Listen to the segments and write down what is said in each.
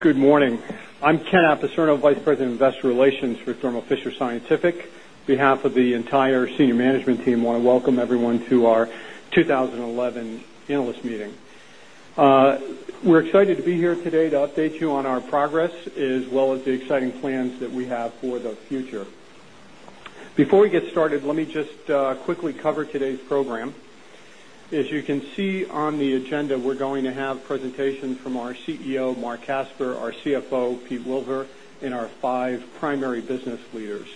Good morning. I'm Ken Berger, Vice President of Investor Relations with Thermo Fisher Scientific. On behalf of the entire Senior Management Team, I want to welcome everyone to our 2011 Analyst Meeting. We're excited to be here today to update you on our progress, as well as the exciting plans that we have for the future. Before we get started, let me just quickly cover today's program. As you can see on the agenda, we're going to have a presentation from our CEO, Marc Casper, our CFO, Pete Wilver, and our five primary business leaders.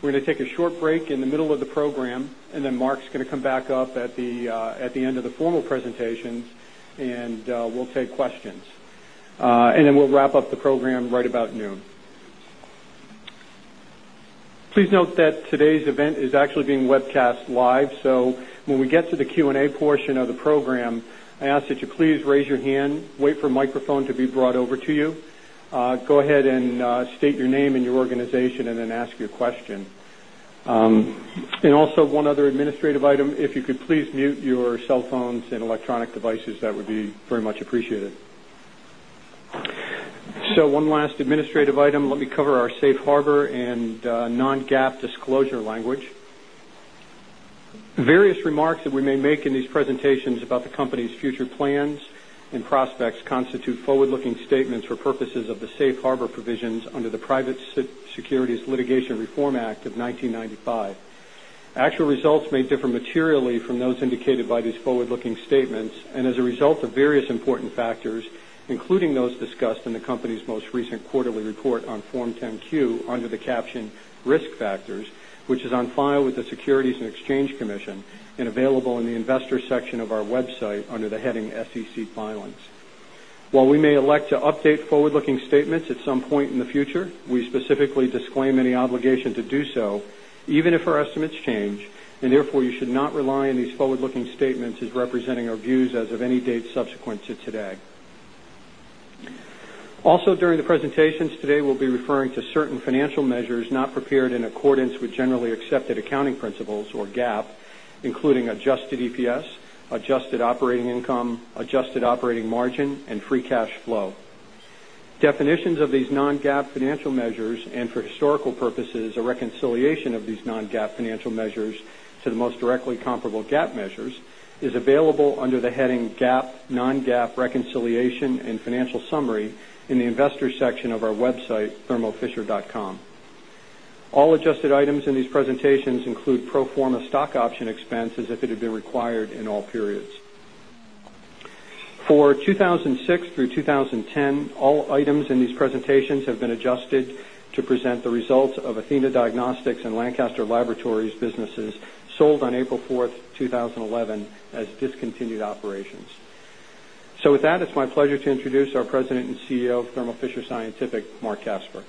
We're going to take a short break in the middle of the program, and then Marc's going to come back up at the end of the formal presentations, and we'll take questions. We'll wrap up the program right about noon. Please note that today's event is actually being webcast live, so when we get to the Q&A portion of the program, I ask that you please raise your hand, wait for the microphone to be brought over to you, go ahead and state your name and your organization, and then ask your question. Also, one other administrative item, if you could please mute your cell phones and electronic devices, that would be very much appreciated. One last administrative item, let me cover our safe harbor and non-GAAP disclosure language. Various remarks that we may make in these presentations about the company's future plans and prospects constitute forward-looking statements for purposes of the safe harbor provisions under the Private Securities Litigation Reform Act of 1995. Actual results may differ materially from those indicated by these forward-looking statements, as a result of various important factors, including those discussed in the company's most recent quarterly report on Form 10-Q, under the caption "Risk Factors," which is on file with the Securities and Exchange Commission and available in the Investor section of our website under the heading "SEC Filings." While we may elect to update forward-looking statements at some point in the future, we specifically disclaim any obligation to do so, even if our estimates change, and therefore you should not rely on these forward-looking statements as representing our views as of any date subsequent to today. Also, during the presentations today, we'll be referring to certain financial measures not prepared in accordance with generally accepted accounting principles, or GAAP, including adjusted EPS, adjusted operating income, adjusted operating margin, and free cash flow. Definitions of these non-GAAP financial measures, and for historical purposes, a reconciliation of these non-GAAP financial measures to the most directly comparable GAAP measures, is available under the heading "GAAP, Non-GAAP Reconciliation and Financial Summary" in the Investor section of our website, thermofisher.com. All adjusted items in these presentations include pro forma stock option expenses if it had been required in all periods. For 2006 through 2010, all items in these presentations have been adjusted to present the results of Athena Diagnostics and Lancaster Laboratories businesses sold on April 4, 2011, as discontinued operations. It is my pleasure to introduce our President and CEO of Thermo Fisher Scientific, Marc Casper.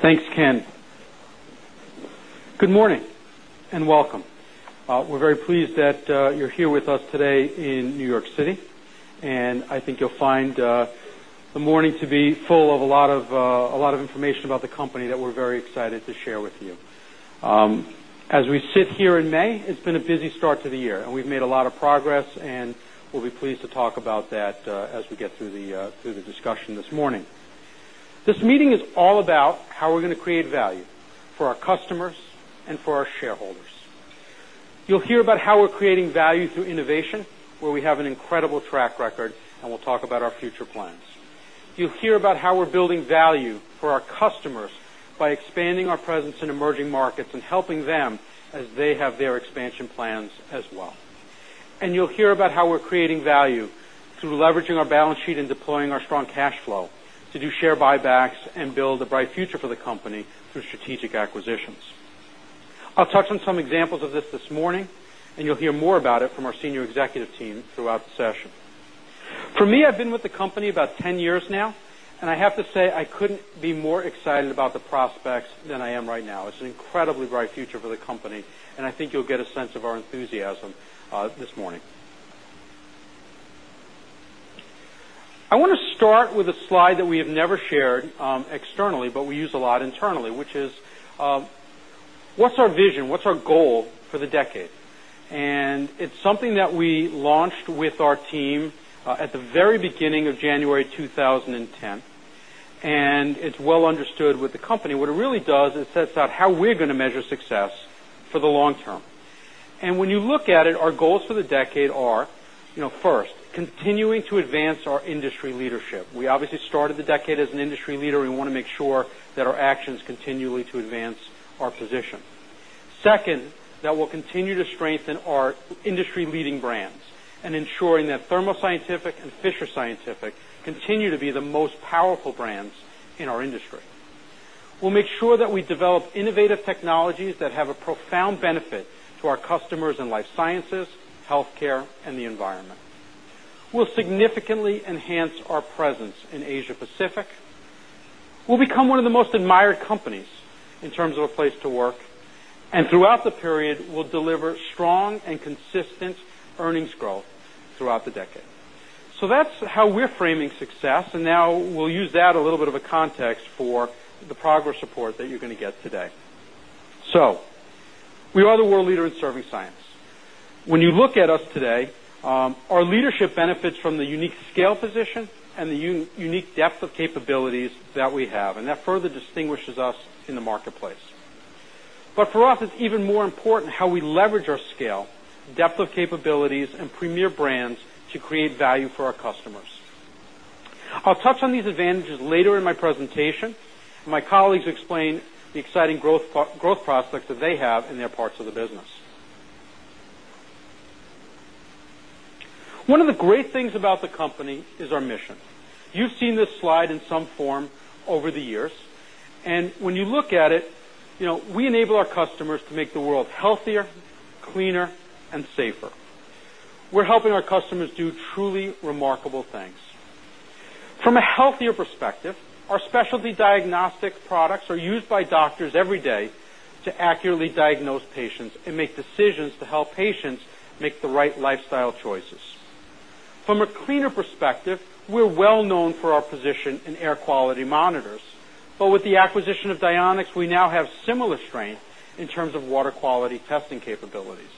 Thanks, Ken. Good morning and welcome. We're very pleased that you're here with us today in New York City, and I think you'll find the morning to be full of a lot of information about the company that we're very excited to share with you. As we sit here in May, it's been a busy start to the year, and we've made a lot of progress, and we'll be pleased to talk about that as we get through the discussion this morning. This meeting is all about how we're going to create value for our customers and for our shareholders. You'll hear about how we're creating value through innovation, where we have an incredible track record, and we'll talk about our future plans. You'll hear about how we're building value for our customers by expanding our presence in emerging markets and helping them as they have their expansion plans as well. You'll hear about how we're creating value through leveraging our balance sheet and deploying our strong cash flow to do share buybacks and build a bright future for the company through strategic acquisitions. I'll touch on some examples of this this morning, and you'll hear more about it from our senior executive team throughout the session. For me, I've been with the company about 10 years now, and I have to say I couldn't be more excited about the prospects than I am right now. It's an incredibly bright future for the company, and I think you'll get a sense of our enthusiasm this morning. I want to start with a slide that we have never shared externally, but we use a lot internally, which is, what's our vision? What's our goal for the decade? It's something that we launched with our team at the very beginning of January 2010, and it's well understood with the company. What it really does is sets out how we're going to measure success for the long term. When you look at it, our goals for the decade are, you know, first, continuing to advance our industry leadership. We obviously started the decade as an industry leader, and we want to make sure that our actions continue to advance our position. Second, that we'll continue to strengthen our industry-leading brands and ensuring that Thermo Scientific and Fisher Scientific continue to be the most powerful brands in our industry. We'll make sure that we develop innovative technologies that have a profound benefit to our customers in life sciences, healthcare, and the environment. We'll significantly enhance our presence in Asia-Pacific. We'll become one of the most admired companies in terms of a place to work, and throughout the period, we'll deliver strong and consistent earnings growth throughout the decade. That's how we're framing success, and now we'll use that as a little bit of context for the progress report that you're going to get today. We are the world leader in serving science. When you look at us today, our leadership benefits from the unique scale position and the unique depth of capabilities that we have, and that further distinguishes us in the marketplace. For us, it's even more important how we leverage our scale, depth of capabilities, and premier brands to create value for our customers. I'll touch on these advantages later in my presentation. My colleagues explain the exciting growth prospects that they have in their parts of the business. One of the great things about the company is our mission. You've seen this slide in some form over the years, and when you look at it, you know, we enable our customers to make the world healthier, cleaner, and safer. We're helping our customers do truly remarkable things. From a healthier perspective, our specialty diagnostic products are used by doctors every day to accurately diagnose patients and make decisions to help patients make the right lifestyle choices. From a cleaner perspective, we're well known for our position in air quality monitors, but with the acquisition of Dionex, we now have similar strength in terms of water quality testing capabilities.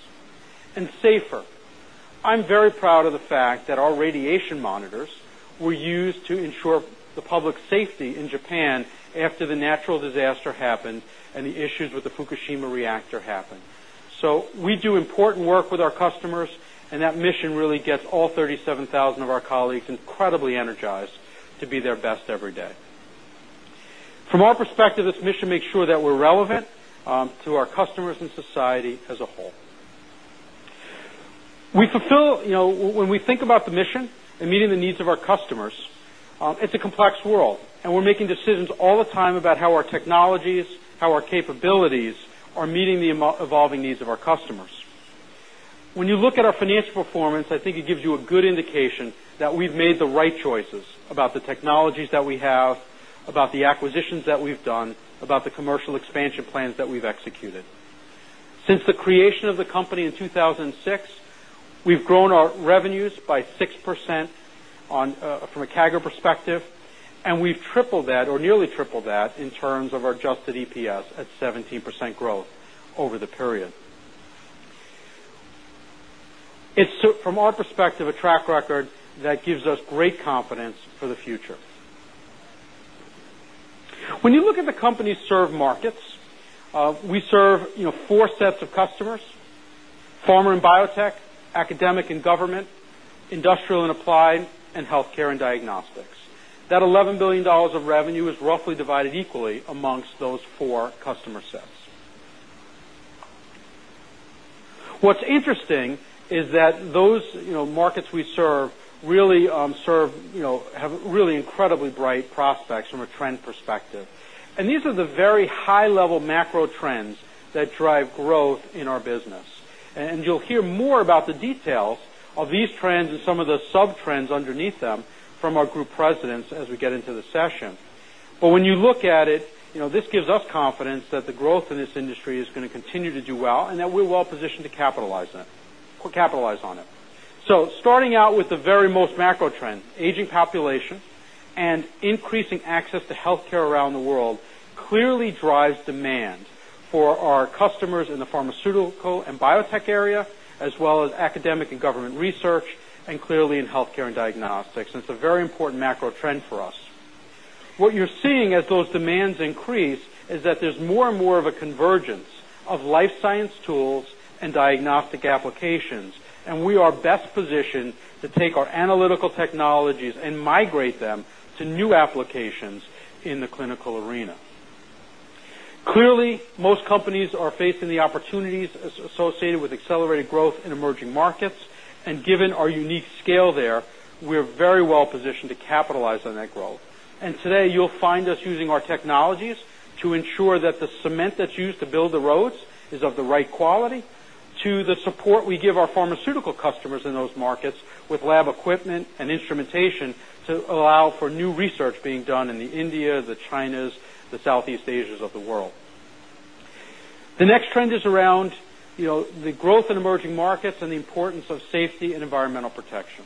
Safer. I'm very proud of the fact that our radiation monitors were used to ensure the public's safety in Japan after the natural disaster happened and the issues with the Fukushima reactor happened. We do important work with our customers, and that mission really gets all 37,000 of our colleagues incredibly energized to be their best every day. From our perspective, this mission makes sure that we're relevant to our customers and society as a whole. We fulfill, you know, when we think about the mission and meeting the needs of our customers, it's a complex world, and we're making decisions all the time about how our technologies, how our capabilities are meeting the evolving needs of our customers. When you look at our financial performance, I think it gives you a good indication that we've made the right choices about the technologies that we have, about the acquisitions that we've done, about the commercial expansion plans that we've executed. Since the creation of the company in 2006, we've grown our revenues by 6% from a CAGR perspective, and we've tripled that, or nearly tripled that, in terms of our adjusted EPS at 17% growth over the period. It's, from our perspective, a track record that gives us great confidence for the future. When you look at the company's serve markets, we serve, you know, four sets of customers: pharma and biotech, academic and government, industrial and applied, and healthcare and diagnostics. That $11 billion of revenue is roughly divided equally amongst those four customer sets. What's interesting is that those, you know, markets we serve really serve, you know, have really incredibly bright prospects from a trend perspective. These are the very high-level macro trends that drive growth in our business. You'll hear more about the details of these trends and some of the sub-trends underneath them from our group presidents as we get into the session. When you look at it, you know, this gives us confidence that the growth in this industry is going to continue to do well and that we're well positioned to capitalize on it. Starting out with the very most macro trend, aging population and increasing access to healthcare around the world clearly drives demand for our customers in the pharmaceutical and biotech area, as well as academic and government research, and clearly in healthcare and diagnostics. It's a very important macro trend for us. What you're seeing as those demands increase is that there's more and more of a convergence of life science tools and diagnostic applications, and we are best positioned to take our analytical technologies and migrate them to new applications in the clinical arena. Clearly, most companies are facing the opportunities associated with accelerated growth in emerging markets, and given our unique scale there, we're very well positioned to capitalize on that growth. Today, you'll find us using our technologies to ensure that the cement that's used to build the roads is of the right quality to the support we give our pharmaceutical customers in those markets with lab equipment and instrumentation to allow for new research being done in India, the Chinese, the Southeast Asians of the world. The next trend is around, you know, the growth in emerging markets and the importance of safety and environmental protection.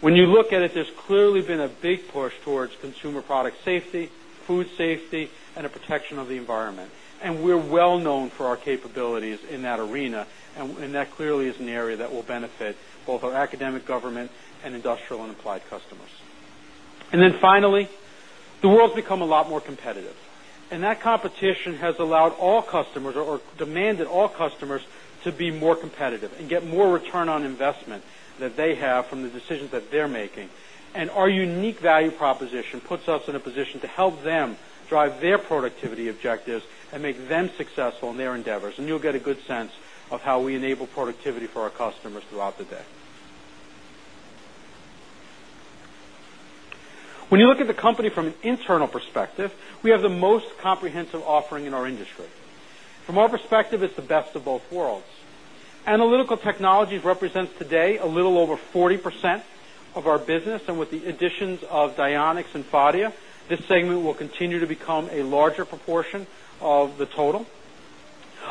When you look at it, there's clearly been a big push towards consumer product safety, food safety, and the protection of the environment. We're well known for our capabilities in that arena, and that clearly is an area that will benefit both our academic, government, and industrial and applied customers. Finally, the world's become a lot more competitive, and that competition has allowed all customers or demanded all customers to be more competitive and get more return on investment that they have from the decisions that they're making. Our unique value proposition puts us in a position to help them drive their productivity objectives and make them successful in their endeavors. You'll get a good sense of how we enable productivity for our customers throughout the day. When you look at the company from an internal perspective, we have the most comprehensive offering in our industry. From our perspective, it's the best of both worlds. Analytical technologies represent today a little over 40% of our business, and with the additions of Dionex and Phadia, this segment will continue to become a larger proportion of the total.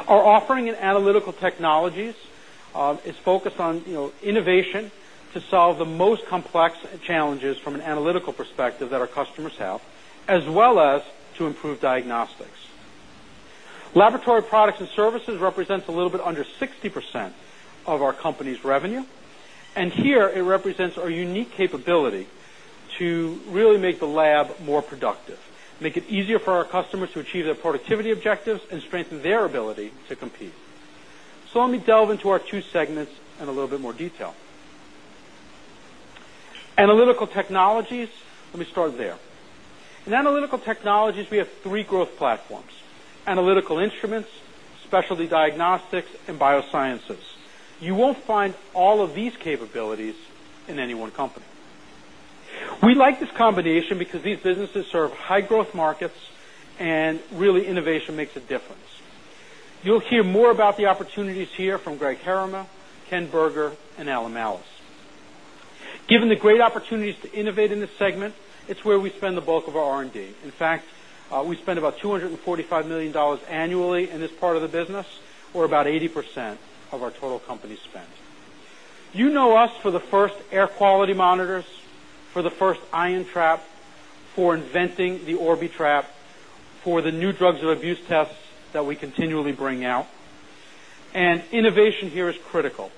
Our offering in analytical technologies is focused on innovation to solve the most complex challenges from an analytical perspective that our customers have, as well as to improve diagnostics. Laboratory products and services represent a little bit under 60% of our company's revenue, and here it represents our unique capability to really make the lab more productive, make it easier for our customers to achieve their productivity objectives, and strengthen their ability to compete. Let me delve into our two segments in a little bit more detail. Analytical technologies, let me start there. In analytical technologies, we have three growth platforms: Analytical Instruments, Specialty Diagnostics, and Biosciences. You won't find all of these capabilities in any one company. We like this combination because these businesses serve high-growth markets, and really, innovation makes a difference. You'll hear more about the opportunities here from Greg Herrema, Ken Berger, and Alan Malus. Given the great opportunities to innovate in this segment, it's where we spend the bulk of our R&D. In fact, we spend about $245 million annually in this part of the business, or about 80% of our total company spend. You know us for the first air quality monitors, for the first ion traps, for inventing the Orbitrap, for the new drugs of abuse tests that we continually bring out. Innovation here is critical.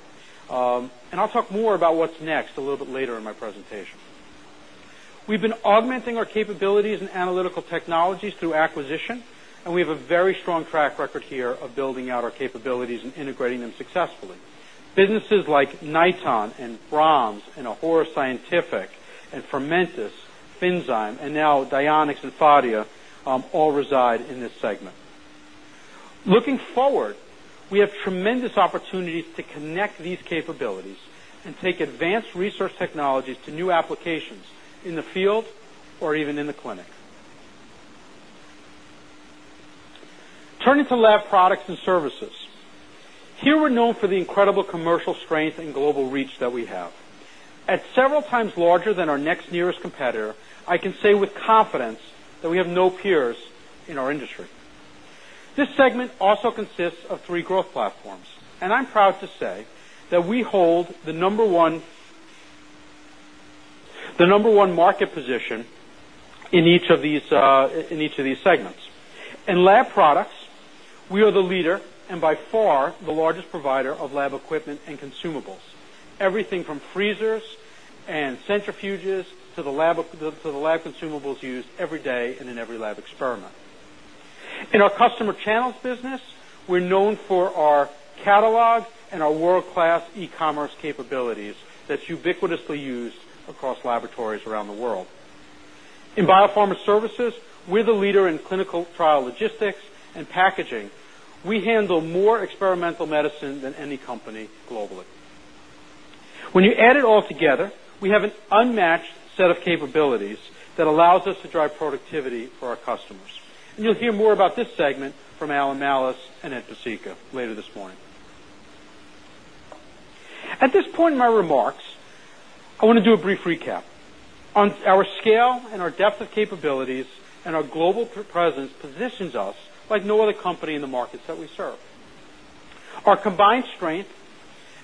I'll talk more about what's next a little bit later in my presentation. We've been augmenting our capabilities in analytical technologies through acquisition, and we have a very strong track record here of building out our capabilities and integrating them successfully. Businesses like Niton and B·R·A·H·M·S and Ahura Scientific and Fermentas, Finnzymes, and now Dionex and Phadia all reside in this segment. Looking forward, we have tremendous opportunities to connect these capabilities and take advanced research technologies to new applications in the field or even in the clinic. Turning to laboratory products & services, here we're known for the incredible commercial strength and global reach that we have. At several times larger than our next nearest competitor, I can say with confidence that we have no peers in our industry. This segment also consists of three growth platforms, and I'm proud to say that we hold the number one market position in each of these segments. In laboratory products, we are the leader and by far the largest provider of lab equipment and consumables, everything from freezers and centrifuges to the lab consumables used every day and in every lab experiment. In our customer channels business, we're known for our catalogs and our world-class e-commerce capabilities that's ubiquitously used across laboratories around the world. In biopharma services, we're the leader in clinical trial logistics and packaging. We handle more experimental medicine than any company globally. When you add it all together, we have an unmatched set of capabilities that allows us to drive productivity for our customers. You'll hear more about this segment from Alan Malus and Ed Pesicka later this morning. At this point in my remarks, I want to do a brief recap. On our scale and our depth of capabilities, our global presence positions us like no other company in the markets that we serve. Our combined strength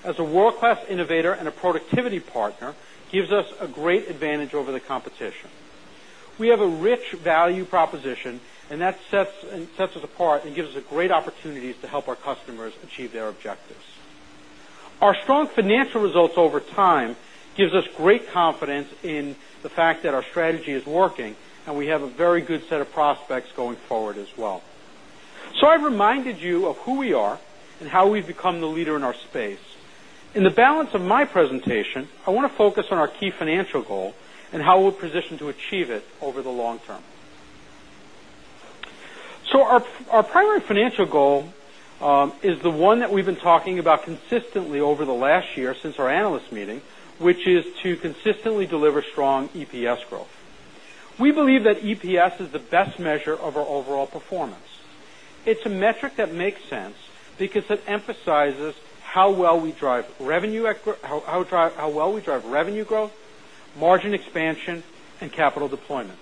as a world-class innovator and a productivity partner gives us a great advantage over the competition. We have a rich value proposition, and that sets us apart and gives us great opportunities to help our customers achieve their objectives. Our strong financial results over time give us great confidence in the fact that our strategy is working, and we have a very good set of prospects going forward as well. I've reminded you of who we are and how we've become the leader in our space. In the balance of my presentation, I want to focus on our key financial goal and how we're positioned to achieve it over the long term. Our primary financial goal is the one that we've been talking about consistently over the last year since our analyst meeting, which is to consistently deliver strong EPS growth. We believe that EPS is the best measure of our overall performance. It's a metric that makes sense because it emphasizes how well we drive revenue growth, margin expansion, and capital deployment.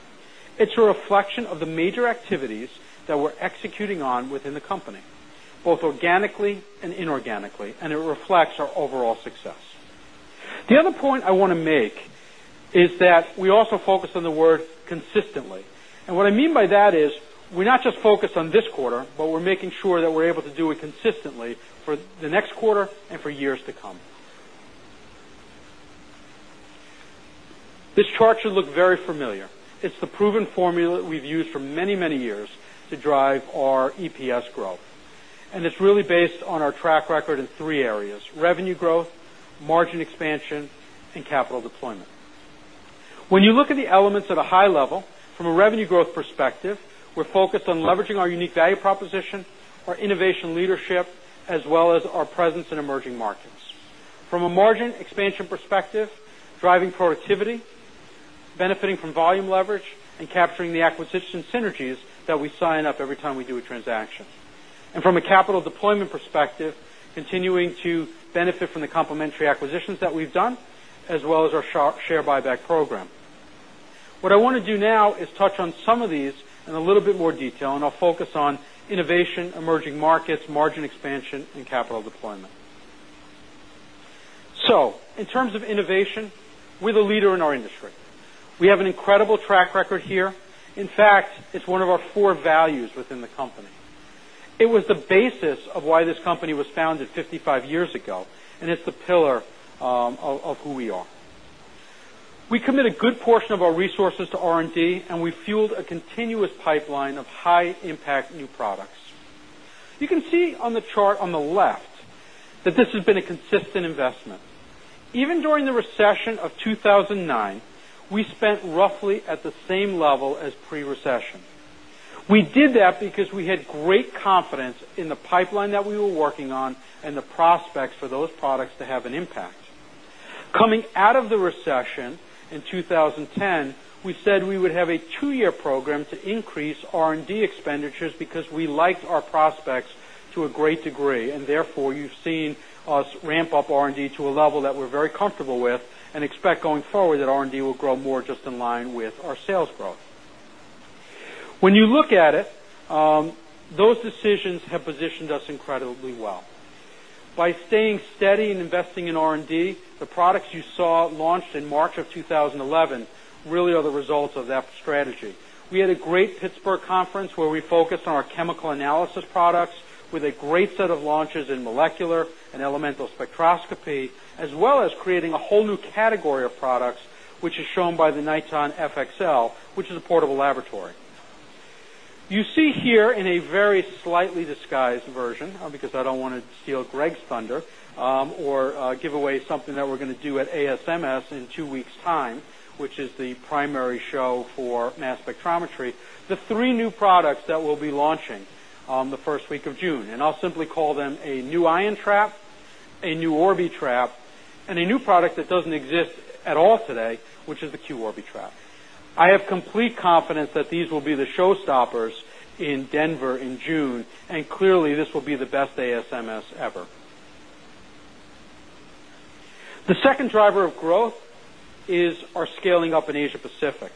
It's a reflection of the major activities that we're executing on within the company, both organically and inorganically, and it reflects our overall success. The other point I want to make is that we also focus on the word "consistently." What I mean by that is we're not just focused on this quarter, but we're making sure that we're able to do it consistently for the next quarter and for years to come. This chart should look very familiar. It's the proven formula we've used for many, many years to drive our EPS growth. It's really based on our track record in three areas: revenue growth, margin expansion, and capital deployment. When you look at the elements at a high level, from a revenue growth perspective, we're focused on leveraging our unique value proposition, our innovation leadership, as well as our presence in emerging markets. From a margin expansion perspective, driving productivity, benefiting from volume leverage, and capturing the acquisition synergies that we sign up every time we do a transaction. From a capital deployment perspective, continuing to benefit from the complementary acquisitions that we've done, as well as our share buyback program. I want to touch on some of these in a little bit more detail, and I'll focus on innovation, emerging markets, margin expansion, and capital deployment. In terms of innovation, we're the leader in our industry. We have an incredible track record here. In fact, it's one of our core values within the company. It was the basis of why this company was founded 55 years ago, and it's the pillar of who we are. We commit a good portion of our resources to R&D, and we fueled a continuous pipeline of high-impact new products. You can see on the chart on the left that this has been a consistent investment. Even during the recession of 2009, we spent roughly at the same level as pre-recession. We did that because we had great confidence in the pipeline that we were working on and the prospects for those products to have an impact. Coming out of the recession in 2010, we said we would have a two-year program to increase R&D expenditures because we liked our prospects to a great degree, and therefore you've seen us ramp up R&D to a level that we're very comfortable with and expect going forward that R&D will grow more just in line with our sales growth. When you look at it, those decisions have positioned us incredibly well. By staying steady and investing in R&D, the products you saw launched in March of 2011 really are the results of that strategy. We had a great Pittsburgh conference where we focused on our chemical analysis products with a great set of launches in molecular and elemental spectroscopy, as well as creating a whole new category of products, which is shown by the Niton FXL, which is a portable laboratory. You see here in a very slightly disguised version, because I don't want to steal Greg's thunder or give away something that we're going to do at ASMS in two weeks' time, which is the primary show for mass spectrometry, the three new products that we'll be launching the first week of June. I'll simply call them a new ion trap, a new Orbitrap, and a new product that doesn't exist at all today, which is the Q Orbitrap. I have complete confidence that these will be the showstoppers in Denver in June, and clearly this will be the best ASMS ever. The second driver of growth is our scaling up in Asia-Pacific.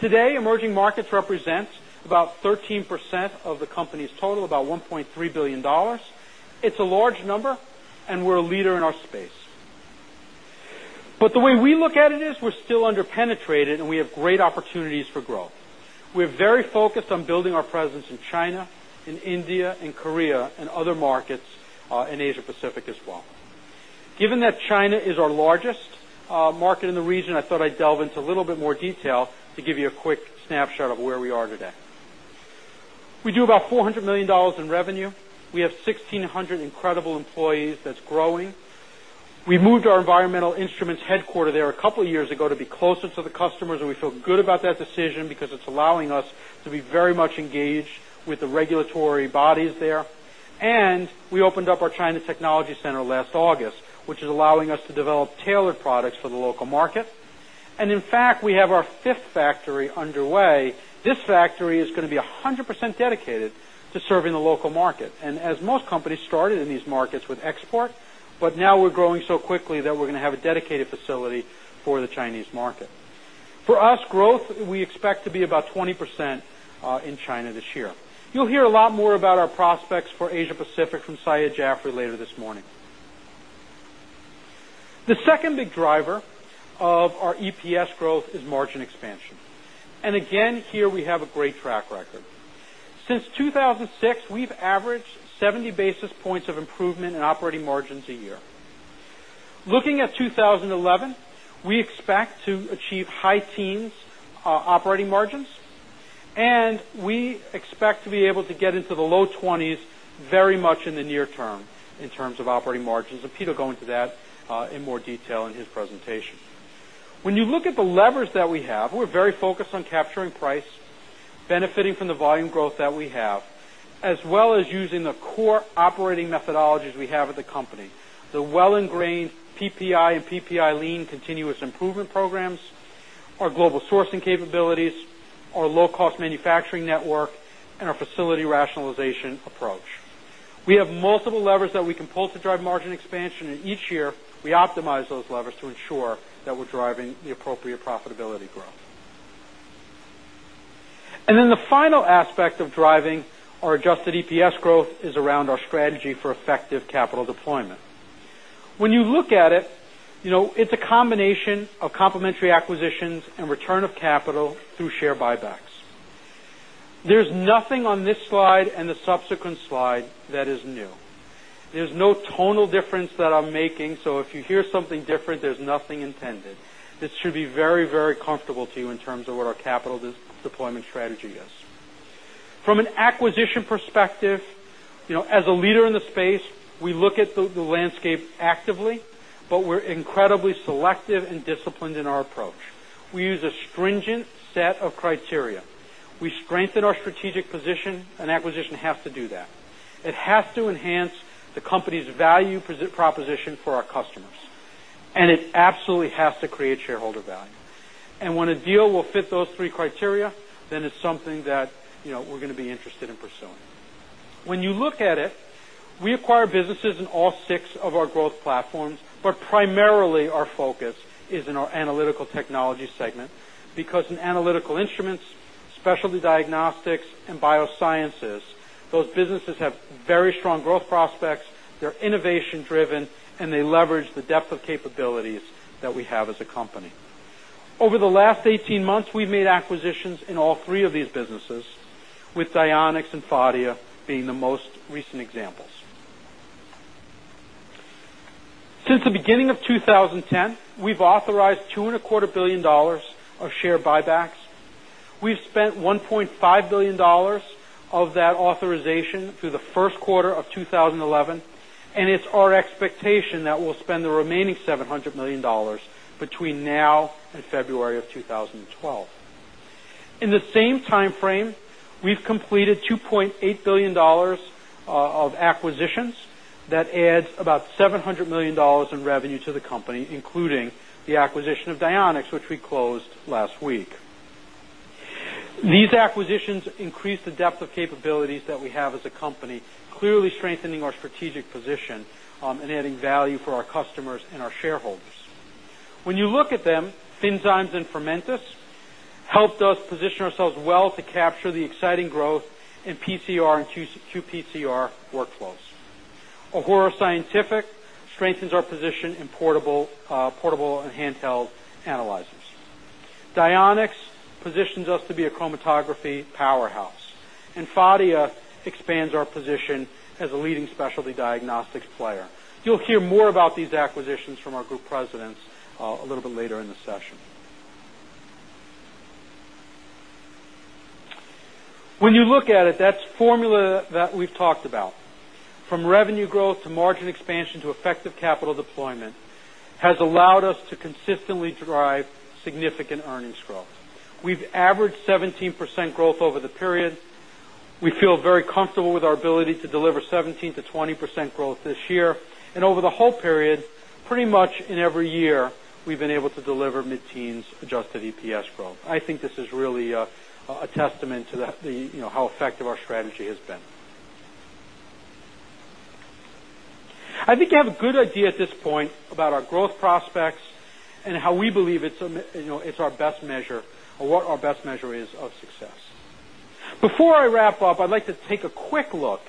Today, emerging markets represent about 13% of the company's total, about $1.3 billion. It's a large number, and we're a leader in our space. The way we look at it is we're still underpenetrated, and we have great opportunities for growth. We're very focused on building our presence in China, in India, in Korea, and other markets in Asia-Pacific as well. Given that China is our largest market in the region, I thought I'd delve into a little bit more detail to give you a quick snapshot of where we are today. We do about $400 million in revenue. We have 1,600 incredible employees that's growing. We moved our environmental instruments headquarter there a couple of years ago to be closer to the customers, and we feel good about that decision because it's allowing us to be very much engaged with the regulatory bodies there. We opened up our China technology center last August, which is allowing us to develop tailored products for the local market. In fact, we have our fifth factory underway. This factory is going to be 100% dedicated to serving the local market. As most companies started in these markets with export, now we're growing so quickly that we're going to have a dedicated facility for the Chinese market. For us, growth we expect to be about 20% in China this year. You'll hear a lot more about our prospects for Asia-Pacific from Syed Jafri later this morning. The second big driver of our EPS growth is margin expansion. Here we have a great track record. Since 2006, we've averaged 70 basis points of improvement in operating margins a year. Looking at 2011, we expect to achieve high teens operating margins, and we expect to be able to get into the low 20s very much in the near term in terms of operating margins. Peter will go into that in more detail in his presentation. When you look at the levers that we have, we're very focused on capturing price, benefiting from the volume growth that we have, as well as using the core operating methodologies we have at the company, the well-ingrained PPI and PPI lean continuous improvement programs, our global sourcing capabilities, our low-cost manufacturing network, and our facility rationalization approach. We have multiple levers that we can pull to drive margin expansion, and each year we optimize those levers to ensure that we're driving the appropriate profitability growth. The final aspect of driving our adjusted EPS growth is around our strategy for effective capital deployment. When you look at it, it's a combination of complementary acquisitions and return of capital through share buybacks. There's nothing on this slide and the subsequent slide that is new. There's no tonal difference that I'm making, so if you hear something different, there's nothing intended. This should be very, very comfortable to you in terms of what our capital deployment strategy is. From an acquisition perspective, as a leader in the space, we look at the landscape actively, but we're incredibly selective and disciplined in our approach. We use a stringent set of criteria. We strengthen our strategic position, and acquisition has to do that. It has to enhance the company's value proposition for our customers, and it absolutely has to create shareholder value. When a deal will fit those three criteria, then it's something that, you know, we're going to be interested in pursuing. When you look at it, we acquire businesses in all six of our growth platforms, but primarily our focus is in our analytical technology segment because in analytical instruments, specialty diagnostics, and biosciences, those businesses have very strong growth prospects, they're innovation-driven, and they leverage the depth of capabilities that we have as a company. Over the last 18 months, we've made acquisitions in all three of these businesses, with Dionex and Phadia being the most recent examples. Since the beginning of 2010, we've authorized $2.25 billion of share buybacks. We've spent $1.5 billion of that authorization through the first quarter of 2011, and it's our expectation that we'll spend the remaining $700 million between now and February of 2012. In the same timeframe, we've completed $2.8 billion of acquisitions that add about $700 million in revenue to the company, including the acquisition of Dionex, which we closed last week. These acquisitions increase the depth of capabilities that we have as a company, clearly strengthening our strategic position and adding value for our customers and our shareholders. When you look at them, Finnzymes and Fermentas helped us position ourselves well to capture the exciting growth in PCR/qPCR workflows. Ahura Scientific strengthens our position in portable and handheld analyzers. Dionex positions us to be a chromatography powerhouse, and Phadia expands our position as a leading specialty diagnostics player. You'll hear more about these acquisitions from our group presidents a little bit later in the session. When you look at it, that's the formula that we've talked about. From revenue growth to margin expansion to effective capital deployment has allowed us to consistently drive significant earnings growth. We've averaged 17% growth over the period. We feel very comfortable with our ability to deliver 17%-20% growth this year, and over the whole period, pretty much in every year, we've been able to deliver mid-teens adjusted EPS growth. I think this is really a testament to how effective our strategy has been. I think you have a good idea at this point about our growth prospects and how we believe it's our best measure or what our best measure is of success. Before I wrap up, I'd like to take a quick look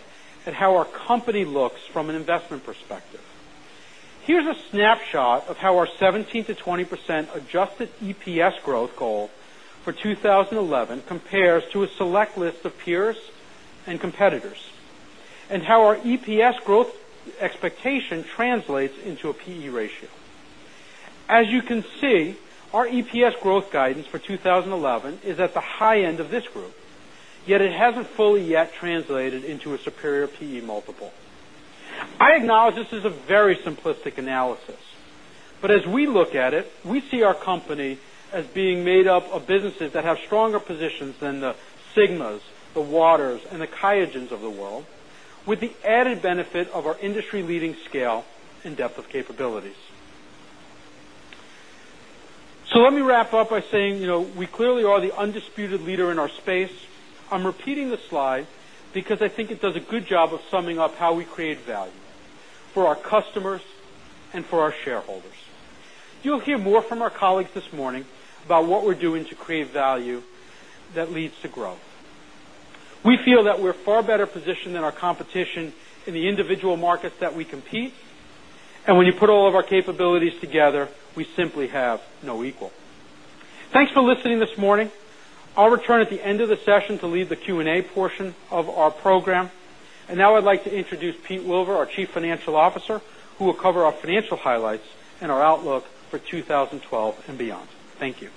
at how our company looks from an investment perspective. Here's a snapshot of how our 17%-20% adjusted EPS growth goal for 2011 compares to a select list of peers and competitors, and how our EPS growth expectation translates into a PE ratio. As you can see, our EPS growth guidance for 2011 is at the high end of this group, yet it hasn't fully yet translated into a superior PE multiple. I acknowledge this is a very simplistic analysis, but as we look at it, we see our company as being made up of businesses that have stronger positions than the Sigmas, the Waters, and the Kyojins of the world, with the added benefit of our industry-leading scale and depth of capabilities. Let me wrap up by saying, you know, we clearly are the undisputed leader in our space. I'm repeating the slides because I think it does a good job of summing up how we create value for our customers and for our shareholders. You'll hear more from our colleagues this morning about what we're doing to create value that leads to growth. We feel that we're far better positioned than our competition in the individual markets that we compete, and when you put all of our capabilities together, we simply have no equal. Thanks for listening this morning. I'll return at the end of the session to lead the Q&A portion of our program. Now I'd like to introduce Pete Wilver, our Chief Financial Officer, who will cover our financial highlights and our outlook for 2012 and beyond. Thank you.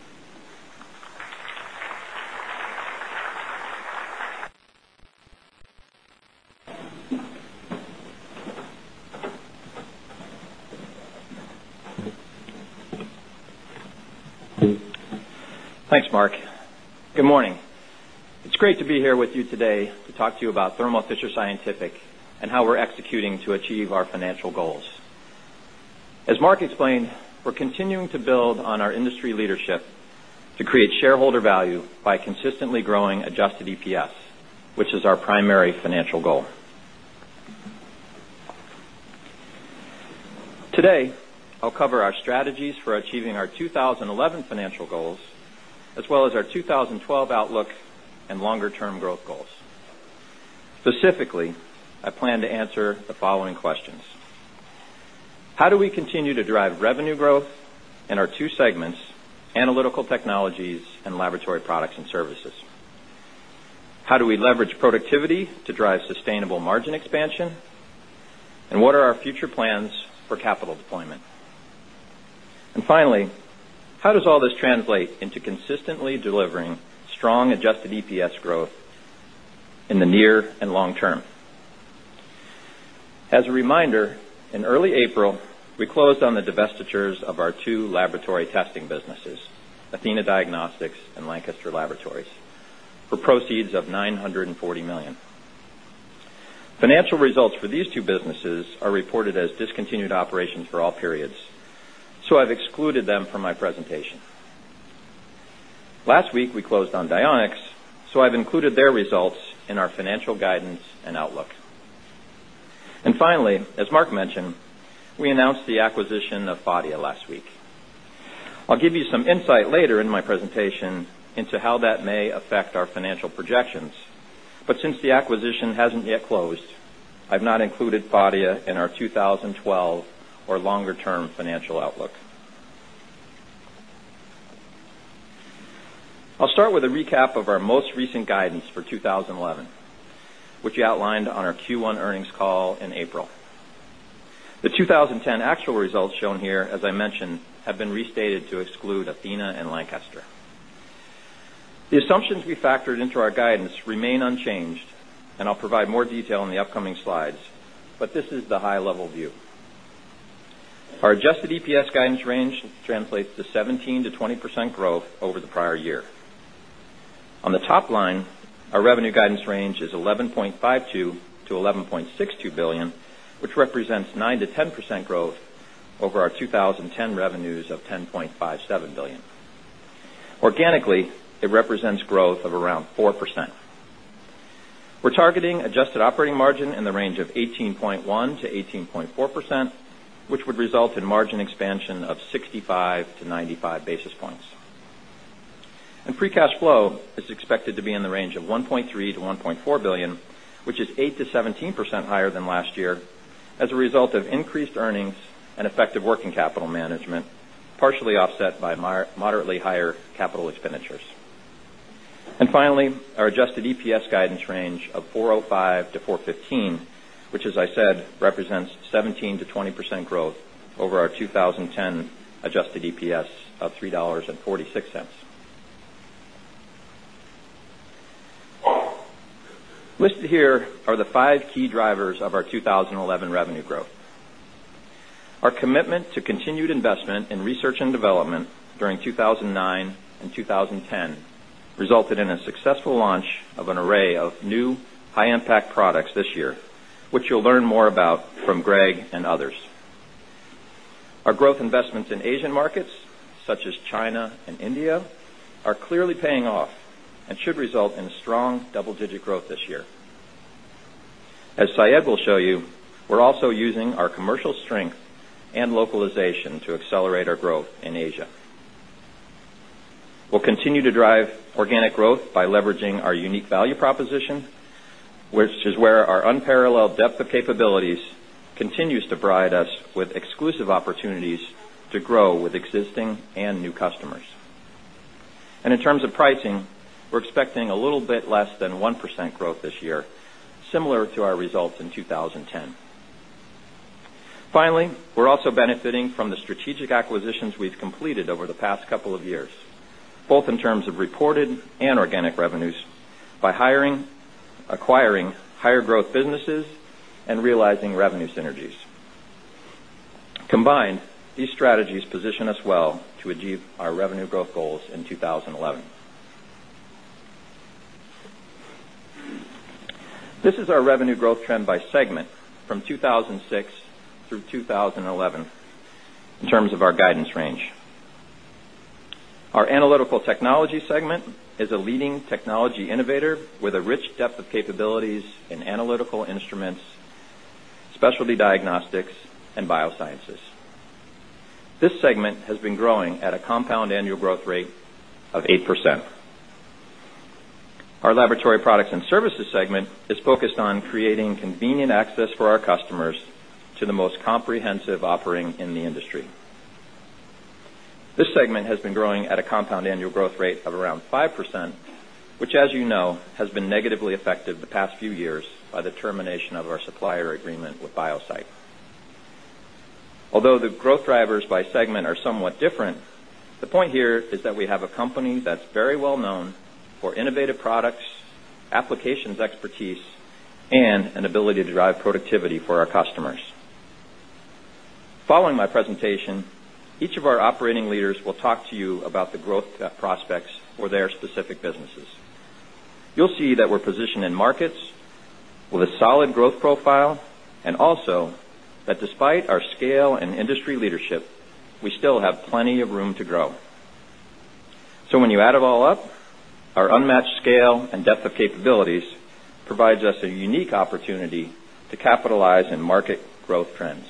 Thanks, Marc. Good morning. It's great to be here with you today to talk to you about Thermo Fisher Scientific and how we're executing to achieve our financial goals. As Marc explained, we're continuing to build on our industry leadership to create shareholder value by consistently growing adjusted EPS, which is our primary financial goal. Today, I'll cover our strategies for achieving our 2011 financial goals, as well as our 2012 outlooks and longer-term growth goals. Specifically, I plan to answer the following questions: How do we continue to drive revenue growth in our two segments: analytical technologies and laboratory products and services? How do we leverage productivity to drive sustainable margin expansion? What are our future plans for capital deployment? Finally, how does all this translate into consistently delivering strong adjusted EPS growth in the near and long term? As a reminder, in early April, we closed on the divestitures of our two laboratory testing businesses, Athena Diagnostics and Lancaster Laboratories, for proceeds of $940 million. Financial results for these two businesses are reported as discontinued operations for all periods, so I've excluded them from my presentation. Last week, we closed on Dionex, so I've included their results in our financial guidance and outlook. Finally, as Marc mentioned, we announced the acquisition of Phadia last week. I'll give you some insight later in my presentation into how that may affect our financial projections, but since the acquisition hasn't yet closed, I've not included Phadia in our 2012 or longer-term financial outlook. I'll start with a recap of our most recent guidance for 2011, which we outlined on our Q1 earnings call in April. The 2010 actual results shown here, as I mentioned, have been restated to exclude Athena and Lancaster. The assumptions we factored into our guidance remain unchanged, and I'll provide more detail in the upcoming slides, but this is the high-level view. Our adjusted EPS guidance range translates to 17%-20% growth over the prior year. On the top line, our revenue guidance range is $11.52 billion-$11.62 billion, which represents 9%-10% growth over our 2010 revenues of $10.57 billion. Organically, it represents growth of around 4%. We're targeting adjusted operating margin in the range of 18.1%-18.4%, which would result in margin expansion of 65 basis points-95 basis points. Free cash flow is expected to be in the range of $1.3 billion-$1.4 billion, which is 8%-17% higher than last year as a result of increased earnings and effective working capital management, partially offset by moderately higher capital expenditures. Finally, our adjusted EPS guidance range of $4.05-$4.15, which, as I said, represents 17%-20% growth over our 2010 adjusted EPS of $3.46. Listed here are the five key drivers of our 2011 revenue growth. Our commitment to continued investment in research and development during 2009 and 2010 resulted in a successful launch of an array of new high-impact products this year, which you'll learn more about from Greg and others. Our growth investments in Asian markets, such as China and India, are clearly paying off and should result in strong double-digit growth this year. As Syed will show you, we're also using our commercial strength and localization to accelerate our growth in Asia. We'll continue to drive organic growth by leveraging our unique value proposition, which is where our unparalleled depth of capabilities continues to provide us with exclusive opportunities to grow with existing and new customers. In terms of pricing, we're expecting a little bit less than 1% growth this year, similar to our results in 2010. We're also benefiting from the strategic acquisitions we've completed over the past couple of years, both in terms of reported and organic revenues by acquiring higher growth businesses and realizing revenue synergies. Combined, these strategies position us well to achieve our revenue growth goals in 2011. This is our revenue growth trend by segment from 2006 through 2011 in terms of our guidance range. Our analytical technologies segment is a leading technology innovator with a rich depth of capabilities in analytical instruments, specialty diagnostics, and biosciences. This segment has been growing at a compound annual growth rate of 8%. Our laboratory products and services segment is focused on creating convenient access for our customers to the most comprehensive offering in the industry. This segment has been growing at a compound annual growth rate of around 5%, which, as you know, has been negatively affected the past few years by the termination of our supplier agreement with Biosite. Although the growth drivers by segment are somewhat different, the point here is that we have a company that's very well known for innovative products, applications expertise, and an ability to drive productivity for our customers. Following my presentation, each of our operating leaders will talk to you about the growth prospects for their specific businesses. You'll see that we're positioned in markets with a solid growth profile, and also that despite our scale and industry leadership, we still have plenty of room to grow. When you add it all up, our unmatched scale and depth of capabilities provide us a unique opportunity to capitalize on market growth trends.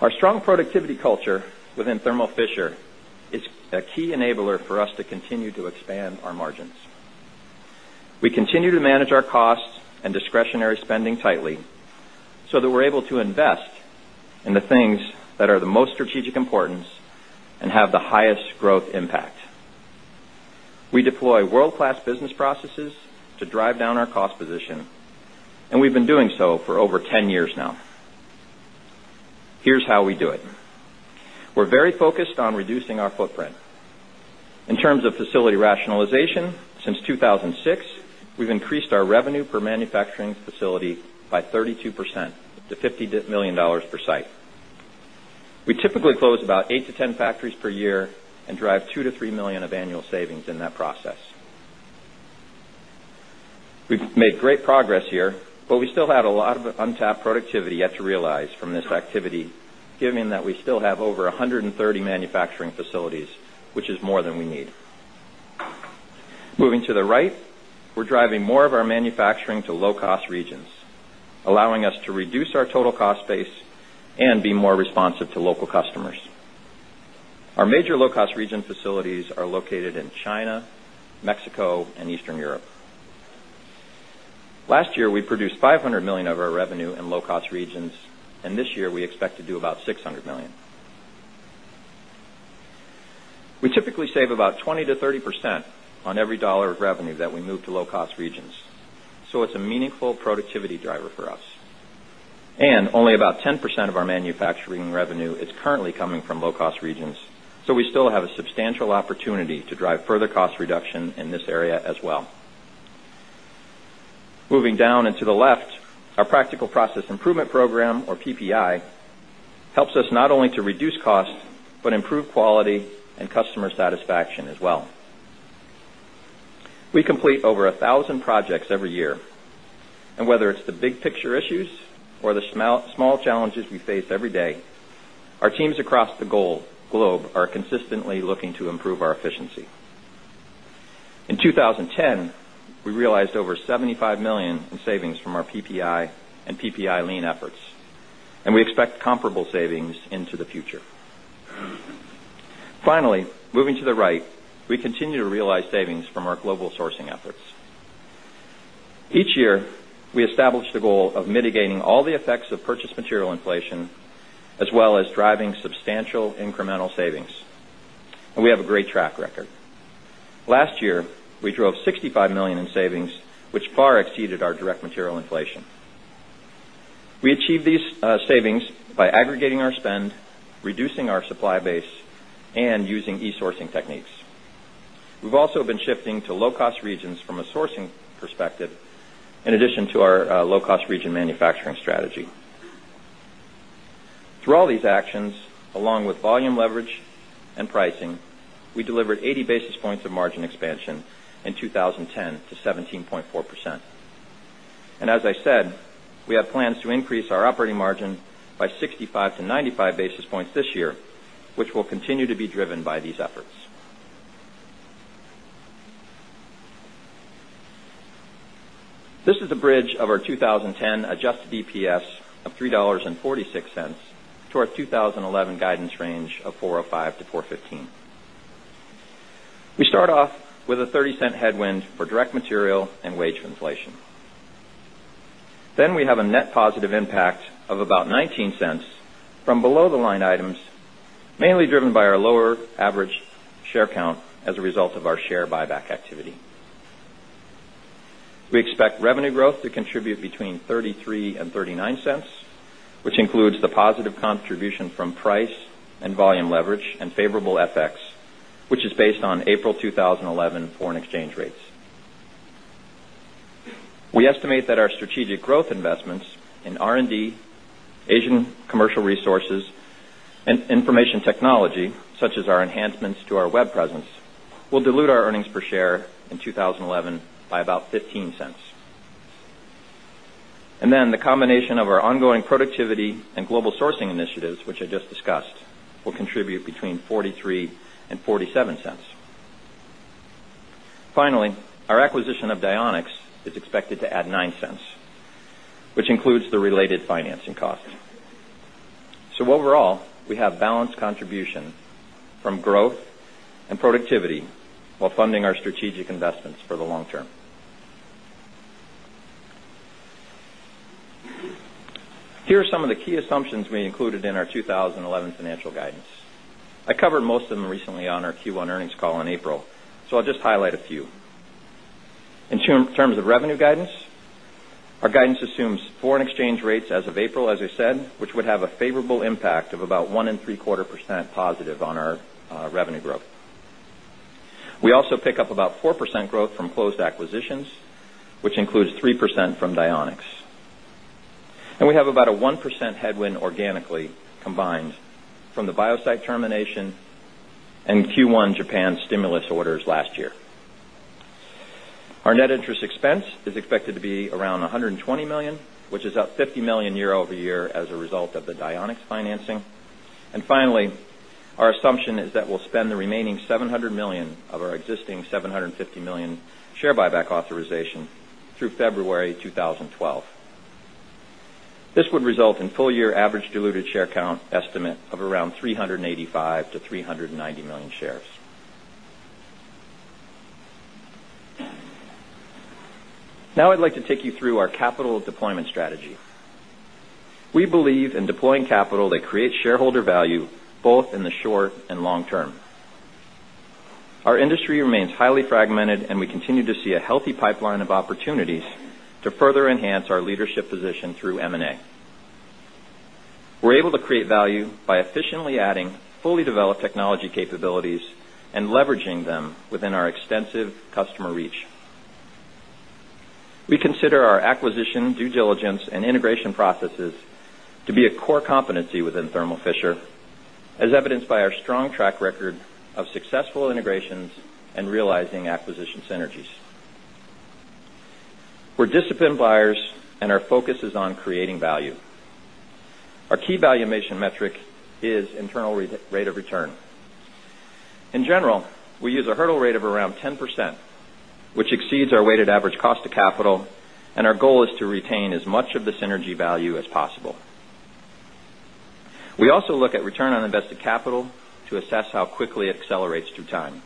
Our strong productivity culture within Thermo Fisher is a key enabler for us to continue to expand our margins. We continue to manage our costs and discretionary spending tightly so that we're able to invest in the things that are of the most strategic importance and have the highest growth impact. We deploy world-class business processes to drive down our cost position, and we've been doing so for over 10 years now. Here's how we do it. We're very focused on reducing our footprint. In terms of facility rationalization, since 2006, we've increased our revenue per manufacturing facility by 32% to $50 million per site. We typically close about 8-10 factories per year and drive $2 million-$3 million of annual savings in that process. We've made great progress here, but we still have a lot of untapped productivity yet to realize from this activity, given that we still have over 130 manufacturing facilities, which is more than we need. Moving to the right, we're driving more of our manufacturing to low-cost regions, allowing us to reduce our total cost base and be more responsive to local customers. Our major low-cost region facilities are located in China, Mexico, and Eastern Europe. Last year, we produced $500 million of our revenue in low-cost regions, and this year we expect to do about $600 million. We typically save about 20%-30% on every dollar of revenue that we move to low-cost regions, so it's a meaningful productivity driver for us. Only about 10% of our manufacturing revenue is currently coming from low-cost regions, so we still have a substantial opportunity to drive further cost reduction in this area as well. Moving down and to the left, our Practical Process Improvement Program, or PPI, helps us not only to reduce costs but improve quality and customer satisfaction as well. We complete over 1,000 projects every year, and whether it's the big picture issues or the small challenges we face every day, our teams across the globe are consistently looking to improve our efficiency. In 2010, we realized over $75 million in savings from our PPI and PPI lean efforts, and we expect comparable savings into the future. Finally, moving to the right, we continue to realize savings from our global sourcing efforts. Each year, we establish the goal of mitigating all the effects of purchase material inflation, as well as driving substantial incremental savings. We have a great track record. Last year, we drove $65 million in savings, which far exceeded our direct material inflation. We achieved these savings by aggregating our spend, reducing our supply base, and using e-sourcing techniques. We've also been shifting to low-cost regions from a sourcing perspective, in addition to our low-cost region manufacturing strategy. Through all these actions, along with volume leverage and pricing, we delivered 80 basis points of margin expansion in 2010 to 17.4%. As I said, we have plans to increase our operating margin by 65 basis points-95 basis points this year, which will continue to be driven by these efforts. This is the bridge of our 2010 adjusted EPS of $3.46 to our 2011 guidance range of $4.05-$4.15. We start off with a $0.30 headwind for direct material and wage inflation. We have a net positive impact of about $0.19 from below-the-line items, mainly driven by our lower average share count as a result of our share buyback activity. We expect revenue growth to contribute between $0.33 and $0.39, which includes the positive contribution from price and volume leverage and favorable FX, which is based on April 2011 foreign exchange rates. We estimate that our strategic growth investments in R&D, Asian commercial resources, and information technology, such as our enhancements to our web presence, will dilute our earnings per share in 2011 by about $0.15. The combination of our ongoing productivity and global sourcing initiatives, which I just discussed, will contribute between $0.43 and $0.47. Finally, our acquisition of Dionex is expected to add $0.09, which includes the related financing cost. Overall, we have balanced contribution from growth and productivity while funding our strategic investments for the long term. Here are some of the key assumptions we included in our 2011 financial guidance. I covered most of them recently on our Q1 earnings call in April, so I'll just highlight a few. In terms of revenue guidance, our guidance assumes foreign exchange rates as of April, as I said, which would have a favorable impact of about 1.75% positive on our revenue growth. We also pick up about 4% growth from closed acquisitions, which includes 3% from Dionex. We have about a 1% headwind organically combined from the Biosite termination and Q1 Japan stimulus orders last year. Our net interest expense is expected to be around $120 million, which is up $50 million year-over-year as a result of the Dionex financing. Finally, our assumption is that we'll spend the remaining $700 million of our existing $750 million share buyback authorization through February 2012. This would result in full-year average diluted share count estimate of around $385 million-$390 million shares. Now I'd like to take you through our capital deployment strategy. We believe in deploying capital that creates shareholder value both in the short and long-term. Our industry remains highly fragmented, and we continue to see a healthy pipeline of opportunities to further enhance our leadership position through M&A. We're able to create value by efficiently adding fully developed technology capabilities and leveraging them within our extensive customer reach. We consider our acquisition, due diligence, and integration processes to be a core competency within Thermo Fisher, as evidenced by our strong track record of successful integrations and realizing acquisition synergies. We're disciplined buyers, and our focus is on creating value. Our key valuation metric is internal rate of return. In general, we use a hurdle rate of around 10%, which exceeds our weighted average cost of capital, and our goal is to retain as much of the synergy value as possible. We also look at return on invested capital to assess how quickly it accelerates through time.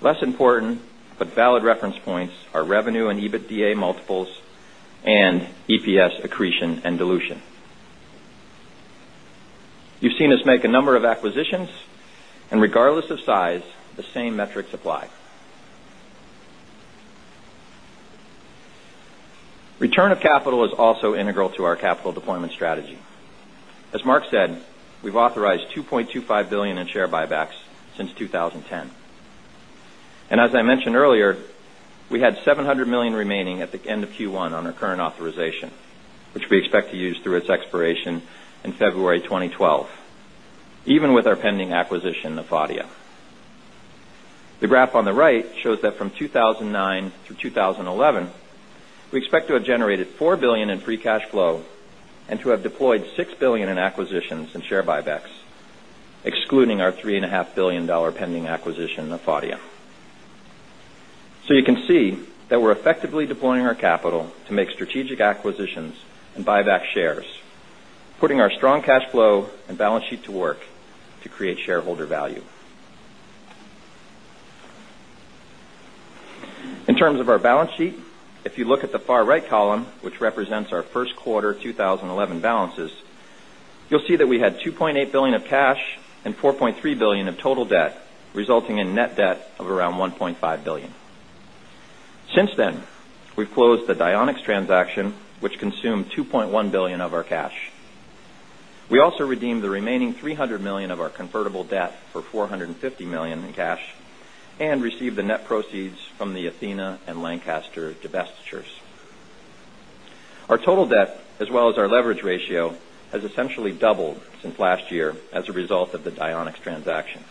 Less important but valid reference points are revenue and EBITDA multiples and EPS accretion and dilution. You've seen us make a number of acquisitions, and regardless of size, the same metrics apply. Return of capital is also integral to our capital deployment strategy. As Marc said, we've authorized $2.25 billion in share buybacks since 2010. As I mentioned earlier, we had $700 million remaining at the end of Q1 on our current authorization, which we expect to use through its expiration in February 2012, even with our pending acquisition of Phadia. The graph on the right shows that from 2009 through 2011, we expect to have generated $4 billion in free cash flow and to have deployed $6 billion in acquisitions and share buybacks, excluding our $3.5 billion pending acquisition of Phadia. You can see that we're effectively deploying our capital to make strategic acquisitions and buy back shares, putting our strong cash flow and balance sheet to work to create shareholder value. In terms of our balance sheet, if you look at the far right column, which represents our first quarter 2011 balances, you'll see that we had $2.8 billion of cash and $4.3 billion of total debt, resulting in net debt of around $1.5 billion. Since then, we've closed the Dionex transaction, which consumed $2.1 billion of our cash. We also redeemed the remaining $300 million of our convertible debt for $450 million in cash and received the net proceeds from the Athena and Lancaster divestitures. Our total debt, as well as our leverage ratio, has essentially doubled since last year as a result of the Dionex transaction.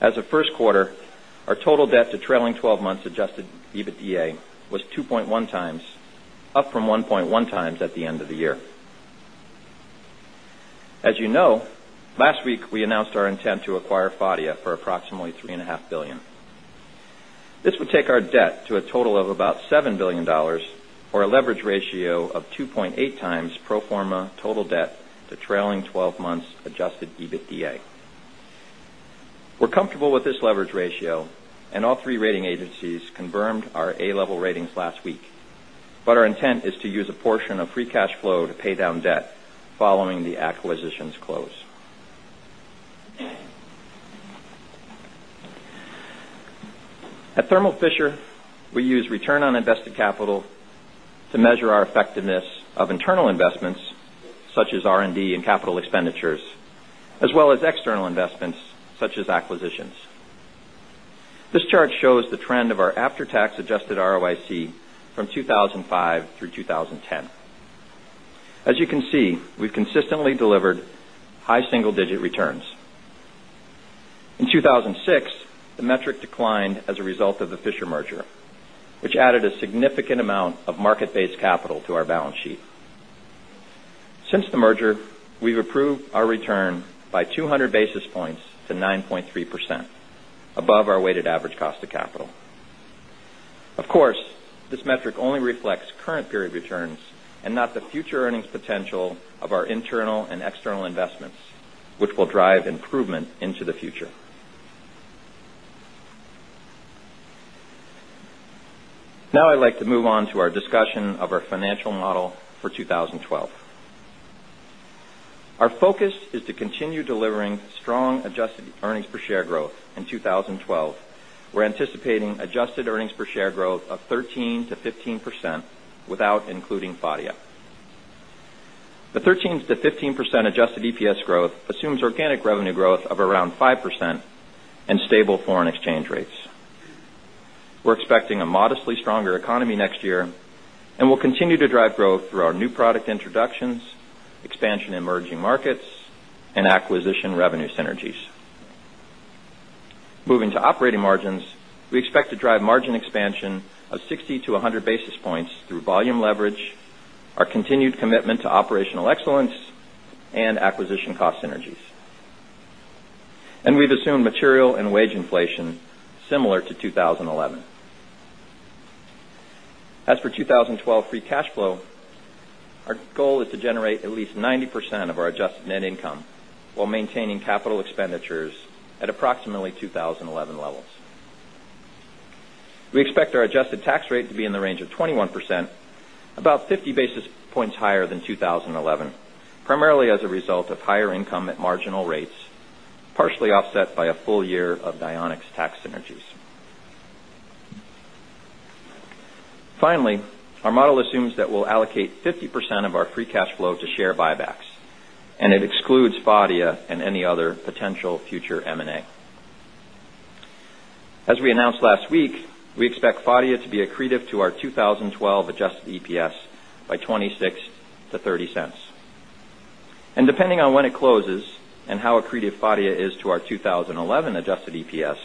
As of first quarter, our total debt to trailing 12 months adjusted EBITDA was 2.1x, up from 1.1x at the end of the year. Last week we announced our intent to acquire Phadia for approximately $3.5 billion. This would take our debt to a total of about $7 billion, or a leverage ratio of 2.8x pro forma total debt to trailing 12 months adjusted EBITDA. We're comfortable with this leverage ratio, and all three rating agencies confirmed our A-level ratings last week, but our intent is to use a portion of free cash flow to pay down debt following the acquisition's close. At Thermo Fisher, we use return on invested capital to measure our effectiveness of internal investments, such as R&D and capital expenditures, as well as external investments, such as acquisitions. This chart shows the trend of our after-tax adjusted ROIC from 2005 through 2010. You can see we've consistently delivered high single-digit returns. In 2006, the metric declined as a result of the Fisher merger, which added a significant amount of market-based capital to our balance sheet. Since the merger, we've improved our return by 200 basis points to 9.3%, above our weighted average cost of capital. Of course, this metric only reflects current period returns and not the future earnings potential of our internal and external investments, which will drive improvement into the future. Now I'd like to move on to our discussion of our financial model for 2012. Our focus is to continue delivering strong adjusted earnings per share growth in 2012. We're anticipating adjusted earnings per share growth of 13%-15% without including Phadia. The 13%-15% adjusted EPS growth assumes organic revenue growth of around 5% and stable foreign exchange rates. We're expecting a modestly stronger economy next year, and we'll continue to drive growth through our new product introductions, expansion in emerging markets, and acquisition revenue synergies. Moving to operating margins, we expect to drive margin expansion of 60 basis points-100 basis points through volume leverage, our continued commitment to operational excellence, and acquisition cost synergies. We've assumed material and wage inflation similar to 2011. As for 2012 free cash flow, our goal is to generate at least 90% of our adjusted net income while maintaining capital expenditures at approximately 2011 levels. We expect our adjusted tax rate to be in the range of 21%, about 50 basis points higher than 2011, primarily as a result of higher income at marginal rates, partially offset by a full year of Dionex tax synergies. Finally, our model assumes that we'll allocate 50% of our free cash flow to share buybacks, and it excludes Phadia and any other potential future M&A. As we announced last week, we expect Phadia to be accretive to our 2012 adjusted EPS by $0.26-$0.30. Depending on when it closes and how accretive Phadia is to our 2011 adjusted EPS,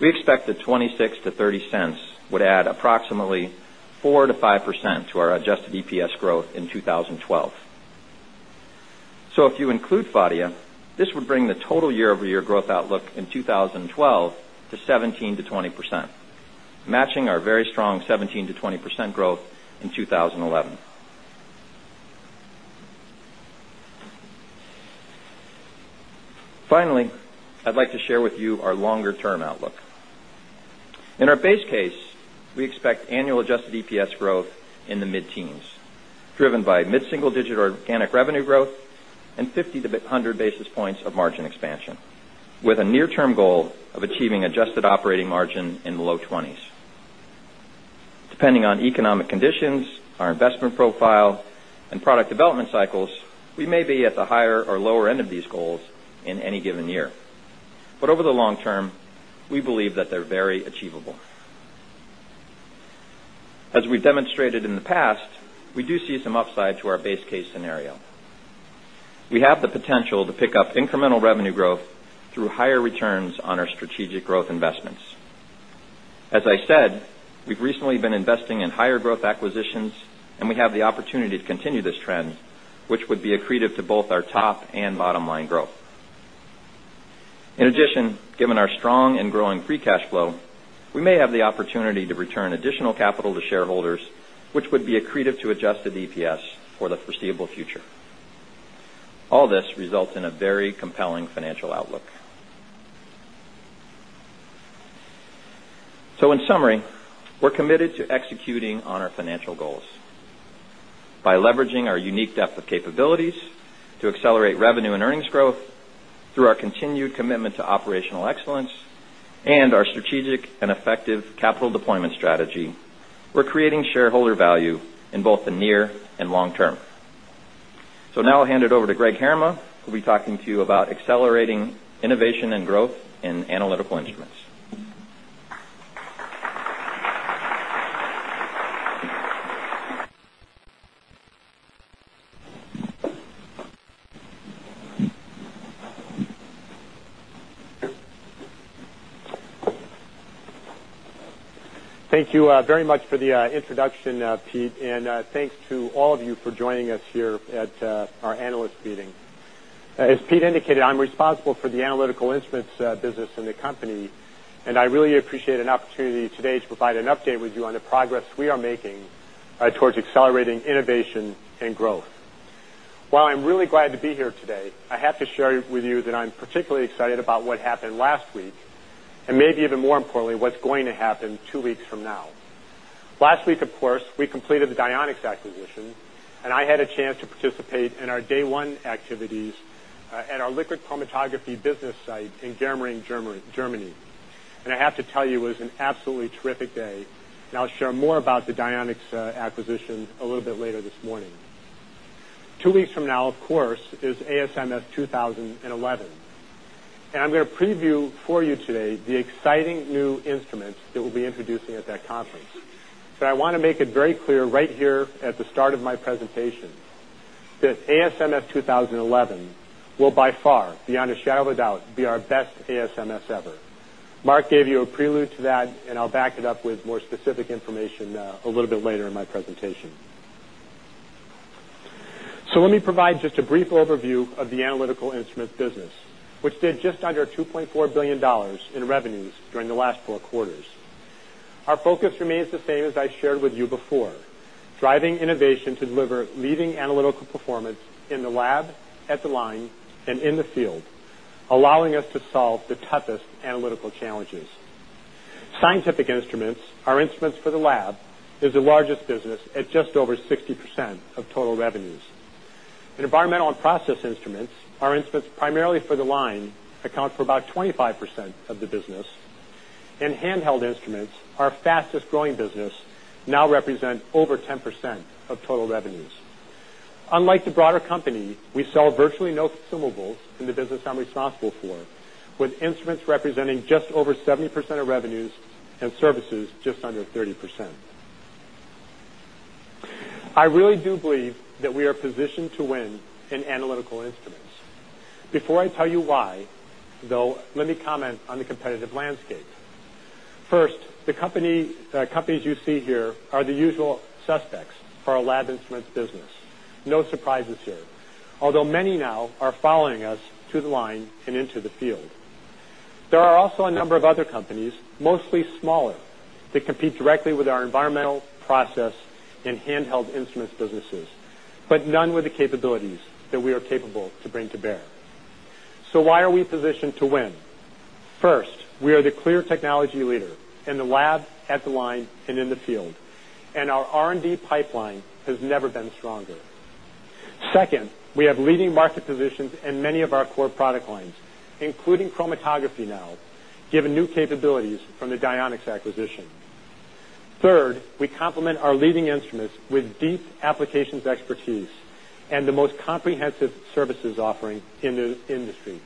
we expect the $0.26-$0.30 would add approximately 4%-5% to our adjusted EPS growth in 2012. If you include Phadia, this would bring the total year-over-year growth outlook in 2012 to 17%-20%, matching our very strong 17%-20% growth in 2011. Finally, I'd like to share with you our longer-term outlook. In our base case, we expect annual adjusted EPS growth in the mid-teens, driven by mid-single-digit organic revenue growth and 50 basis points-100 basis points of margin expansion, with a near-term goal of achieving adjusted operating margin in the low 20s. Depending on economic conditions, our investment profile, and product development cycles, we may be at the higher or lower end of these goals in any given year. Over the long term, we believe that they're very achievable. As we've demonstrated in the past, we do see some upside to our base case scenario. We have the potential to pick up incremental revenue growth through higher returns on our strategic growth investments. As I said, we've recently been investing in higher growth acquisitions, and we have the opportunity to continue this trend, which would be accretive to both our top and bottom line growth. In addition, given our strong and growing free cash flow, we may have the opportunity to return additional capital to shareholders, which would be accretive to adjusted EPS for the foreseeable future. All this results in a very compelling financial outlook. In summary, we're committed to executing on our financial goals by leveraging our unique depth of capabilities to accelerate revenue and earnings growth through our continued commitment to operational excellence and our strategic and effective capital deployment strategy. We're creating shareholder value in both the near and long term. Now I'll hand it over to Greg Herrema, who'll be talking to you about accelerating innovation and growth in analytical instruments. Thank you very much for the introduction, Pete, and thanks to all of you for joining us here at our analyst meeting. As Pete indicated, I'm responsible for the analytical instruments business in the company, and I really appreciate an opportunity today to provide an update with you on the progress we are making towards accelerating innovation and growth. While I'm really glad to be here today, I have to share with you that I'm particularly excited about what happened last week, and maybe even more importantly, what's going to happen two weeks from now. Last week, of course, we completed the Dionex acquisition, and I had a chance to participate in our day one activities at our liquid chromatography business site in Germering, Germany. I have to tell you, it was an absolutely terrific day, and I'll share more about the Dionex acquisition a little bit later this morning. Two weeks from now, of course, is ASMS 2011, and I'm going to preview for you today the exciting new instruments that we'll be introducing at that conference. I want to make it very clear right here at the start of my presentation that ASMS 2011 will by far, beyond a shadow of a doubt, be our best ASMS ever. Marc gave you a prelude to that, and I'll back it up with more specific information a little bit later in my presentation. Let me provide just a brief overview of the analytical instruments business, which did just under $2.4 billion in revenues during the last four quarters. Our focus remains the same as I shared with you before: driving innovation to deliver leading analytical performance in the lab, at the line, and in the field, allowing us to solve the toughest analytical challenges. Scientific instruments, our instruments for the lab, are the largest business at just over 60% of total revenues. Environmental and process instruments, our instruments primarily for the line, account for about 25% of the business, and handheld instruments, our fastest growing business, now represent over 10% of total revenues. Unlike the broader company, we sell virtually no consumables in the business I'm responsible for, with instruments representing just over 70% of revenues and services just under 30%. I really do believe that we are positioned to win in analytical instruments. Before I tell you why, though, let me comment on the competitive landscape. First, the companies you see here are the usual suspects for our lab instruments business. No surprises here, although many now are following us to the line and into the field. There are also a number of other companies, mostly smaller, that compete directly with our environmental process and handheld instruments businesses, but none with the capabilities that we are capable to bring to bear. Why are we positioned to win? First, we are the clear technology leader in the lab, at the line, and in the field, and our R&D pipeline has never been stronger. Second, we have leading market positions in many of our core product lines, including chromatography now, given new capabilities from the Dionex acquisition. Third, we complement our leading instruments with deep applications expertise and the most comprehensive services offering in this industry.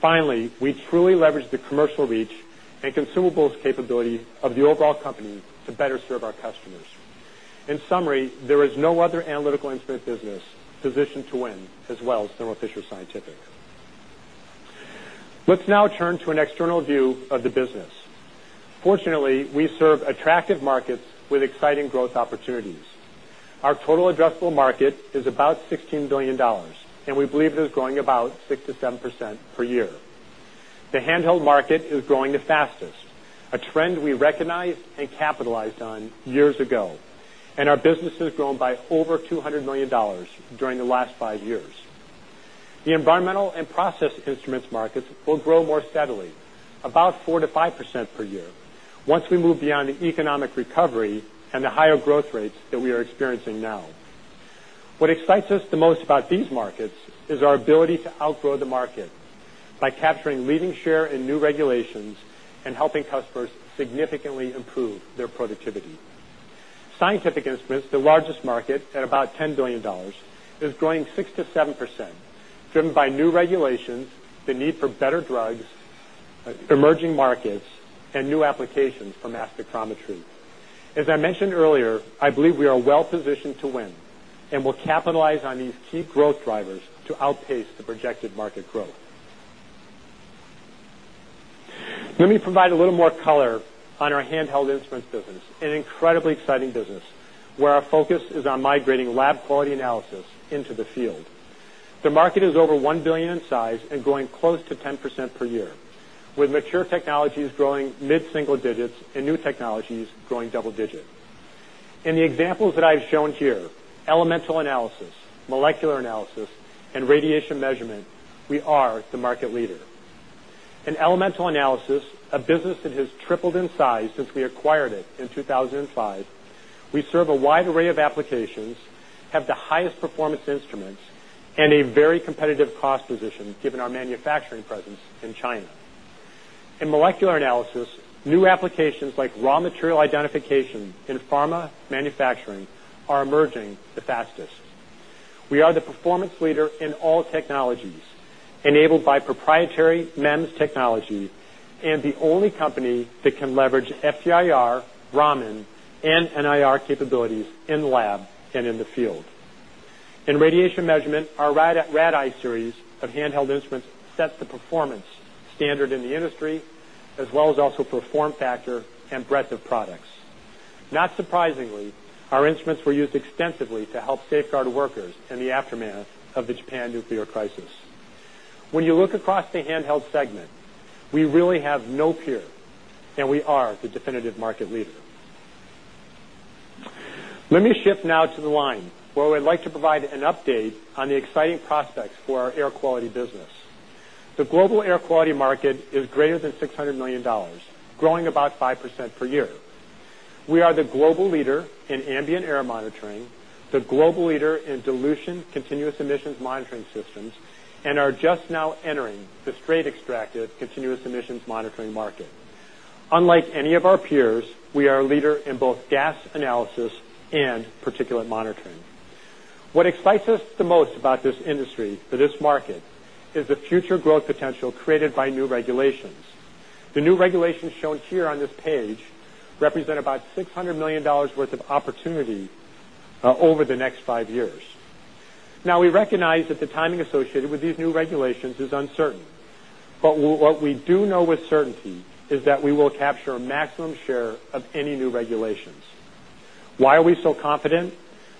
Finally, we truly leverage the commercial reach and consumables capability of the overall company to better serve our customers. In summary, there is no other analytical instrument business positioned to win as well as Thermo Fisher Scientific. Let's now turn to an external view of the business. Fortunately, we serve attractive markets with exciting growth opportunities. Our total addressable market is about $16 billion, and we believe it is growing about 6%-7% per year. The handheld market is growing the fastest, a trend we recognized and capitalized on years ago, and our business has grown by over $200 million during the last five years. The environmental and process instruments markets will grow more steadily, about 4%-5% per year, once we move beyond the economic recovery and the higher growth rates that we are experiencing now. What excites us the most about these markets is our ability to outgrow the market by capturing leading share in new regulations and helping customers significantly improve their productivity. Scientific instruments, the largest market at about $10 billion, is growing 6%-7%, driven by new regulations, the need for better drugs, emerging markets, and new applications for mass spectrometry. As I mentioned earlier, I believe we are well positioned to win and will capitalize on these key growth drivers to outpace the projected market growth. Let me provide a little more color on our handheld instruments business, an incredibly exciting business where our focus is on migrating lab quality analysis into the field. The market is over $1 billion in size and growing close to 10% per year, with mature technologies growing mid-single digits and new technologies growing double digits. In the examples that I've shown here, elemental analysis, molecular analysis, and radiation measurement, we are the market leader. In elemental analysis, a business that has tripled in size since we acquired it in 2005, we serve a wide array of applications, have the highest performance instruments, and a very competitive cost position given our manufacturing presence in China. In molecular analysis, new applications like raw material identification in pharma manufacturing are emerging the fastest. We are the performance leader in all technologies, enabled by proprietary MEMS technology and the only company that can leverage FCIR, Brahmin, and NIR capabilities in the lab and in the field. In radiation measurement, our RadEye series of handheld instruments sets the performance standard in the industry, as well as also for form factor and breadth of products. Not surprisingly, our instruments were used extensively to help safeguard workers in the aftermath of the Japan nuclear crisis. When you look across the handheld segment, we really have no peer, and we are the definitive market leader. Let me shift now to the line, where I'd like to provide an update on the exciting prospects for our air quality business. The global air quality market is greater than $600 million, growing about 5% per year. We are the global leader in ambient air monitoring, the global leader in dilution continuous emissions monitoring systems, and are just now entering the straight extracted continuous emissions monitoring market. Unlike any of our peers, we are a leader in both gas analysis and particulate monitoring. What excites us the most about this industry, for this market, is the future growth potential created by new regulations. The new regulations shown here on this page represent about $600 million worth of opportunity over the next five years. Now, we recognize that the timing associated with these new regulations is uncertain, but what we do know with certainty is that we will capture a maximum share of any new regulations. Why are we so confident?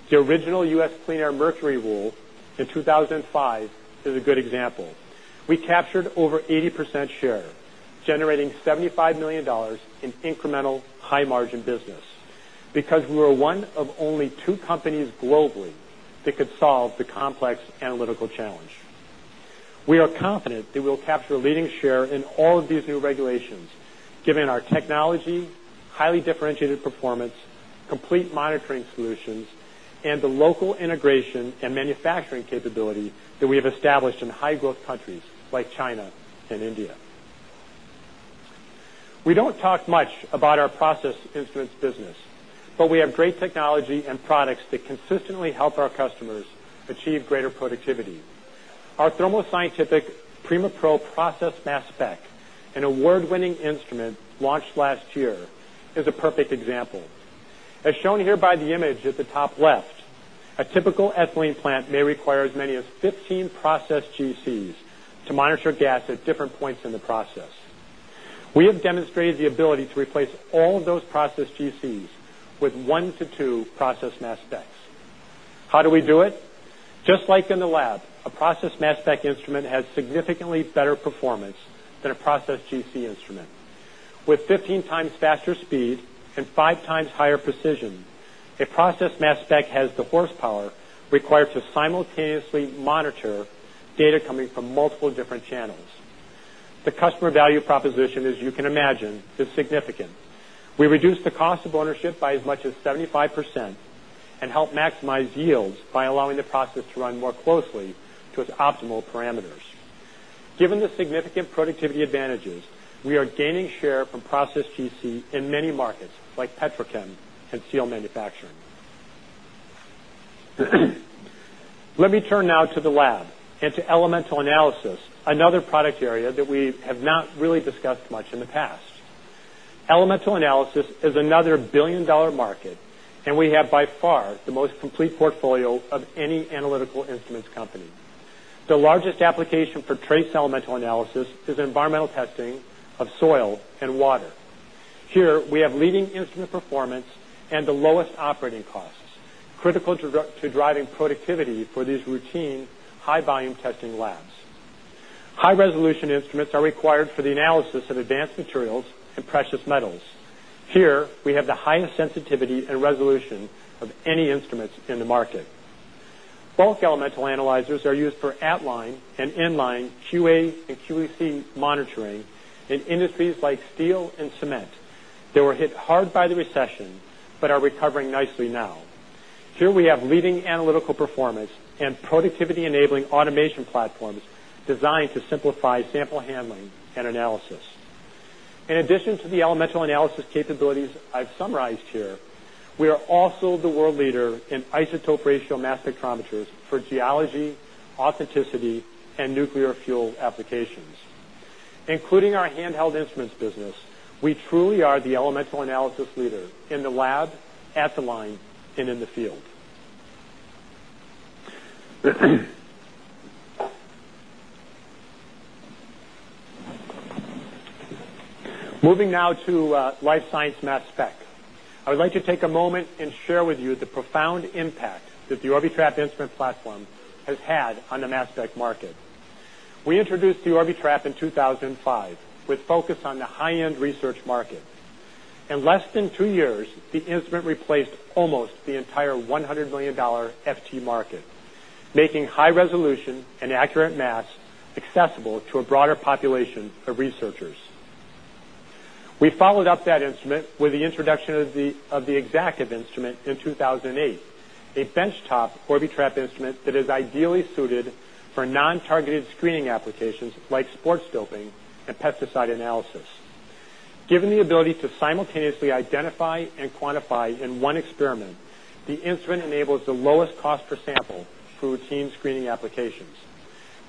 The original U.S. Clean Air Mercury Rule in 2005 is a good example. We captured over 80% share, generating $75 million in incremental high margin business because we were one of only two companies globally that could solve the complex analytical challenge. We are confident that we will capture a leading share in all of these new regulations, given our technology, highly differentiated performance, complete monitoring solutions, and the local integration and manufacturing capability that we have established in high-growth countries like China and India. We don't talk much about our process instruments business, but we have great technology and products that consistently help our customers achieve greater productivity. Our Thermo Scientific Prima Pro Process Mass Spec, an award-winning instrument launched last year, is a perfect example. As shown here by the image at the top left, a typical ethylene plant may require as many as 15 process GCs to monitor gas at different points in the process. We have demonstrated the ability to replace all of those process GCs with one to two process mass specs. How do we do it? Just like in the lab, a process mass spec instrument has significantly better performance than a process GC instrument. With 15 times faster speed and five times higher precision, a process mass spec has the horsepower required to simultaneously monitor data coming from multiple different channels. The customer value proposition, as you can imagine, is significant. We reduce the cost of ownership by as much as 75% and help maximize yields by allowing the process to run more closely to its optimal parameters. Given the significant productivity advantages, we are gaining share from process GC in many markets like petrochem and steel manufacturing. Let me turn now to the lab and to elemental analysis, another product area that we have not really discussed much in the past. Elemental analysis is another billion-dollar market, and we have by far the most complete portfolio of any analytical instruments company. The largest application for trace elemental analysis is environmental testing of soil and water. Here, we have leading instrument performance and the lowest operating costs, critical to driving productivity for these routine high-volume testing labs. High-resolution instruments are required for the analysis of advanced materials and precious metals. Here, we have the highest sensitivity and resolution of any instruments in the market. Bulk elemental analyzers are used for at-line and in-line QA and QC monitoring in industries like steel and cement that were hit hard by the recession but are recovering nicely now. Here, we have leading analytical performance and productivity-enabling automation platforms designed to simplify sample handling and analysis. In addition to the elemental analysis capabilities I've summarized here, we are also the world leader in isotope ratio mass spectrometers for geology, authenticity, and nuclear fuel applications. Including our handheld instruments business, we truly are the elemental analysis leader in the lab, at the line, and in the field. Moving now to life science mass spec, I would like to take a moment and share with you the profound impact that the Orbitrap instrument platform has had on the mass spec market. We introduced the Orbitrap in 2005 with focus on the high-end research market. In less than two years, the instrument replaced almost the entire $100 million FT market, making high-resolution and accurate mass accessible to a broader population of researchers. We followed up that instrument with the introduction of the Exactive instrument in 2008, a benchtop Orbitrap instrument that is ideally suited for non-targeted screening applications like sports doping and pesticide analysis. Given the ability to simultaneously identify and quantify in one experiment, the instrument enables the lowest cost per sample for routine screening applications.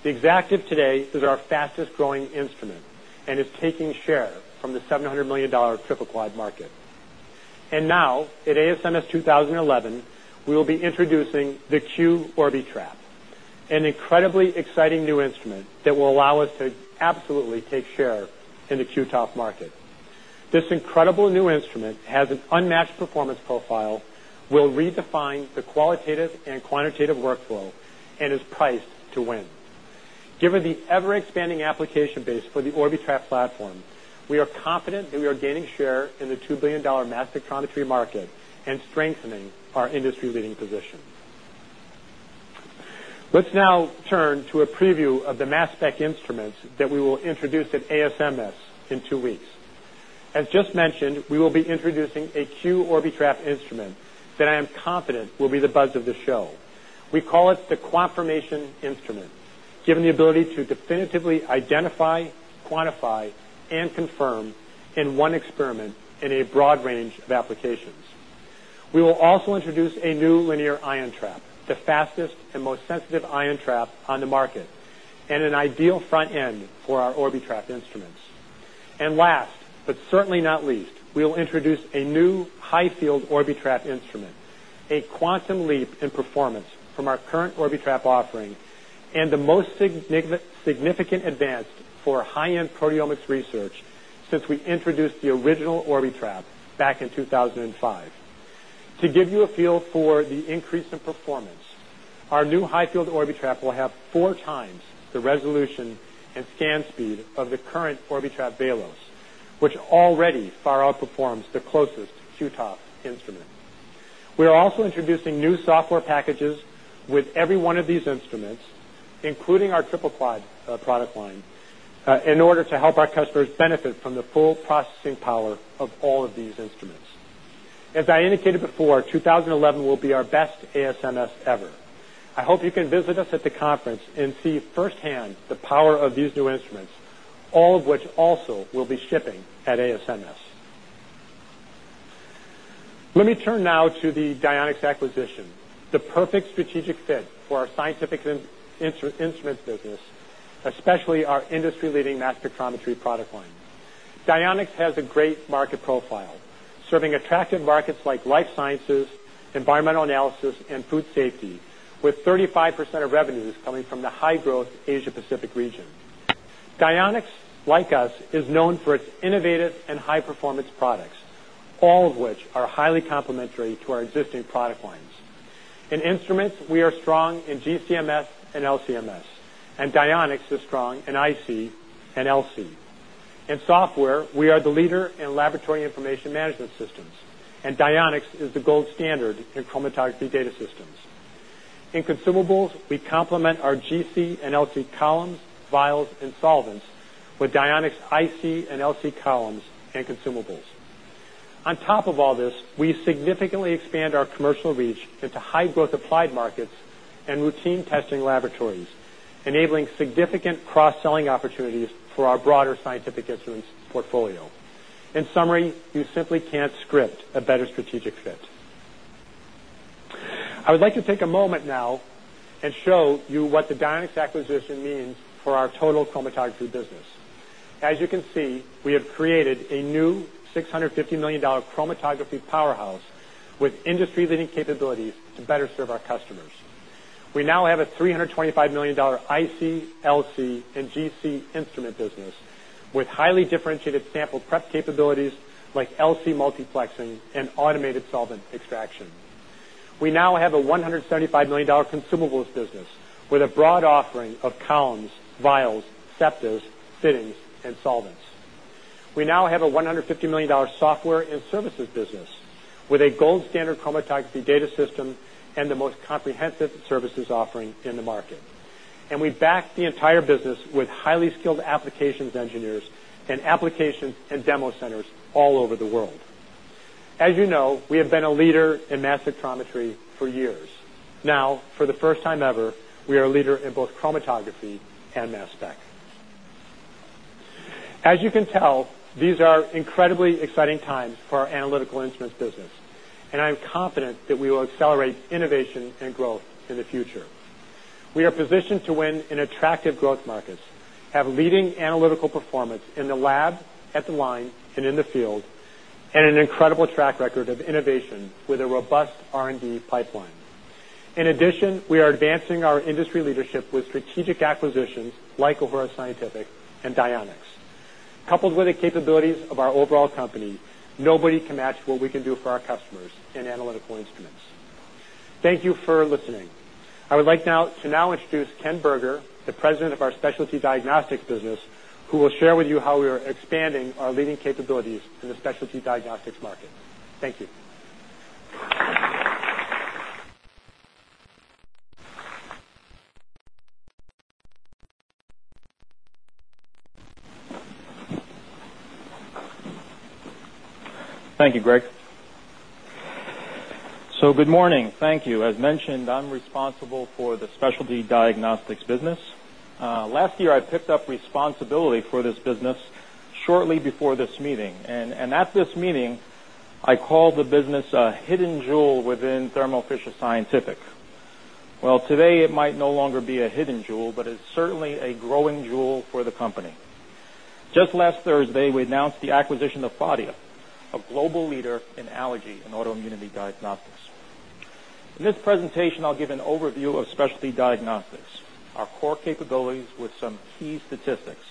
The Exactive today is our fastest growing instrument and is taking share from the $700 million triple quad market. Now, at ASMS 2011, we. be introducing the Q Orbitrap, an incredibly exciting new instrument that will allow us to absolutely take share in the QTop market. This incredible new instrument has an unmatched performance profile, will redefine the qualitative and quantitative workflow, and is priced to win. Given the ever-expanding application base for the Orbitrap platform, we are confident that we are gaining share in the $2 billion mass spectrometry market and strengthening our industry-leading position. Let's now turn to a preview of the mass spec instruments that we will introduce at ASMS in two weeks. As just mentioned, we will be introducing a Q Orbitrap instrument that I am confident will be the buzz of the show. We call it the Quantformation instrument, given the ability to definitively identify, quantify, and confirm in one experiment in a broad range of applications. We will also introduce a new linear ion trap, the fastest and most sensitive ion trap on the market, and an ideal front end for our Orbitrap instruments. Last but certainly not least, we'll introduce a new high-field Orbitrap instrument, a quantum leap in performance from our current Orbitrap offering and the most significant advance for high-end proteomics research since we introduced the original Orbitrap back in 2005. To give you a feel for the increase in performance, our new high-field Orbitrap will have four times the resolution and scan speed of the current Orbitrap Balos, which already far outperforms the closest QTop instrument. We are also introducing new software packages with every one of these instruments, including our triple-plied product line, in order to help our customers benefit from the full processing power of all of these instruments. As I indicated before, 2011 will be our best ASMS ever. I hope you can visit us at the conference and see firsthand the power of these new instruments, all of which also will be shipping at ASMS. Let me turn now to the Dionex acquisition, the perfect strategic fit for our scientific instruments business, especially our industry-leading mass spectrometry product line. Dionex has a great market profile, serving attractive markets like life sciences, environmental analysis, and food safety, with 35% of revenues coming from the high-growth Asia-Pacific region. Dionex, like us, is known for its innovative and high-performance products, all of which are highly complementary to our existing product lines. In instruments, we are strong in GCMS and LCMS, and Dionex is strong in IC and LC. In software, we are the leader in laboratory information management systems, and Dionex is the gold standard in chromatography data systems. In consumables, we complement our GC and LC columns, vials, and solvents with Dionex IC and LC columns and consumables. On top of all this, we significantly expand our commercial reach into high-growth applied markets and routine testing laboratories, enabling significant cross-selling opportunities for our broader scientific instruments portfolio. In summary, you simply can't script a better strategic fit. I would like to take a moment now and show you what the Dionex acquisition means for our total chromatography business. As you can see, we have created a new $650 million chromatography powerhouse with industry-leading capabilities to better serve our customers. We now have a $325 million IC, LC, and GC instrument business with highly differentiated sample prep capabilities like LC multiplexing and automated solvent extraction. We now have a $175 million consumables business with a broad offering of columns, vials, septors, fittings, and solvents. We now have a $150 million software and services business with a gold standard chromatography data system and the most comprehensive services offering in the market. We back the entire business with highly skilled applications engineers and applications and demo centers all over the world. As you know, we have been a leader in mass spectrometry for years. Now, for the first time ever, we are a leader in both chromatography and mass spec. As you can tell, these are incredibly exciting times for our analytical instruments business, and I am confident that we will accelerate innovation and growth in the future. We are positioned to win in attractive growth markets, have leading analytical performance in the lab, at the line, and in the field, and an incredible track record of innovation with a robust R&D pipeline. In addition, we are advancing our industry leadership with strategic acquisitions like Aurora Scientific and Dionex. Coupled with the capabilities of our overall company, nobody can match what we can do for our customers in analytical instruments. Thank you for listening. I would like now to introduce Ken Berger, the President of our Specialty Diagnostics business, who will share with you how we are expanding our leading capabilities in the specialty diagnostics market. Thank you. Thank you, Greg. Good morning. Thank you. As mentioned, I'm responsible for the Specialty Diagnostics business. Last year, I picked up responsibility for this business shortly before this meeting. At this meeting, I called the business a hidden jewel within Thermo Fisher Scientific. Today it might no longer be a hidden jewel, but it's certainly a growing jewel for the company. Just last Thursday, we announced the acquisition of Phadia, a global leader in allergy and autoimmunity diagnostics. In this presentation, I'll give an overview of Specialty Diagnostics, our core capabilities with some key statistics.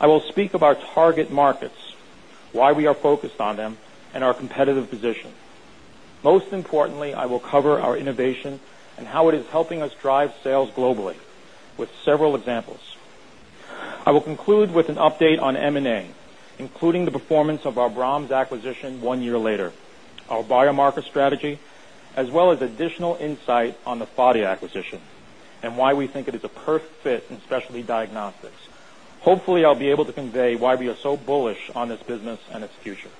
I will speak about target markets, why we are focused on them, and our competitive position. Most importantly, I will cover our innovation and how it is helping us drive sales globally with several examples. I will conclude with an update on M&A, including the performance of our B·R·A·H·M·S acquisition one year later, our biomarker strategy, as well as additional insight on the Phadia acquisition and why we think it is a perfect fit in Specialty Diagnostics. Hopefully, I'll be able to convey why we are so bullish on this business and its future.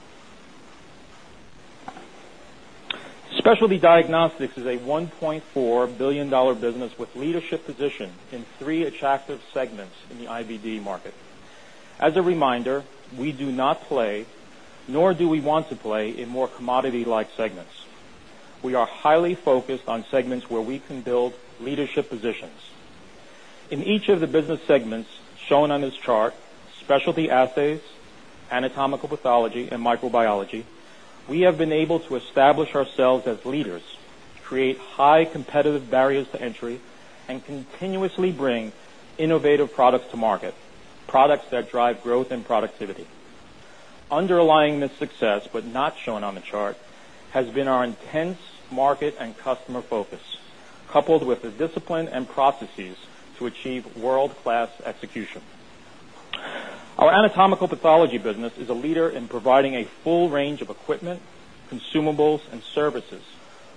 Specialty Diagnostics is a $1.4 billion business with leadership positions in three attractive segments in the IBD market. As a reminder, we do not play, nor do we want to play, in more commodity-like segments. We are highly focused on segments where we can build leadership positions. In each of the business segments shown on this chart, specialty assays, anatomical pathology, and microbiology, we have been able to establish ourselves as leaders, create high competitive barriers to entry, and continuously bring innovative products to market, products that drive growth and productivity. Underlying this success, but not shown on the chart, has been our intense market and customer focus, coupled with the discipline and processes to achieve world-class execution. Our Anatomical Pathology business is a leader in providing a full range of equipment, consumables, and services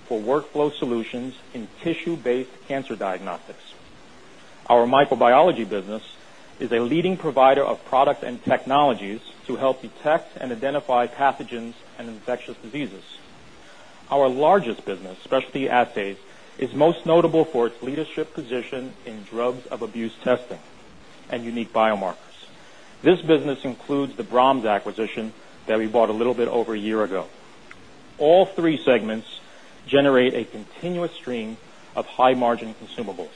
for workflow solutions in tissue-based cancer diagnostics. Our Microbiology business is a leading provider of products and technologies to help detect and identify pathogens and infectious diseases. Our largest business, Specialty Assays, is most notable for its leadership position in drugs of abuse testing and unique biomarkers. This business includes the B·R·A·H·M·S acquisition that we bought a little bit over a year ago. All three segments generate a continuous stream of high-margin consumables.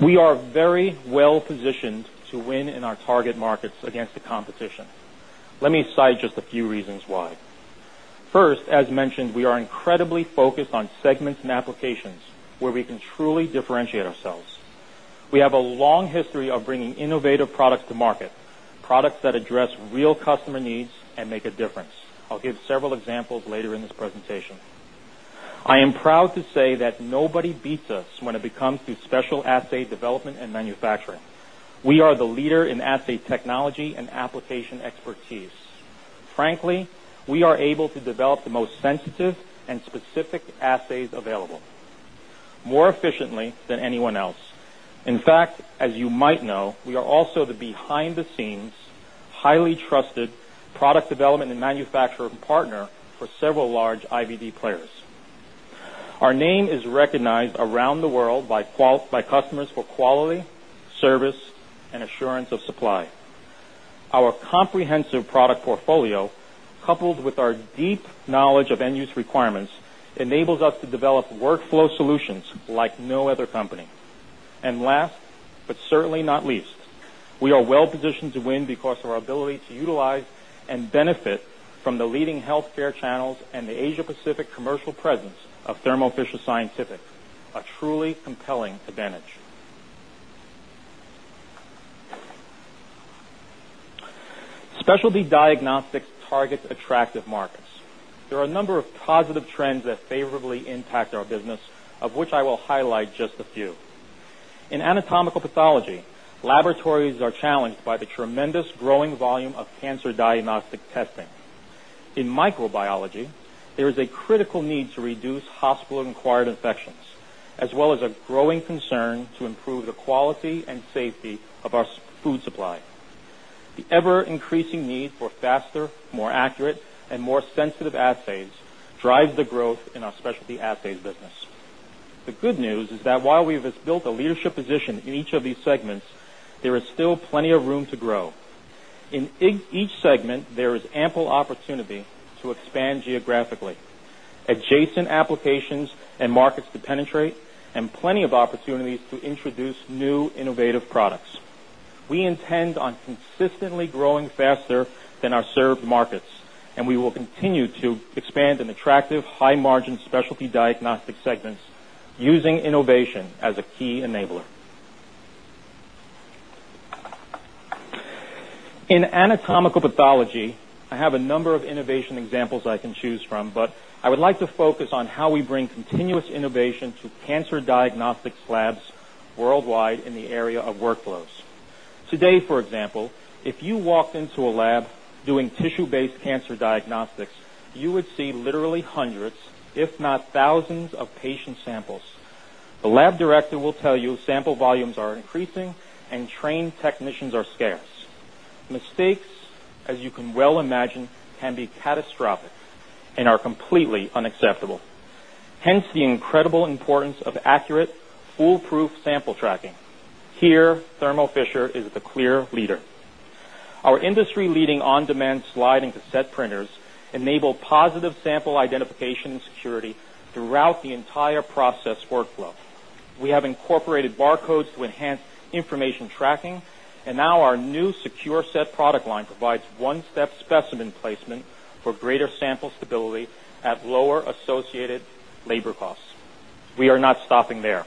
We are very well positioned to win in our target markets against the competition. Let me cite just a few reasons why. First, as mentioned, we are incredibly focused on segments and applications where we can truly differentiate ourselves. We have a long history of bringing innovative products to market, products that address real customer needs and make a difference. I'll give several examples later in this presentation. I am proud to say that nobody beats us when it comes to special assay development and manufacturing. We are the leader in assay technology and application expertise. Frankly, we are able to develop the most sensitive and specific assays available more efficiently than anyone else. In fact, as you might know, we are also the behind-the-scenes, highly trusted product development and manufacturing partner for several large IVD players. Our name is recognized around the world by customers for quality, service, and assurance of supply. Our comprehensive product portfolio, coupled with our deep knowledge of end-use requirements, enables us to develop workflow solutions like no other company. Last but certainly not least, we are well positioned to win because of our ability to utilize and benefit from the leading healthcare channels and the Asia-Pacific commercial presence of Thermo Fisher Scientific, a truly compelling advantage. Specialty diagnostics targets attractive markets. There are a number of positive trends that favorably impact our business, of which I will highlight just a few. In anatomical pathology, laboratories are challenged by the tremendous growing volume of cancer diagnostic testing. In microbiology, there is a critical need to reduce hospital-required infections, as well as a growing concern to improve the quality and safety of our food supply. The ever-increasing need for faster, more accurate, and more sensitive assays drives the growth in our specialty assays business. The good news is that while we have built a leadership position in each of these segments, there is still plenty of room to grow. In each segment, there is ample opportunity to expand geographically, adjacent applications and markets to penetrate, and plenty of opportunities to introduce new innovative products. We intend on consistently growing faster than our served markets, and we will continue to expand in attractive, high-margin specialty diagnostic segments using innovation as a key enabler. In anatomical pathology, I have a number of innovation examples I can choose from, but I would like to focus on how we bring continuous innovation to cancer diagnostics labs worldwide in the area of workflows. Today, for example, if you walked into a lab doing tissue-based cancer diagnostics, you would see literally hundreds, if not thousands, of patient samples. The lab director will tell you sample volumes are increasing and trained technicians are scarce. Mistakes, as you can well imagine, can be catastrophic and are completely unacceptable. Hence, the incredible importance of accurate, foolproof sample tracking. Here, Thermo Fisher is the clear leader. Our industry-leading on-demand slide and cassette printers enable positive sample identification and security throughout the entire process workflow. We have incorporated barcodes to enhance information tracking, and now our new Secure Set product line provides one-step specimen placement for greater sample stability at lower associated labor costs. We are not stopping there.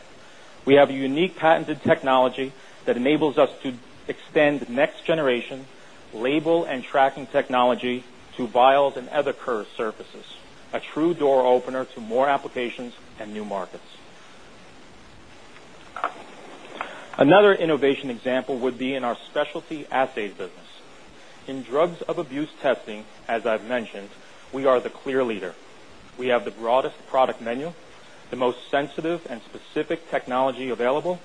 We have a unique patented technology that enables us to extend next-generation label and tracking technology to vials and other curved surfaces, a true door opener to more applications and new markets. Another innovation example would be in our specialty assays business. In drugs of abuse testing, as I've mentioned, we are the clear leader. We have the broadest product menu, the most sensitive and specific technology available,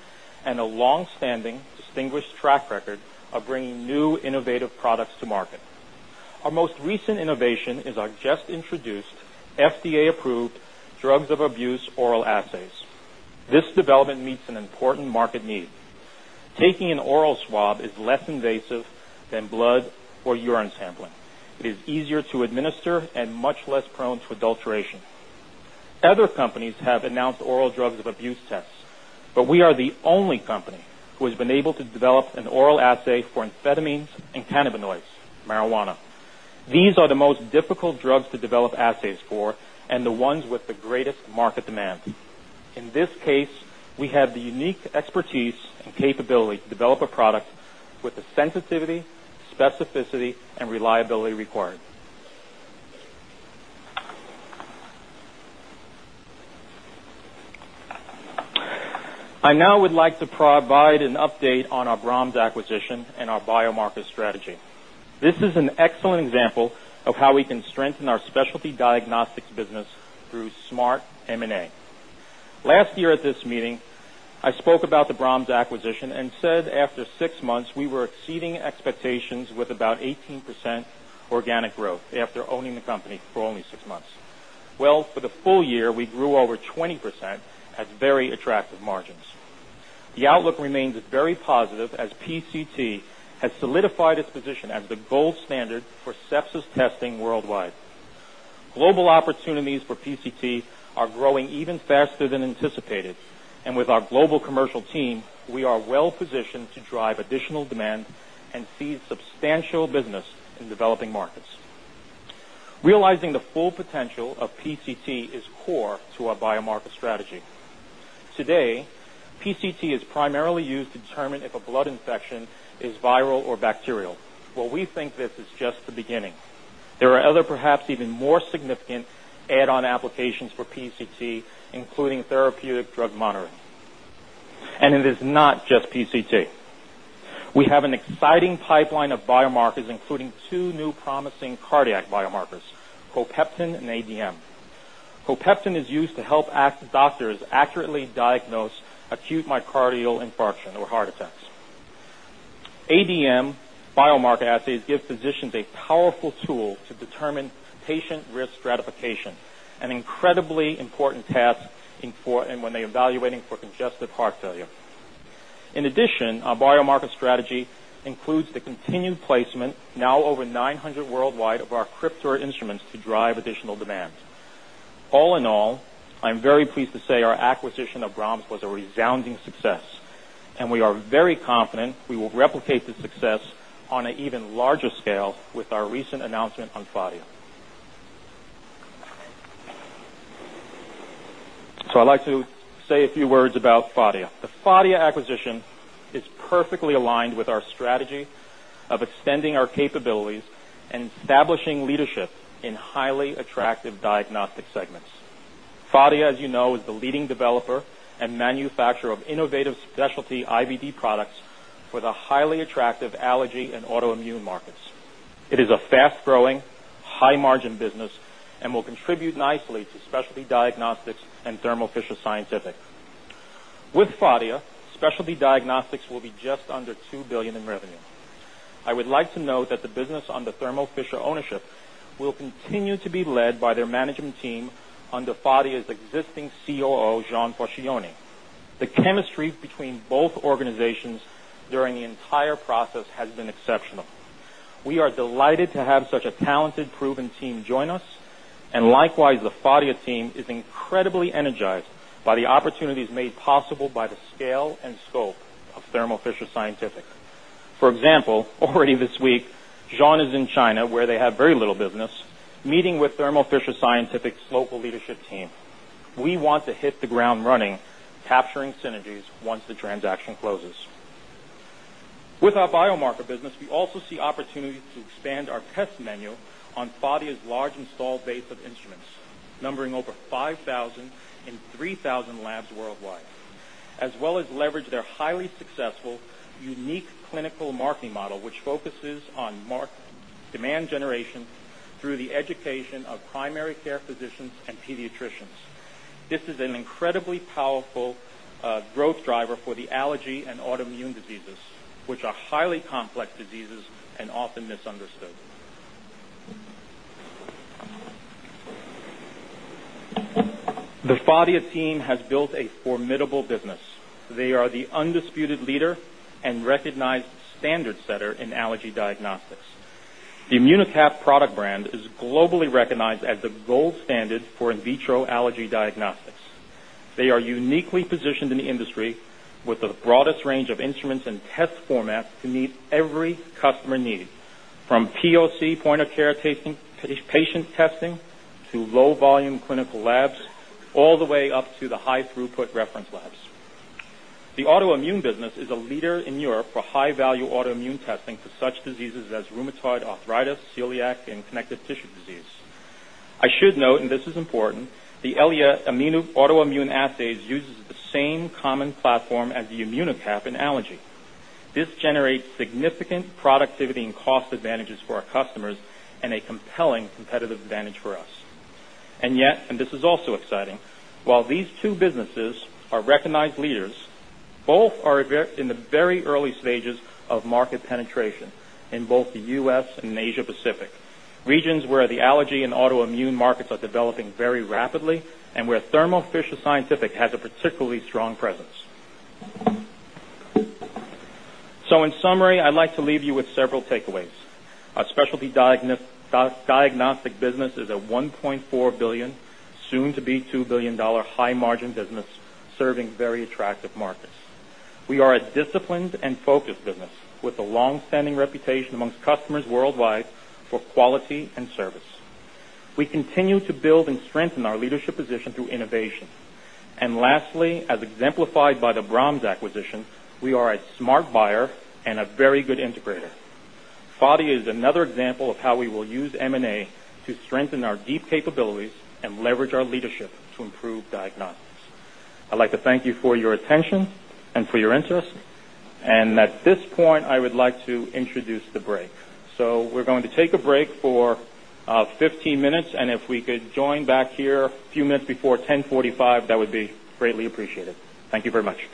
and a longstanding distinguished track record of bringing new innovative products to market. Our most recent innovation is our just-introduced FDA-approved drugs of abuse oral assays. This development meets an important market need. Taking an oral swab is less invasive than blood or urine sampling. It is easier to administer and much less prone to adulteration. Other companies have announced oral drugs of abuse tests, but we are the only company who has been able to develop an oral assay for amphetamines and cannabinoids, marijuana. These are the most difficult drugs to develop assays for and the ones with the greatest market demand. In this case, we have the unique expertise and capability to develop a product with the sensitivity, specificity, and reliability required. I now would like to provide an update on our B·R·A·H·M·S acquisition and our biomarker strategy. This is an excellent example of how we can strengthen our specialty diagnostics business through smart M&A. Last year at this meeting, I spoke about the B·R·A·H·M·S acquisition and said after six months, we were exceeding expectations with about 18% organic growth after owning the company for only six months. For the full year, we grew over 20% at very attractive margins. The outlook remains very positive as PCT has solidified its position as the gold standard for sepsis testing worldwide. Global opportunities for PCT are growing even faster than anticipated, and with our global commercial team, we are well positioned to drive additional demand and see substantial business in developing markets. Realizing the full potential of PCT is core to our biomarker strategy. Today, PCT is primarily used to determine if a blood infection is viral or bacterial. We think this is just the beginning. There are other, perhaps even more significant add-on applications for PCT, including therapeutic drug monitoring. It is not just PCT. We have an exciting pipeline of biomarkers, including two new promising cardiac biomarkers, CoQ10 and ADM. CoQ10 is used to help doctors accurately diagnose acute myocardial infarction or heart attacks. ADM biomarker assays give physicians a powerful tool to determine patient risk stratification, an incredibly important task when they're evaluating for congestive heart failure. In addition, our biomarker strategy includes the continued placement, now over 900 worldwide, of our Cryptor instruments to drive additional demand. All in all, I'm very pleased to say our acquisition of B·R·A·H·M·S was a resounding success, and we are very confident we will replicate the success on an even larger scale with our recent announcement on Phadia. I'd like to say a few words about Phadia. The Phadia acquisition is perfectly aligned with our strategy of extending our capabilities and establishing leadership in highly attractive diagnostic segments. Phadia, as you know, is the leading developer and manufacturer of innovative specialty IVD products for the highly attractive allergy and autoimmune markets. It is a fast-growing, high-margin business and will contribute nicely to specialty diagnostics and Thermo Fisher Scientific. With Phadia, specialty diagnostics will be just under $2 billion in revenue. I would like to note that the business under Thermo Fisher ownership will continue to be led by their management team under Phadia's existing COO, Jean Focione. The chemistry between both organizations during the entire process has been exceptional. We are delighted to have such a talented, proven team join us, and likewise, the Phadia team is incredibly energized by the opportunities made possible by the scale and scope of Thermo Fisher Scientific. For example, already this week, Jean is in China, where they have very little business, meeting with Thermo Fisher Scientific's local leadership team. We want to hit the ground running, capturing synergies once the transaction closes. With our biomarker business, we also see opportunities to expand our test menu on Phadia's large installed base of instruments, numbering over 5,000 in 3,000 labs worldwide, as well as leverage their highly successful, unique clinical marketing model, which focuses on demand generation through the education of primary care physicians and pediatricians. This is an incredibly powerful growth driver for the allergy and autoimmune diseases, which are highly complex diseases and often misunderstood. The Phadia team has built a formidable business. They are the undisputed leader and recognized standard setter in allergy diagnostics. The Immunocap product brand is globally recognized as the gold standard for in vitro allergy diagnostics. They are uniquely positioned in the industry with the broadest range of instruments and test formats to meet every customer need, from POC, point-of-care patient testing, to low-volume clinical labs, all the way up to the high-throughput reference labs. The autoimmune business is a leader in Europe for high-value autoimmune testing for such diseases as rheumatoid arthritis, celiac, and connective tissue disease. I should note, and this is important, the Elia autoimmune assays use the same common platform as the Immunocap in allergy. This generates significant productivity and cost advantages for our customers and a compelling competitive advantage for us. Yet, and this is also exciting, while these two businesses are recognized leaders, both are in the very early stages of market penetration in both the U.S. and Asia-Pacific, regions where the allergy and autoimmune markets are developing very rapidly and where Thermo Fisher Scientific has a particularly strong presence. In summary, I'd like to leave you with several takeaways. Our specialty diagnostics business is a $1.4 billion, soon to be $2 billion high-margin business, serving very attractive markets. We are a disciplined and focused business with a longstanding reputation amongst customers worldwide for quality and service. We continue to build and strengthen our leadership position through innovation. As exemplified by the B·R·A·H·M·S acquisition, we are a smart buyer and a very good integrator. Phadia is another example of how we will use M&A to strengthen our deep capabilities and leverage our leadership to improve diagnostics. I'd like to thank you for your attention and for your interest. At this point, I would like to introduce the break. We're going to take a break for 15 minutes. If we could join back here a few minutes before 10:45 A.M., that would be greatly appreciated. Thank you very much.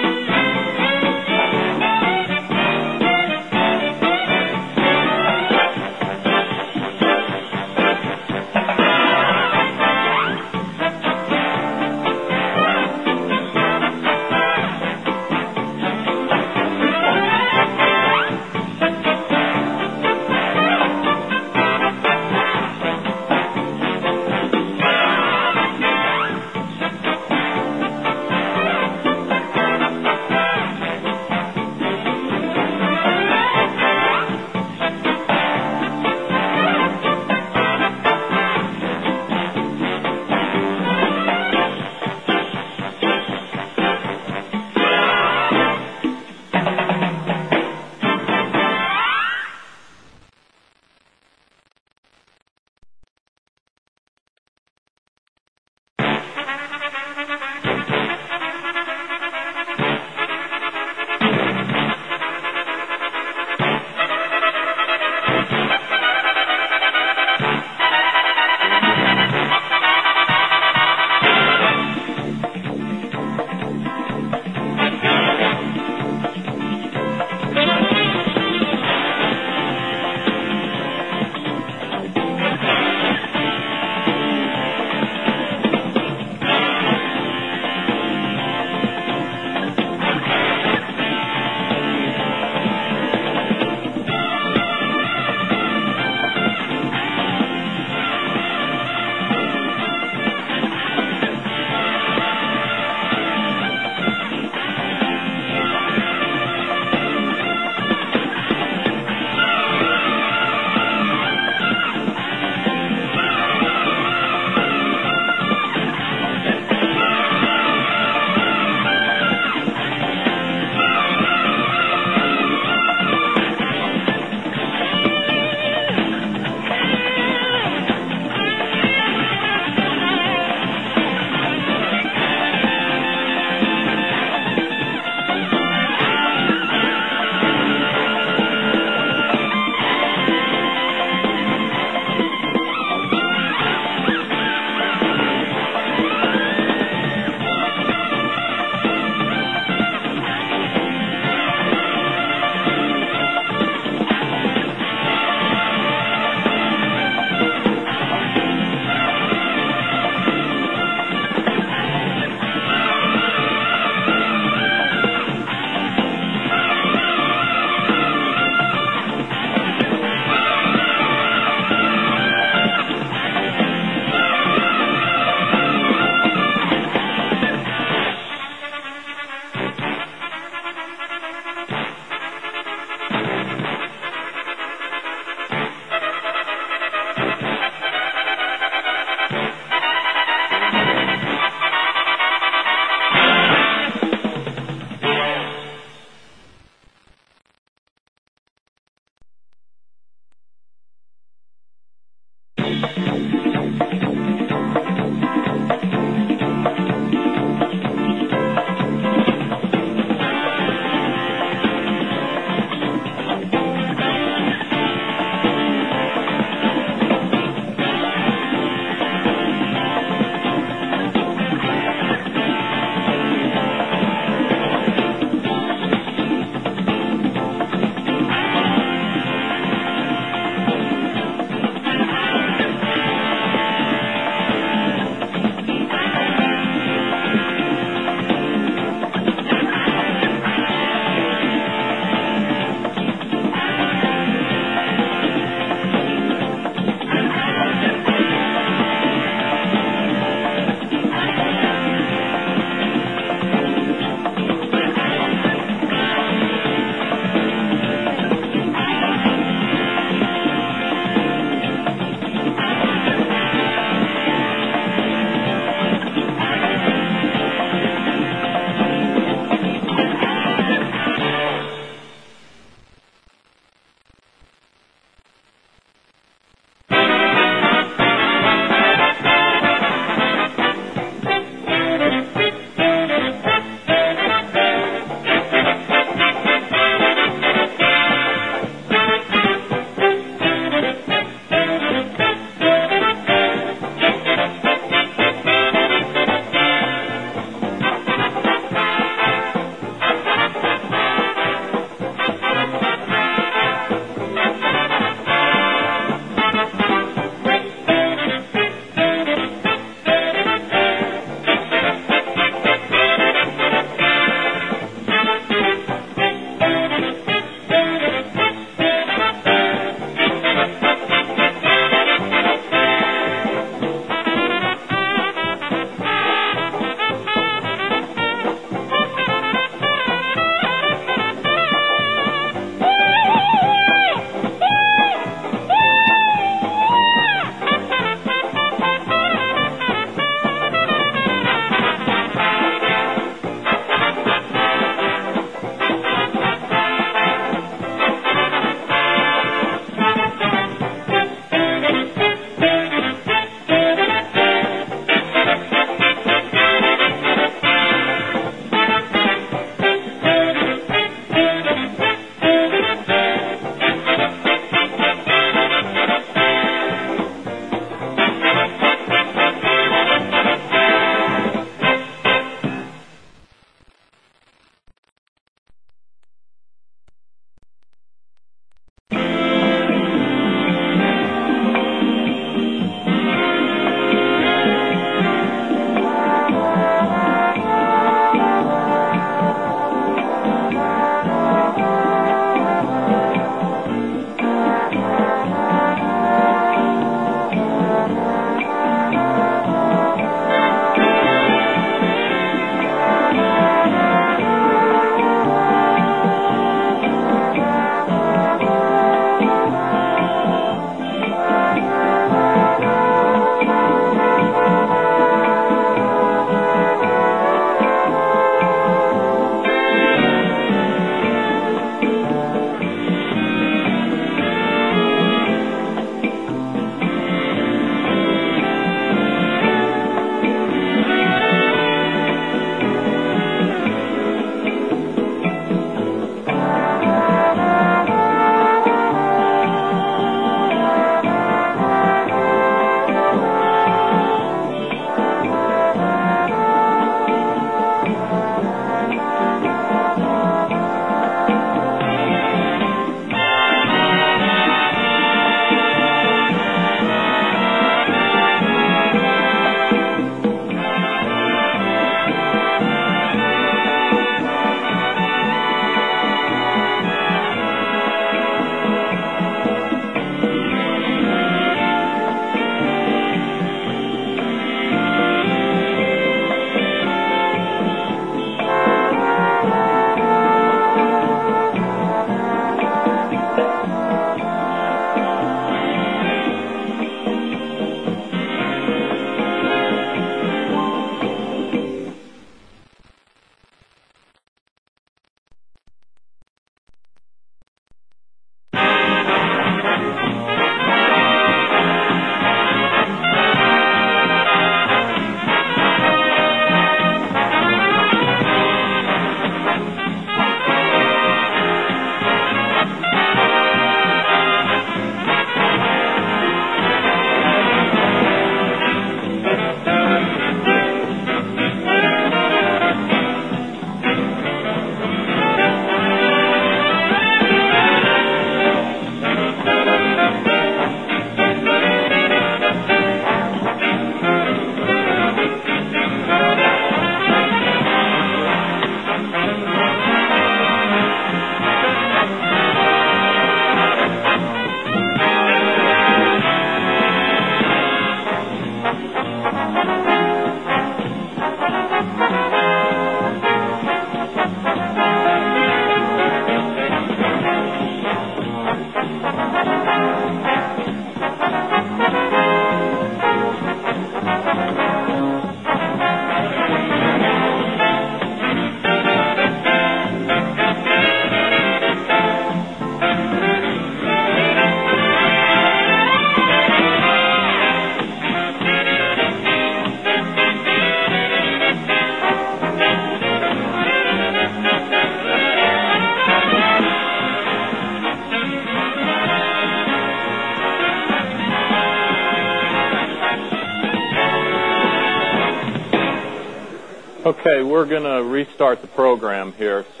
Okay, we're going to restart the program here. If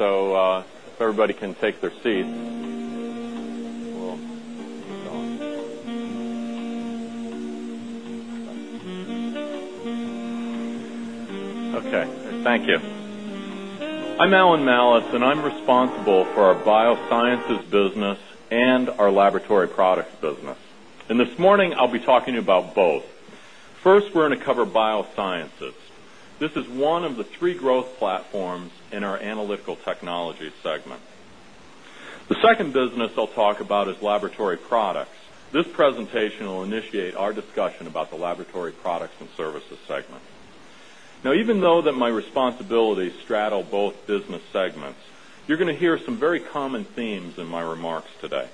everybody can take their seat. Thank you. I'm Alan Malus, and I'm responsible for our Biosciences business and our Laboratory Products business. This morning, I'll be talking to you about both. First, we're going to cover Biosciences. This is one of the three growth platforms in our Analytical Technologies segment. The second business I'll talk about is Laboratory Products. This presentation will initiate our discussion about the Laboratory Products & Services segment. Even though my responsibilities straddle both business segments, you're going to hear some very common themes in my remarks today.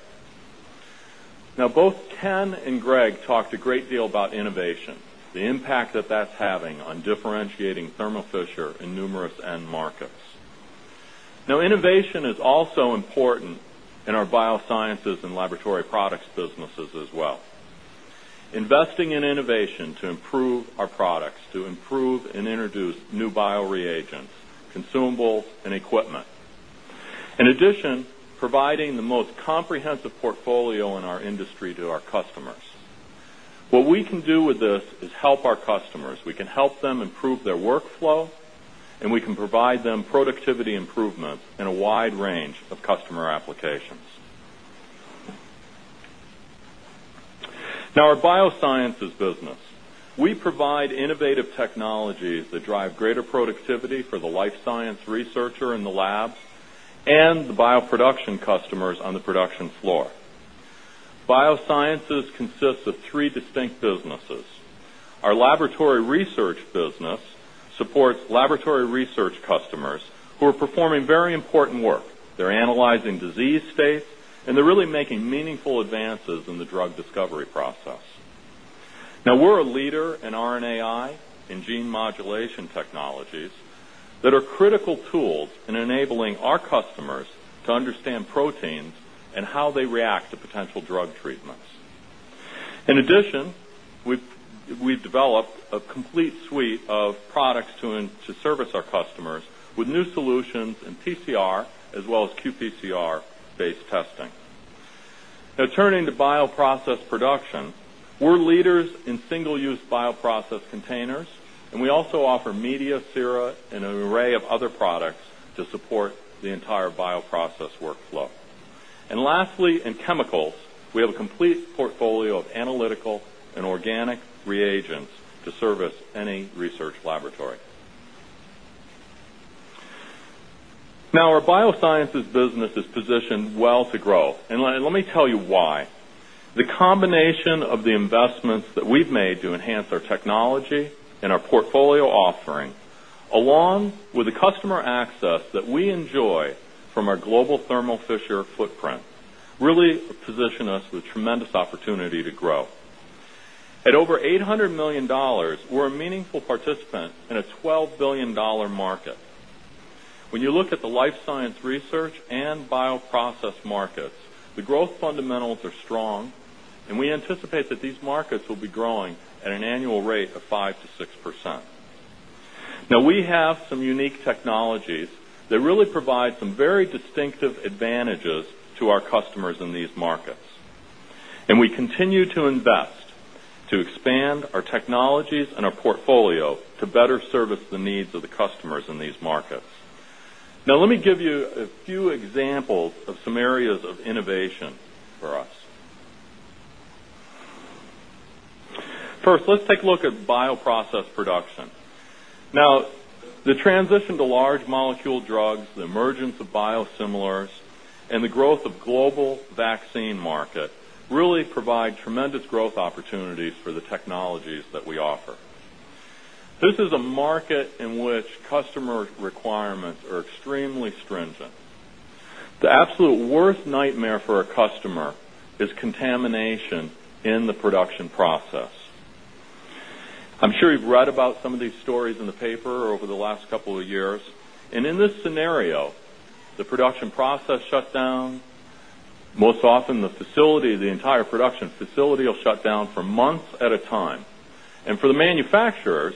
Both Ken and Greg talked a great deal about innovation, the impact that that's having on differentiating Thermo Fisher in numerous end markets. Innovation is also important in our Biosciences and Laboratory Products businesses as well. Investing in innovation to improve our products, to improve and introduce new bioreagents, consumables, and equipment. In addition, providing the most comprehensive portfolio in our industry to our customers. What we can do with this is help our customers. We can help them improve their workflow, and we can provide them productivity improvements in a wide range of customer applications. Our Biosciences business, we provide innovative technologies that drive greater productivity for the life science researcher in the labs and the bioproduction customers on the production floor. Biosciences consists of three distinct businesses. Our laboratory research business supports laboratory research customers who are performing very important work. They're analyzing disease states, and they're really making meaningful advances in the drug discovery process. Now, we're a leader in RNAi and gene modulation technologies that are critical tools in enabling our customers to understand proteins and how they react to potential drug treatments. In addition, we've developed a complete suite of products to service our customers with new solutions in PCR as well as qPCR-based testing. Now, turning to bioprocess production, we're leaders in single-use bioprocess containers, and we also offer media, sera, and an array of other products to support the entire bioprocess workflow. Lastly, in chemicals, we have a complete portfolio of analytical and organic reagents to service any research laboratory. Now, our biosciences business is positioned well to grow, and let me tell you why. The combination of the investments that we've made to enhance our technology and our portfolio offering, along with the customer access that we enjoy from our global Thermo Fisher footprint, really position us with a tremendous opportunity to grow. At over $800 million, we're a meaningful participant in a $12 billion market. When you look at the life science research and bioprocess markets, the growth fundamentals are strong, and we anticipate that these markets will be growing at an annual rate of 5%-6%. We have some unique technologies that really provide some very distinctive advantages to our customers in these markets. We continue to invest to expand our technologies and our portfolio to better service the needs of the customers in these markets. Let me give you a few examples of some areas of innovation for us. First, let's take a look at bioprocess production. The transition to large molecule drugs, the emergence of biosimilars, and the growth of the global vaccine market really provide tremendous growth opportunities for the technologies that we offer. This is a market in which customer requirements are extremely stringent. The absolute worst nightmare for a customer is contamination in the production process. I'm sure you've read about some of these stories in the paper over the last couple of years. In this scenario, the production process shuts down. Most often, the facility, the entire production facility will shut down for months at a time. For the manufacturers,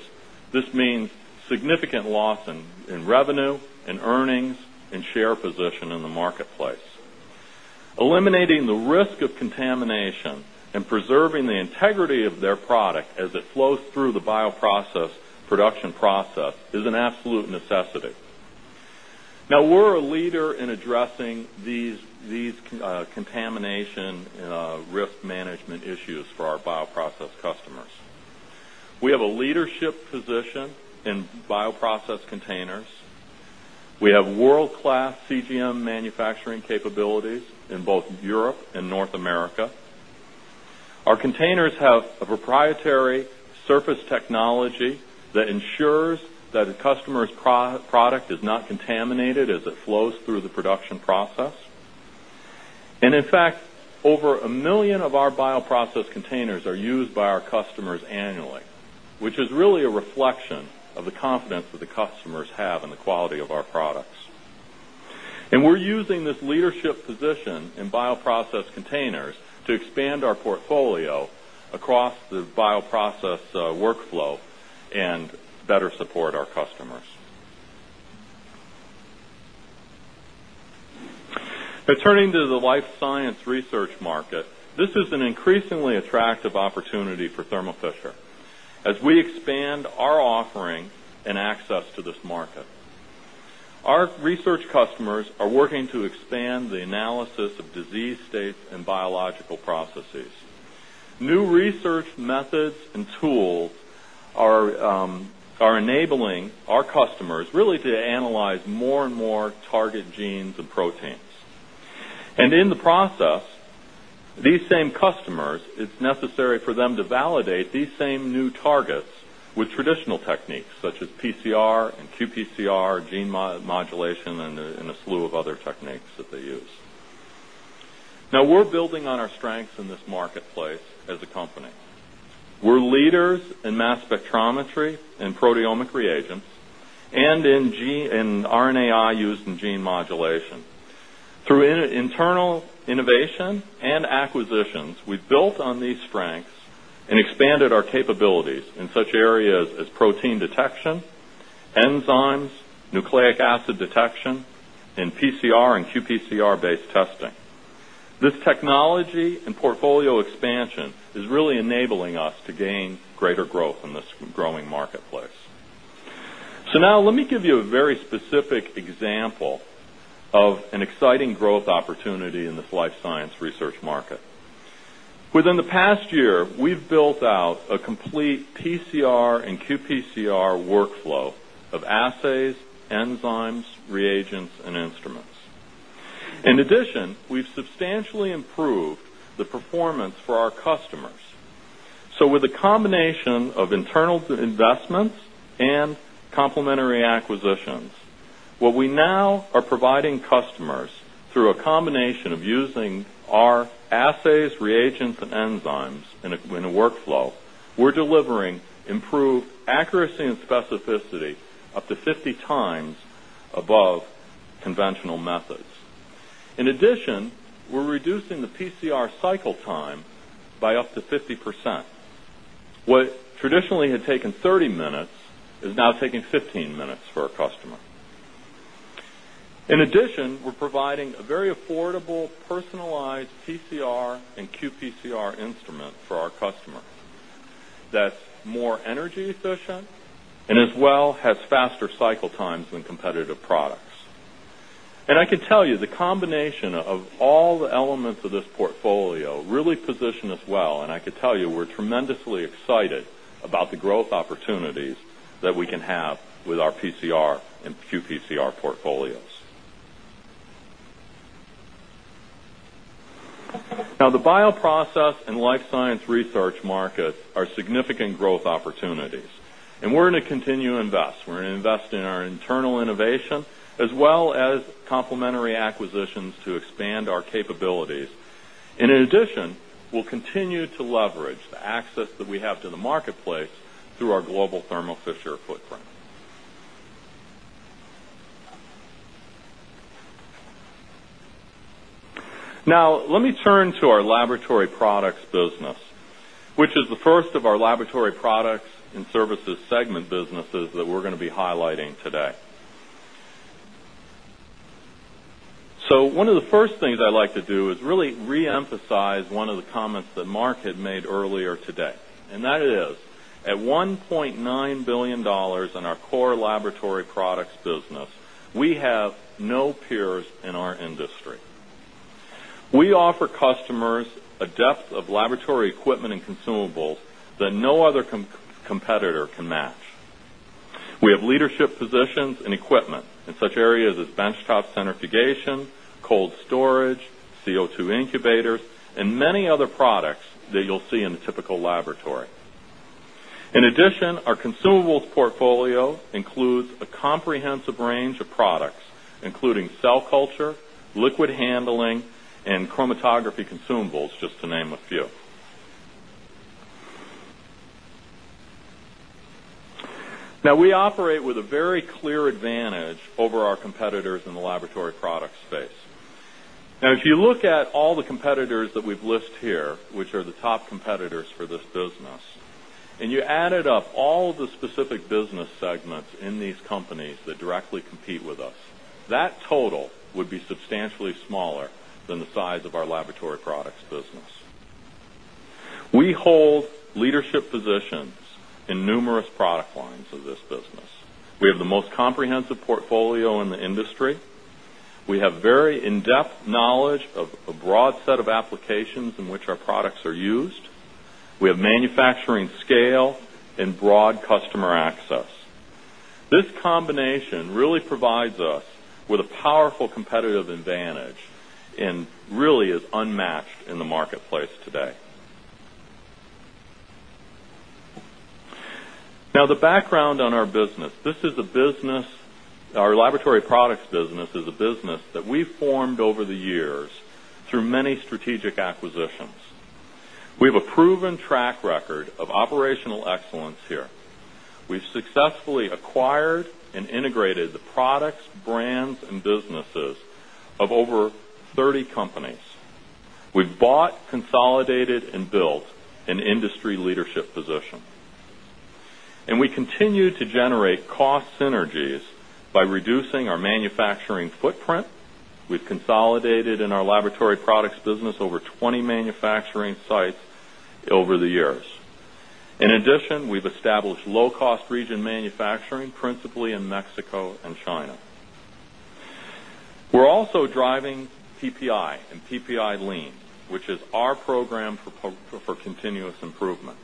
this means significant loss in revenue and earnings and share position in the marketplace. Eliminating the risk of contamination and preserving the integrity of their product as it flows through the bioprocess production process is an absolute necessity. We are a leader in addressing these contamination risk management issues for our bioprocess customers. We have a leadership position in bioprocess containers. We have world-class CGM manufacturing capabilities in both Europe and North America. Our containers have a proprietary surface technology that ensures that a customer's product is not contaminated as it flows through the production process. In fact, over a million of our bioprocess containers are used by our customers annually, which is really a reflection of the confidence that the customers have in the quality of our products. We are using this leadership position in bioprocess containers to expand our portfolio across the bioprocess workflow and better support our customers. Turning to the life science research market, this is an increasingly attractive opportunity for Thermo Fisher as we expand our offering and access to this market. Our research customers are working to expand the analysis of disease states and biological processes. New research methods and tools are enabling our customers to analyze more and more target genes and proteins. In the process, these same customers, it's necessary for them to validate these same new targets with traditional techniques such as PCR and qPCR, gene modulation, and a slew of other techniques that they use. We are building on our strengths in this marketplace as a company. We are leaders in mass spectrometry and proteomic reagents and in RNAi used in gene modulation. Through internal innovation and acquisitions, we have built on these strengths and expanded our capabilities in such areas as protein detection, enzymes, nucleic acid detection, and PCR and qPCR-based testing. This technology and portfolio expansion is enabling us to gain greater growth in this growing marketplace. Let me give you a very specific example of an exciting growth opportunity in this life science research market. Within the past year, we have built out a complete PCR and qPCR workflow of assays, enzymes, reagents, and instruments. In addition, we have substantially improved the performance for our customers. With a combination of internal investments and complementary acquisitions, what we now are providing customers through a combination of using our assays, reagents, and enzymes in a workflow, we're delivering improved accuracy and specificity up to 50 times above conventional methods. In addition, we're reducing the PCR cycle time by up to 50%. What traditionally had taken 30 minutes is now taking 15 minutes for a customer. In addition, we're providing a very affordable personalized PCR and qPCR instrument for our customers that's more energy efficient and as well has faster cycle times than competitive products. The combination of all the elements of this portfolio really positions us well. We're tremendously excited about the growth opportunities that we can have with our PCR and qPCR portfolios. The bioprocess and life science research markets are significant growth opportunities, and we're going to continue to invest. We're going to invest in our internal innovation as well as complementary acquisitions to expand our capabilities. In addition, we'll continue to leverage the access that we have to the marketplace through our global Thermo Fisher footprint. Let me turn to our laboratory products business, which is the first of our laboratory products and services segment businesses that we're going to be highlighting today. One of the first things I'd like to do is really reemphasize one of the comments that Marc had made earlier today. That is, at $1.9 billion in our core laboratory products business, we have no peers in our industry. We offer customers a depth of laboratory equipment and consumables that no other competitor can match. We have leadership positions and equipment in such areas as benchtop centrifugation, cold storage, CO2 incubators, and many other products that you'll see in a typical laboratory. In addition, our consumables portfolio includes a comprehensive range of products, including cell culture, liquid handling, and chromatography consumables, just to name a few. We operate with a very clear advantage over our competitors in the laboratory products space. If you look at all the competitors that we've listed here, which are the top competitors for this business, and you added up all the specific business segments in these companies that directly compete with us, that total would be substantially smaller than the size of our laboratory products business. We hold leadership positions in numerous product lines of this business. We have the most comprehensive portfolio in the industry. We have very in-depth knowledge of a broad set of applications in which our products are used. We have manufacturing scale and broad customer access. This combination really provides us with a powerful competitive advantage and really is unmatched in the marketplace today. Now, the background on our business, this is a business, our laboratory products business is a business that we've formed over the years through many strategic acquisitions. We have a proven track record of operational excellence here. We've successfully acquired and integrated the products, brands, and businesses of over 30 companies. We've bought, consolidated, and built an industry leadership position. We continue to generate cost synergies by reducing our manufacturing footprint. We've consolidated in our laboratory products business over 20 manufacturing sites over the years. In addition, we've established low-cost region manufacturing, principally in Mexico and China. We're also driving TPI and TPI Lean, which is our program for continuous improvement.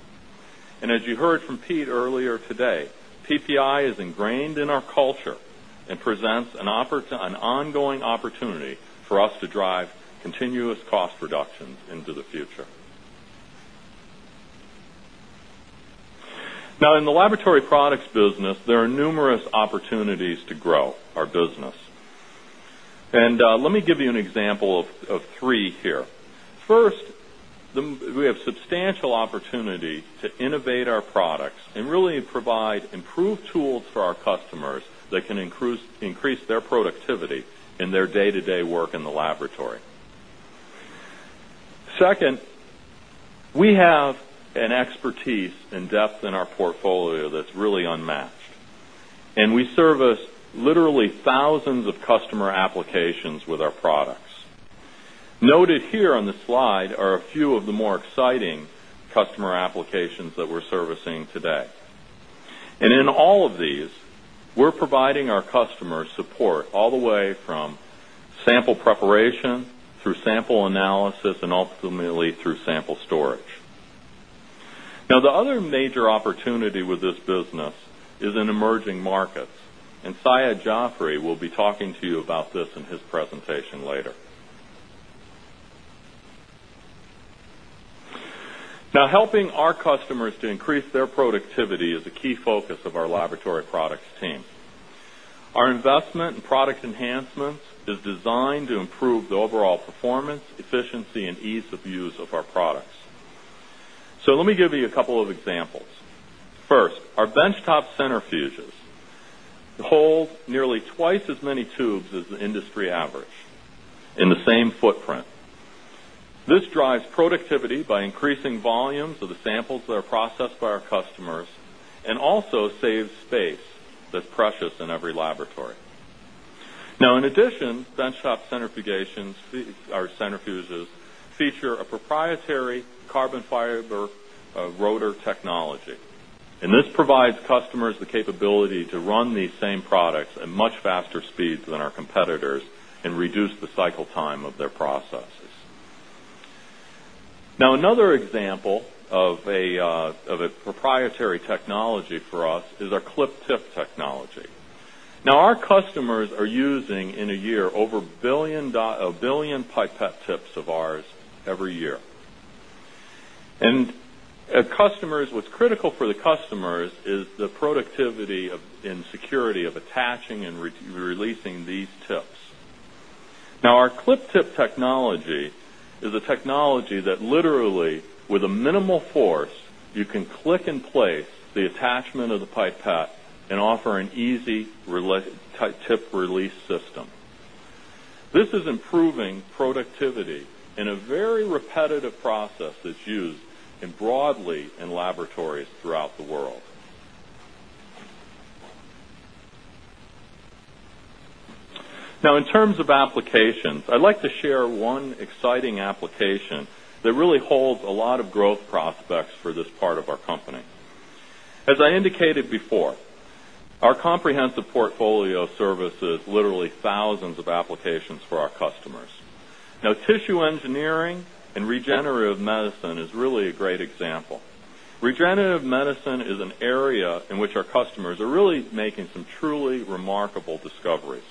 As you heard from Pete earlier today, TPI is ingrained in our culture and presents an ongoing opportunity for us to drive continuous cost reductions into the future. Now, in the laboratory products business, there are numerous opportunities to grow our business. Let me give you an example of three here. First, we have a substantial opportunity to innovate our products and really provide improved tools for our customers that can increase their productivity in their day-to-day work in the laboratory. Second, we have an expertise and depth in our portfolio that's really unmatched. We service literally thousands of customer applications with our products. Noted here on the slide are a few of the more exciting customer applications that we're servicing today. In all of these, we're providing our customers support all the way from sample preparation through sample analysis and ultimately through sample storage. Now, the other major opportunity with this business is in emerging markets. Syed Jafri will be talking to you about this in his presentation later. Helping our customers to increase their productivity is a key focus of our laboratory products team. Our investment in product enhancements is designed to improve the overall performance, efficiency, and ease of use of our products. Let me give you a couple of examples. First, our benchtop centrifuges hold nearly twice as many tubes as the industry average in the same footprint. This drives productivity by increasing volumes of the samples that are processed by our customers and also saves space that's precious in every laboratory. In addition, benchtop centrifuges feature a proprietary carbon fiber rotor technology. This provides customers the capability to run these same products at much faster speeds than our competitors and reduce the cycle time of their processes. Another example of a proprietary technology for us is our clip tip technology. Our customers are using, in a year, over a billion pipette tips of ours every year. What's critical for the customers is the productivity and security of attaching and releasing these tips. Our clip tip technology is a technology that literally, with a minimal force, you can click and place the attachment of the pipette and offer an easy tip release system. This is improving productivity in a very repetitive process that's used broadly in laboratories throughout the world. In terms of applications, I'd like to share one exciting application that really holds a lot of growth prospects for this part of our company. As I indicated before, our comprehensive portfolio services literally thousands of applications for our customers. Tissue engineering and regenerative medicine is really a great example. Regenerative medicine is an area in which our customers are really making some truly remarkable discoveries.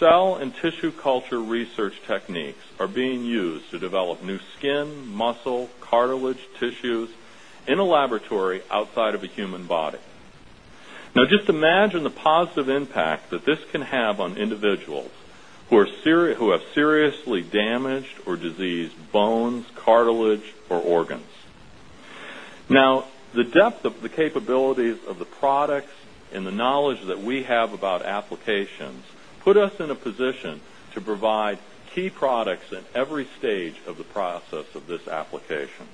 Cell and tissue culture research techniques are being used to develop new skin, muscle, cartilage, tissues in a laboratory outside of a human body. Just imagine the positive impact that this can have on individuals who have seriously damaged or diseased bones, cartilage, or organs. The depth of the capabilities of the products and the knowledge that we have about applications put us in a position to provide key products at every stage of the process of this application,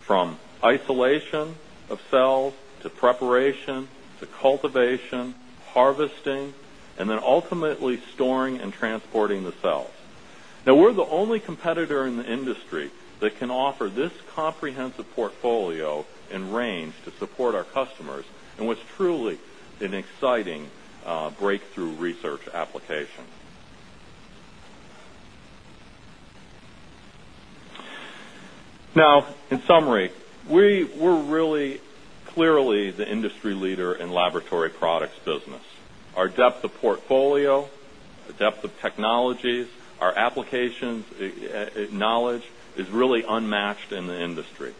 from isolation of cells to preparation to cultivation, harvesting, and then ultimately storing and transporting the cells. Now, we're the only competitor in the industry that can offer this comprehensive portfolio and range to support our customers in what's truly an exciting breakthrough research application. In summary, we're really clearly the industry leader in the laboratory products business. Our depth of portfolio, our depth of technologies, our applications, and knowledge is really unmatched in the industry.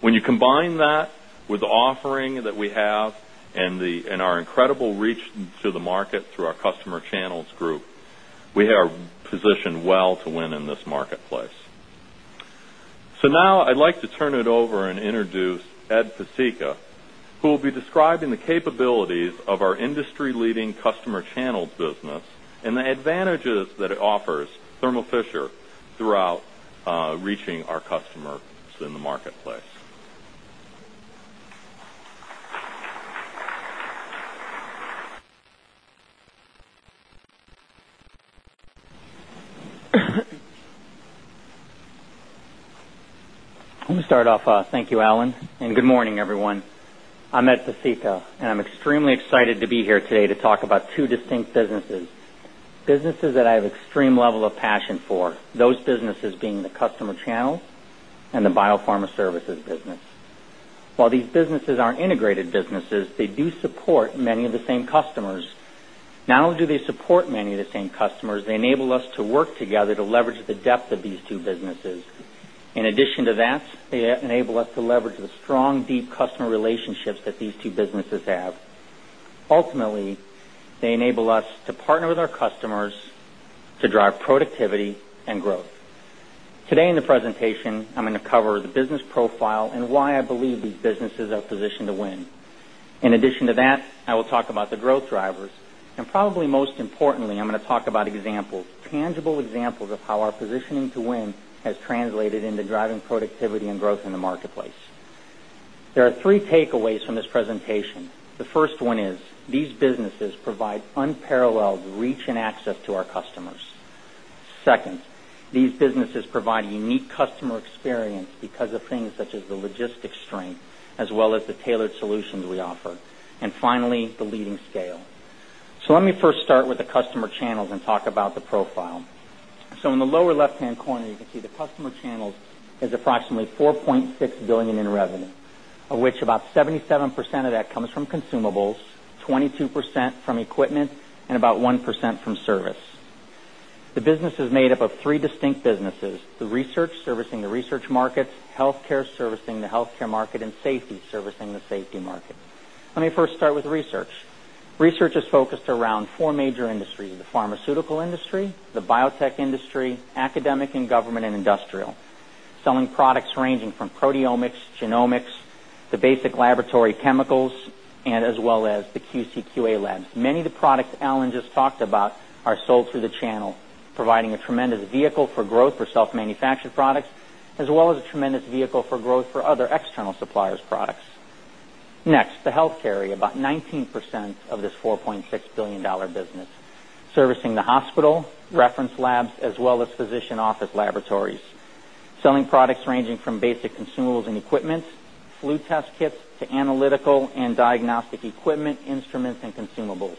When you combine that with the offering that we have and our incredible reach to the market through our Customer Channels group, we are positioned well to win in this marketplace. Now, I'd like to turn it over and introduce Ed Pesicka, who will be describing the capabilities of our industry-leading Customer Channels business and the advantages that it offers Thermo Fisher Scientific throughout reaching our customers in the marketplace. I want to start off. Thank you, Alan, and good morning, everyone. I'm Ed Pesicka, and I'm extremely excited to be here today to talk about two distinct businesses, businesses that I have an extreme level of passion for, those businesses being the customer channel and the biopharma services business. While these businesses aren't integrated businesses, they do support many of the same customers. Not only do they support many of the same customers, they enable us to work together to leverage the depth of these two businesses. In addition to that, they enable us to leverage the strong, deep customer relationships that these two businesses have. Ultimately, they enable us to partner with our customers to drive productivity and growth. Today in the presentation, I'm going to cover the business profile and why I believe these businesses are positioned to win. In addition to that, I will talk about the growth drivers. Probably most importantly, I'm going to talk about examples, tangible examples of how our positioning to win has translated into driving productivity and growth in the marketplace. There are three takeaways from this presentation. The first one is these businesses provide unparalleled reach and access to our customers. Second, these businesses provide a unique customer experience because of things such as the logistics strength, as well as the tailored solutions we offer. Finally, the leading scale. Let me first start with the customer channels and talk about the profile. In the lower left-hand corner, you can see the customer channels have approximately $4.6 billion in revenue, of which about 77% of that comes from consumables, 22% from equipment, and about 1% from service. The business is made up of three distinct businesses: the research servicing the research markets, healthcare servicing the healthcare market, and safety servicing the safety market. Let me first start with research. Research is focused around four major industries: the pharmaceutical industry, the biotech industry, academic and government, and industrial, selling products ranging from proteomics, genomics, to basic laboratory chemicals, and as well as the qCQA lab. Many of the products Alan just talked about are sold through the channel, providing a tremendous vehicle for growth for self-manufactured products, as well as a tremendous vehicle for growth for other external suppliers' products. Next, the healthcare area, about 19% of this $4.6 billion business, servicing the hospital, reference labs, as well as physician office laboratories, selling products ranging from basic consumables and equipment, flu test kits, to analytical and diagnostic equipment, instruments, and consumables.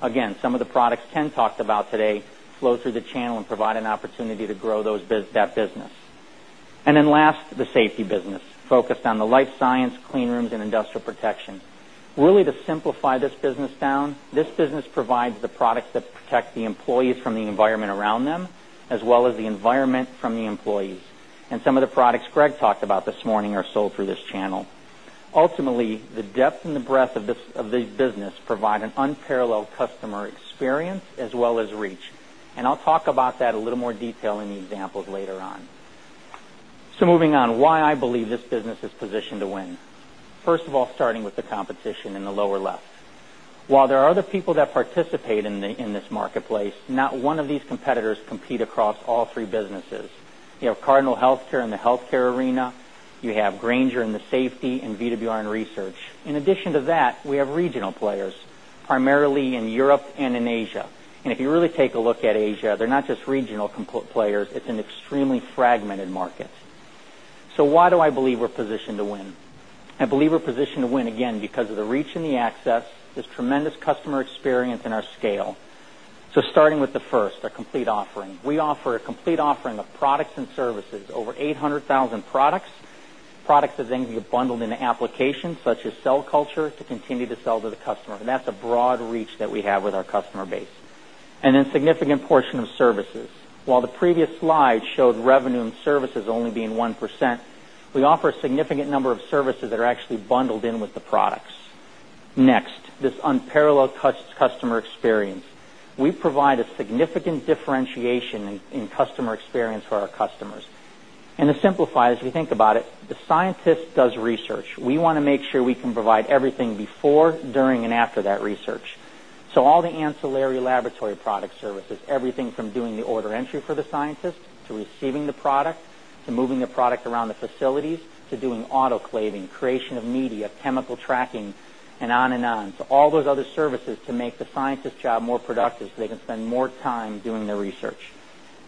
Again, some of the products Ken talked about today flow through the channel and provide an opportunity to grow that business. Last, the safety business, focused on the life science, clean rooms, and industrial protection. Really, to simplify this business down, this business provides the products that protect the employees from the environment around them, as well as the environment from the employees. Some of the products Greg talked about this morning are sold through this channel. Ultimately, the depth and the breadth of this business provide an unparalleled customer experience as well as reach. I'll talk about that in a little more detail in the examples later on. Moving on, why I believe this business is positioned to win. First of all, starting with the competition in the lower left. While there are other people that participate in this marketplace, not one of these competitors competes across all three businesses. You have Cardinal Healthcare in the healthcare arena. You have Grainger in the safety and VWR in research. In addition to that, we have regional players, primarily in Europe and in Asia. If you really take a look at Asia, they're not just regional players. It's an extremely fragmented market. Why do I believe we're positioned to win? I believe we're positioned to win, again, because of the reach and the access, this tremendous customer experience, and our scale. Starting with the first, our complete offering, we offer a complete offering of products and services, over 800,000 products. Product is then going to be bundled into applications such as cell culture to continue to sell to the customer. That's a broad reach that we have with our customer base. A significant portion of services. While the previous slide showed revenue and services only being 1%, we offer a significant number of services that are actually bundled in with the products. Next, this unparalleled touch customer experience. We provide a significant differentiation in customer experience for our customers. To simplify this, if you think about it, the scientist does research. We want to make sure we can provide everything before, during, and after that research. All the ancillary laboratory product services, everything from doing the order entry for the scientist to receiving the product, to moving the product around the facilities, to doing autoclaving, creation of media, chemical tracking, and on and on. All those other services make the scientist's job more productive so they can spend more time doing their research.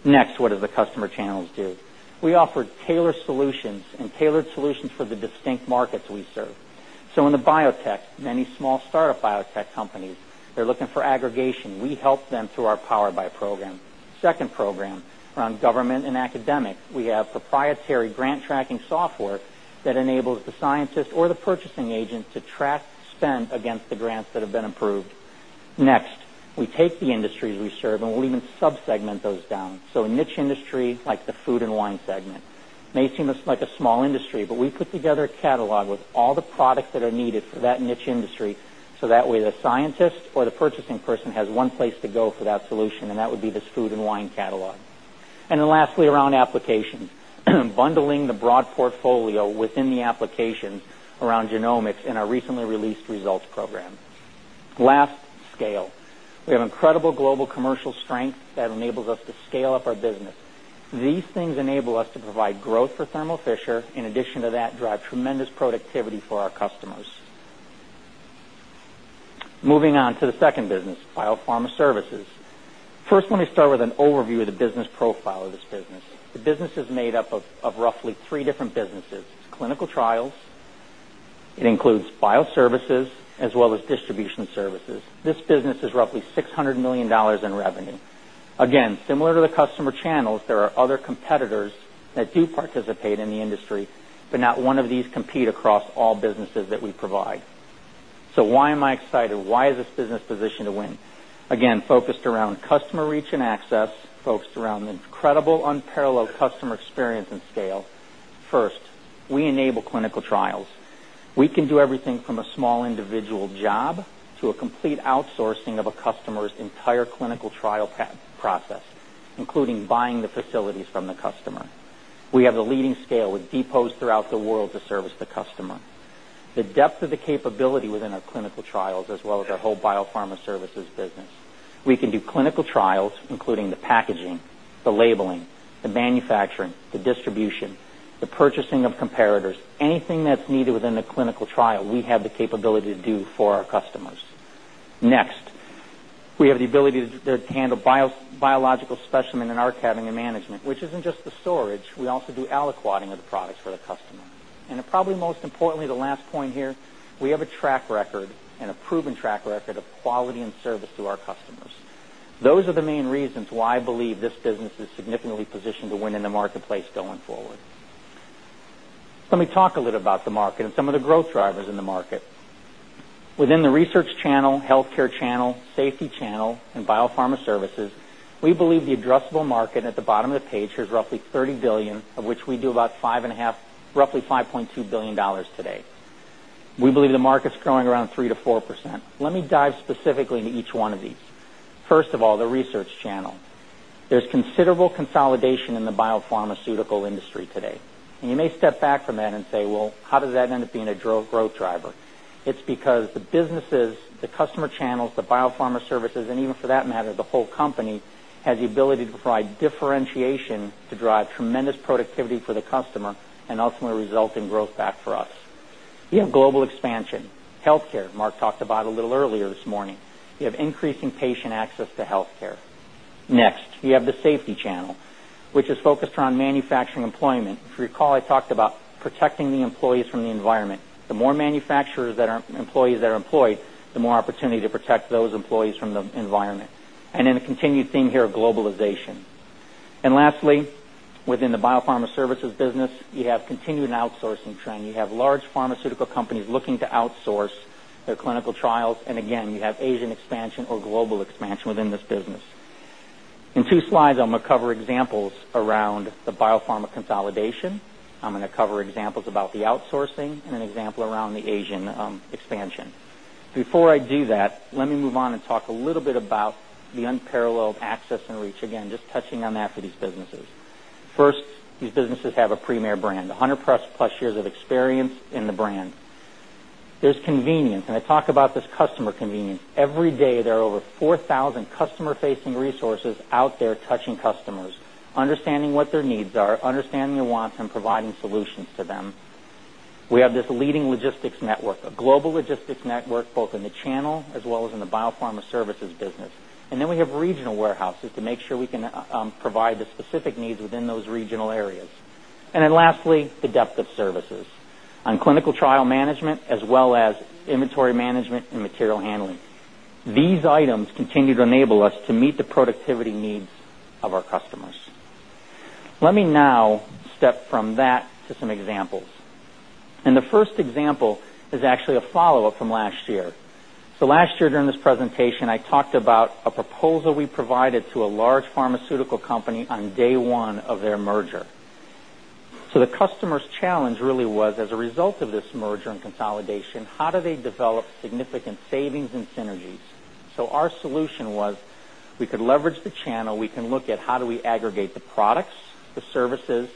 Next, what do the customer channels do? We offer tailored solutions and tailored solutions for the distinct markets we serve. In the biotech, many small startup biotech companies, they're looking for aggregation. We help them through our Powered By program. Second point. Round. Around government and academic, we have proprietary grant tracking software that enables the scientist or the purchasing agent to track spend against the grants that have been approved. Next, we take the industries we serve and we'll even subsegment those down. A niche industry like the food and wine segment may seem like a small industry, but we put together a catalog with all the products that are needed for that niche industry. That way, the scientist or the purchasing person has one place to go for that solution, and that would be this food and wine catalog. Lastly, around applications, we've been bundling the broad portfolio within the application around genomics in our recently released results program. Last, scale. We have incredible global commercial strength that enables us to scale up our business. These things enable us to provide growth for Thermo Fisher. In addition to that, drive tremendous productivity for our customers. Moving on to the second business, biopharma services. First, let me start with an overview of the business profile of this business. The business is made up of roughly three different businesses. It's clinical trials. It includes bioservices as well as distribution services. This business is roughly $600 million in revenue. Again, similar to the customer channels, there are other competitors that do participate in the industry, but not one of these competes across all businesses that we provide. Why am I excited? Why is this business positioned to win? Again, focused around customer reach and access, focused around incredible unparalleled customer experience and scale. First, we enable clinical trials. We can do everything from a small individual job to a complete outsourcing of a customer's entire clinical trial process, including buying the facilities from the customer. We have the leading scale with depots throughout the world to service the customer. The depth of the capability within our clinical trials as well as our whole biopharma services business. We can do clinical trials, including the packaging, the labeling, the manufacturing, the distribution, the purchasing of comparators. Anything that's needed within a clinical trial, we have the capability to do for our customers. Next, we have the ability to handle biological specimen and archiving and management, which isn't just the storage. We also do aliquoting of the products for the customer. And probably most importantly, the last point here, we have a track record and a proven track record of quality and service to our customers. Those are the main reasons why I believe this business is significantly positioned to win in the marketplace going forward. Let me talk a little about the market and some of the growth drivers in the market. Within the research channel, healthcare channel, safety channel, and biopharma services, we believe the addressable market at the bottom of the page has roughly $30 billion, of which we do about $5.2 billion today. We believe the market's growing around 3%-4%. Let me dive specifically into each one of these. First of all, the research channel. There's considerable consolidation in the biopharmaceutical industry today. You may step back from that and say, how does that end up being a growth driver? It's because the businesses, the customer channels, the biopharma services, and even for that matter, the whole company has the ability to provide differentiation to drive tremendous productivity for the customer and ultimately result in growth back for us. You have global expansion. Healthcare, Marc talked about a little earlier this morning. You have increasing patient access to healthcare. Next, you have the safety channel, which is focused around manufacturing employment. If you recall, I talked about protecting the employees from the environment. The more manufacturers that are employees that are employed, the more opportunity to protect those employees from the environment. A continued theme here of globalization. Lastly, within the biopharma services business, you have continued outsourcing trend. You have large pharmaceutical companies looking to outsource their clinical trials. You have Asian expansion or global expansion within this business. In two slides, I'm going to cover examples around the biopharma consolidation. I'm going to cover examples about the outsourcing and an example around the Asian expansion. Before I do that, let me move on and talk a little bit about the unparalleled access and reach. Again, just touching on that for these businesses. First, these businesses have a premier brand, 100+ years of experience in the brand. There's convenience, and I talk about this customer convenience. Every day, there are over 4,000 customer-facing resources out there touching customers, understanding what their needs are, understanding their wants, and providing solutions to them. We have this leading logistics network, a global logistics network both in the channel as well as in the biopharma services business. We have regional warehouses to make sure we can provide the specific needs within those regional areas. Lastly, the depth of services on clinical trial management as well as inventory management and material handling. These items continue to enable us to meet the productivity needs of our customers. Let me now step from that to some examples. The first example is actually a follow-up from last year. Last year, during this presentation, I talked about a proposal we provided to a large pharmaceutical company on day one of their merger. The customer's challenge really was, as a result of this merger and consolidation, how do they develop significant savings and synergies? Our solution was we could leverage the channel. We can look at how do we aggregate the products, the services,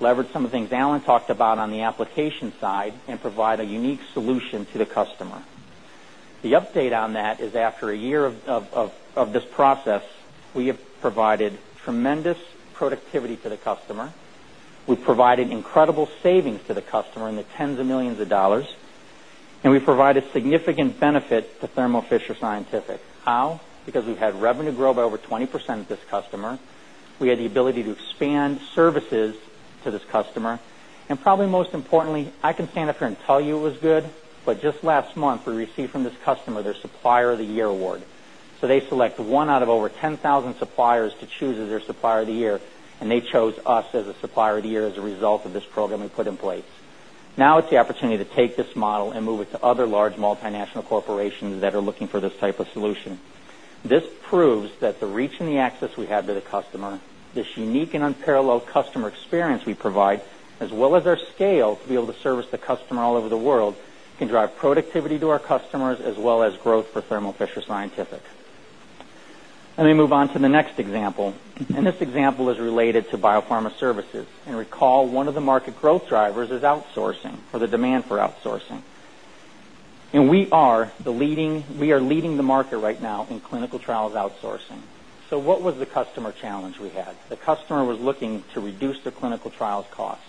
leverage some of the things Alan talked about on the application side, and provide a unique solution to the customer. The update on that is after a year of this process, we have provided tremendous productivity to the customer. We provided incredible savings to the customer in the tens of millions of dollars. We provided significant benefit to Thermo Fisher Scientific. How? Because we've had revenue grow by over 20% with this customer. We had the ability to expand services to this customer. Probably most importantly, I can stand up here and tell you it was good, but just last month, we received from this customer their Supplier of the Year award. They select one out of over 10,000 suppliers to choose as their Supplier of the Year, and they chose us as a Supplier of the Year as a result of this program we put in place. Now it's the opportunity to take this model and move it to other large multinational corporations that are looking for this type of solution. This proves that the reach and the access we have to the customer, this unique and unparalleled customer experience we provide, as well as our scale to be able to service the customer all over the world, can drive productivity to our customers as well as growth for Thermo Fisher Scientific. Let me move on to the next example. This example is related to biopharma services. Recall, one of the market growth drivers is outsourcing or the demand for outsourcing. We are leading the market right now in clinical trials outsourcing. What was the customer challenge we had? The customer was looking to reduce their clinical trials cost.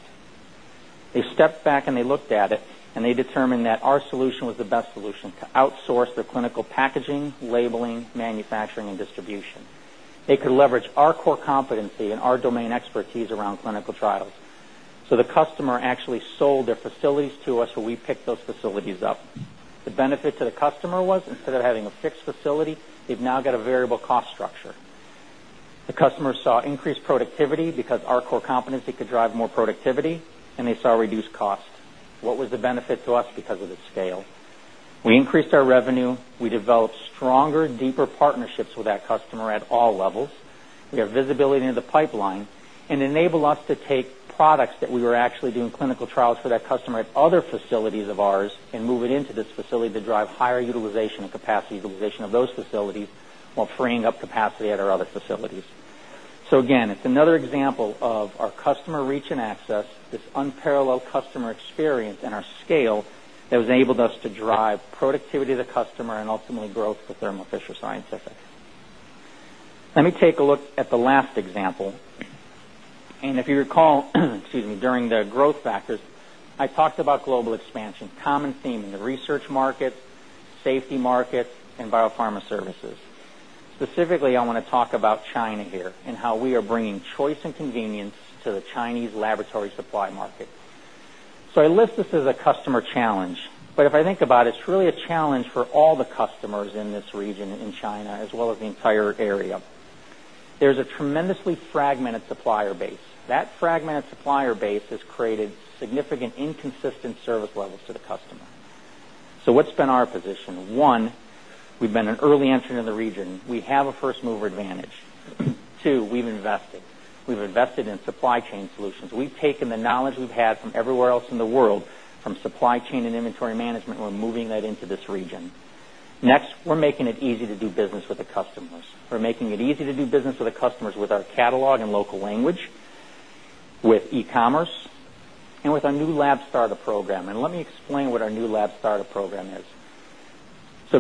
They stepped back and looked at it, and they determined that our solution was the best solution to outsource their clinical packaging, labeling, manufacturing, and distribution. They could leverage our core competency and our domain expertise around clinical trials. The customer actually sold their facilities to us, or we picked those facilities up. The benefit to the customer was, instead of having a fixed facility, they've now got a variable cost structure. The customer saw increased productivity because our core competency could drive more productivity, and they saw reduced cost. What was the benefit to us? Because of the scale, we increased our revenue. We developed stronger, deeper partnerships with that customer at all levels. We have visibility into the pipeline and enable us to take products that we were actually doing clinical trials for that customer at other facilities of ours and move it into this facility to drive higher utilization and capacity utilization of those facilities while freeing up capacity at our other facilities. It is another example of our customer reach and access, this unparalleled customer experience, and our scale that has enabled us to drive productivity to the customer and ultimately growth for Thermo Fisher Scientific. Let me take a look at the last example. If you recall, during the growth factors, I talked about global expansion, a common theme in the research markets, safety markets, and biopharma services. Specifically, I want to talk about China here and how we are bringing choice and convenience to the Chinese laboratory supply market. I list this as a customer challenge. If I think about it, it's really a challenge for all the customers in this region in China as well as the entire area. There is a tremendously fragmented supplier base. That fragmented supplier base has created significant inconsistent service levels to the customer. What has been our position? One, we have been an early entrant in the region. We have a first-mover advantage. Two, we have invested. We have invested in supply chain solutions. We've taken the knowledge we've had from everywhere else in the world, from supply chain and inventory management, and we're moving that into this region. Next, we're making it easy to do business with the customers. We're making it easy to do business with the customers with our catalog and local language, with e-commerce, and with our new Lab Startup program. Let me explain what our new Lab Startup program is.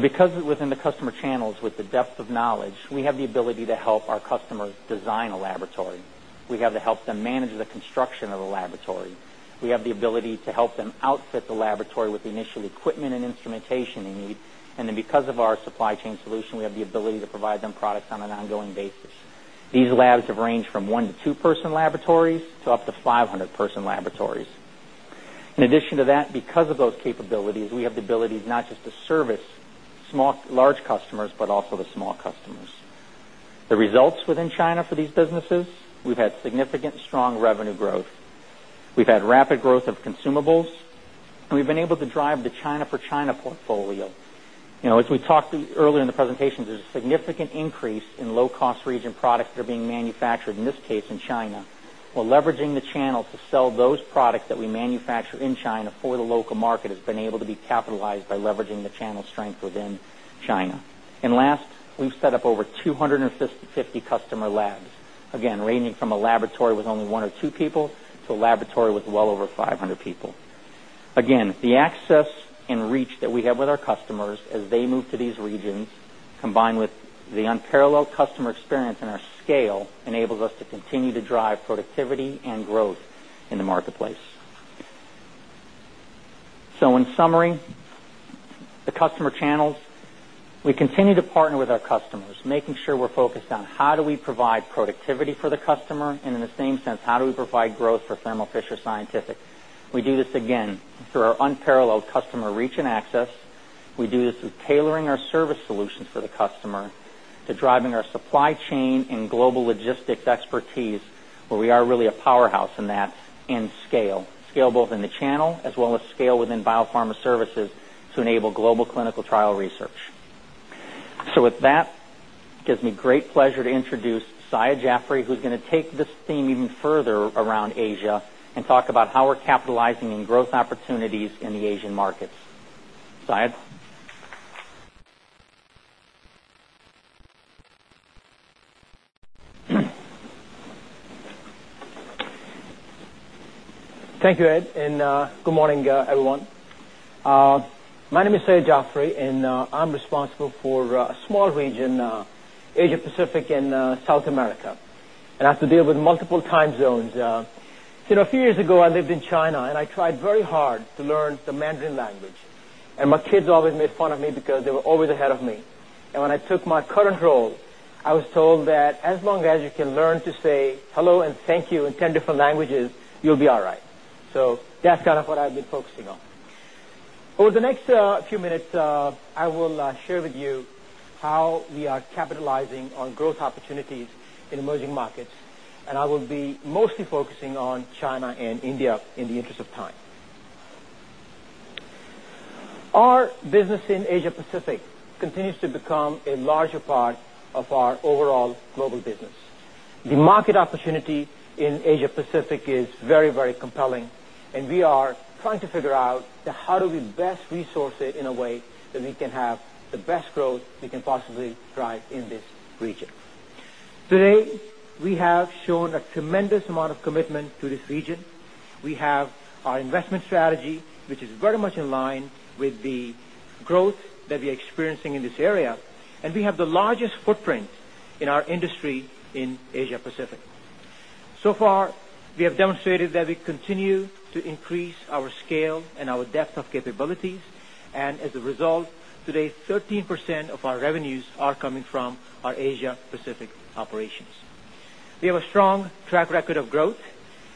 Because within the customer channels, with the depth of knowledge, we have the ability to help our customers design a laboratory. We have to help them manage the construction of a laboratory. We have the ability to help them outfit the laboratory with the initial equipment and instrumentation they need. Because of our supply chain solution, we have the ability to provide them products on an ongoing basis. These labs have ranged from one to two-person laboratories to up to 500-person laboratories. In addition to that, because of those capabilities, we have the ability not just to service large customers, but also the small customers. The results within China for these businesses, we've had significant strong revenue growth. We've had rapid growth of consumables, and we've been able to drive the China-for-China portfolio. As we talked earlier in the presentation, there's a significant increase in low-cost region products that are being manufactured, in this case, in China. Leveraging the channel to sell those products that we manufacture in China for the local market has been able to be capitalized by leveraging the channel strength within China. Last, we've set up over 250 customer labs, again, ranging from a laboratory with only one or two people to a laboratory with well over 500 people. The access and reach that we have with our customers as they move to these regions, combined with the unparalleled customer experience and our scale, enables us to continue to drive productivity and growth in the marketplace. In summary, the customer channels, we continue to partner with our customers, making sure we're focused on how do we provide productivity for the customer, and in the same sense, how do we provide growth for Thermo Fisher Scientific. We do this again through our unparalleled customer reach and access. We do this with tailoring our service solutions for the customer to driving our supply chain and global logistics expertise, where we are really a powerhouse, and that's in scale. Scale both in the channel as well as scale within biopharma services to enable global clinical trial research. It gives me great pleasure to introduce Syed Jafri, who's going to take this theme even further around Asia and talk about how we're capitalizing on growth opportunities in the Asian markets. Syed? Thank you, Ed, and good morning, everyone. My name is Syed Jafri, and I'm responsible for a small region, Asia-Pacific and South America. I have to deal with multiple time zones. A few years ago, I lived in China, and I tried very hard to learn the Mandarin language. My kids always made fun of me because they were always ahead of me. When I took my current role, I was told that as long as you can learn to say hello and thank you in 10 different languages, you'll be all right. That's kind of what I've been focusing on. Over the next few minutes, I will share with you how we are capitalizing on growth opportunities in emerging markets. I will be mostly focusing on China and India in the interest of time. Our business in Asia-Pacific continues to become a larger part of our overall global business. The market opportunity in Asia-Pacific is very, very compelling. We are trying to figure out how do we best resource it in a way that we can have the best growth we can possibly drive in this region. Today, we have shown a tremendous amount of commitment to this region. We have our investment strategy, which is very much in line with the growth that we are experiencing in this area. We have the largest footprint in our industry in Asia-Pacific. So far, we have demonstrated that we continue to increase our scale and our depth of capabilities. As a result, today, 13% of our revenues are coming from our Asia-Pacific operations. We have a strong track record of growth.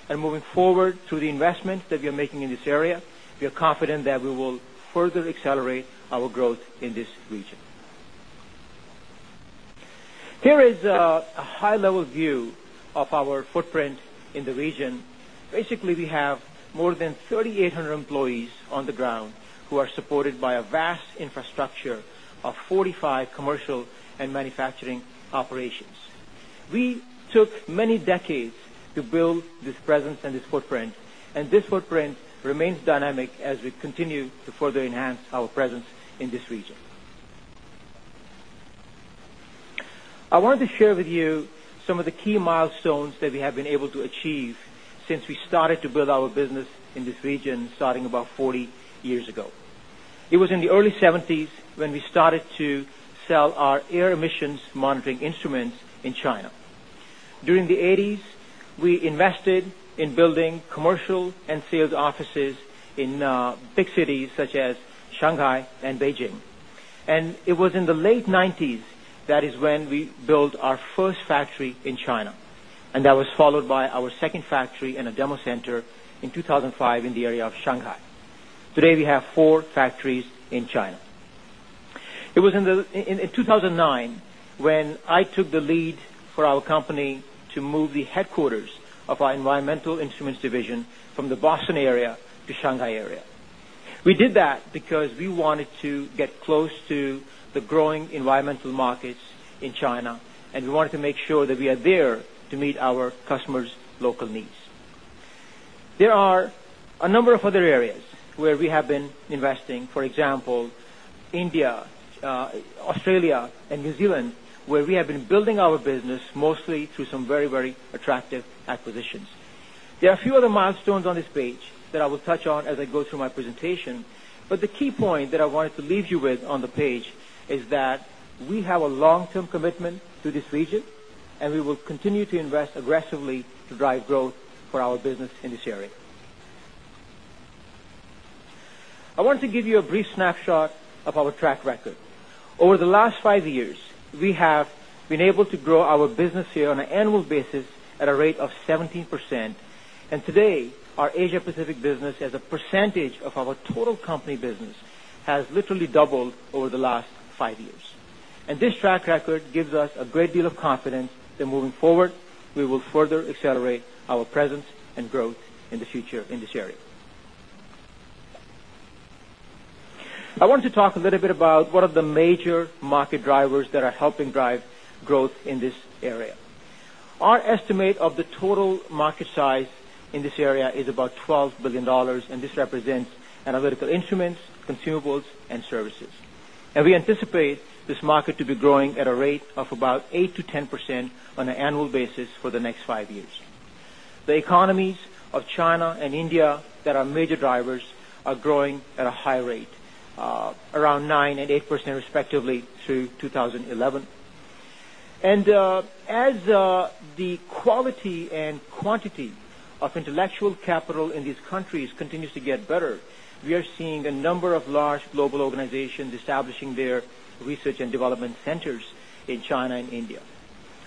Moving forward through the investment that we are making in this area, we are confident that we will further accelerate our growth in this region. Here is a high-level view of our footprint in the region. Basically, we have more than 3,800 employees on the ground who are supported by a vast infrastructure of 45 commercial and manufacturing operations. We took many decades to build this presence and this footprint. This footprint remains dynamic as we continue to further enhance our presence in this region. I wanted to share with you some of the key milestones that we have been able to achieve since we started to build our business in this region, starting about 40 years ago. It was in the early 1970s when we started to sell our air emissions monitoring instruments in China. During the 1980s, we invested in building commercial and sales offices in big cities such as Shanghai and Beijing. It was in the late 1990s that is when we built our first factory in China. That was followed by our second factory and a demo center in 2005 in the area of Shanghai. Today, we have four factories in China. It was in 2009 when I took the lead for our company to move the headquarters of our environmental instruments division from the Boston area to the Shanghai area. We did that because we wanted to get close to the growing environmental markets in China. We wanted to make sure that we are there to meet our customers' local needs. There are a number of other areas where we have been investing, for example, India, Australia, and New Zealand, where we have been building our business mostly through some very, very attractive acquisitions. There are a few other milestones on this page that I will touch on as I go through my presentation. The key point that I wanted to leave you with on the page is that we have a long-term commitment to this region. We will continue to invest aggressively to drive growth for our business in this area. I wanted to give you a brief snapshot of our track record. Over the last five years, we have been able to grow our business here on an annual basis at a rate of 17%. Today, our Asia-Pacific business as a percentage of our total company business has literally doubled over the last five years. This track record gives us a great deal of confidence that moving forward, we will further accelerate our presence and growth in the future in this area. I wanted to talk a little bit about one of the major market drivers that are helping drive growth in this area. Our estimate of the total market size in this area is about $12 billion. This represents analytical instruments, consumables, and services. We anticipate this market to be growing at a rate of about 8%-10% on an annual basis for the next five years. The economies of China and India that are major drivers are growing at a high rate, around 9% and 8% respectively through 2011. As the quality and quantity of intellectual capital in these countries continues to get better, we are seeing a number of large global organizations establishing their research and development centers in China and India.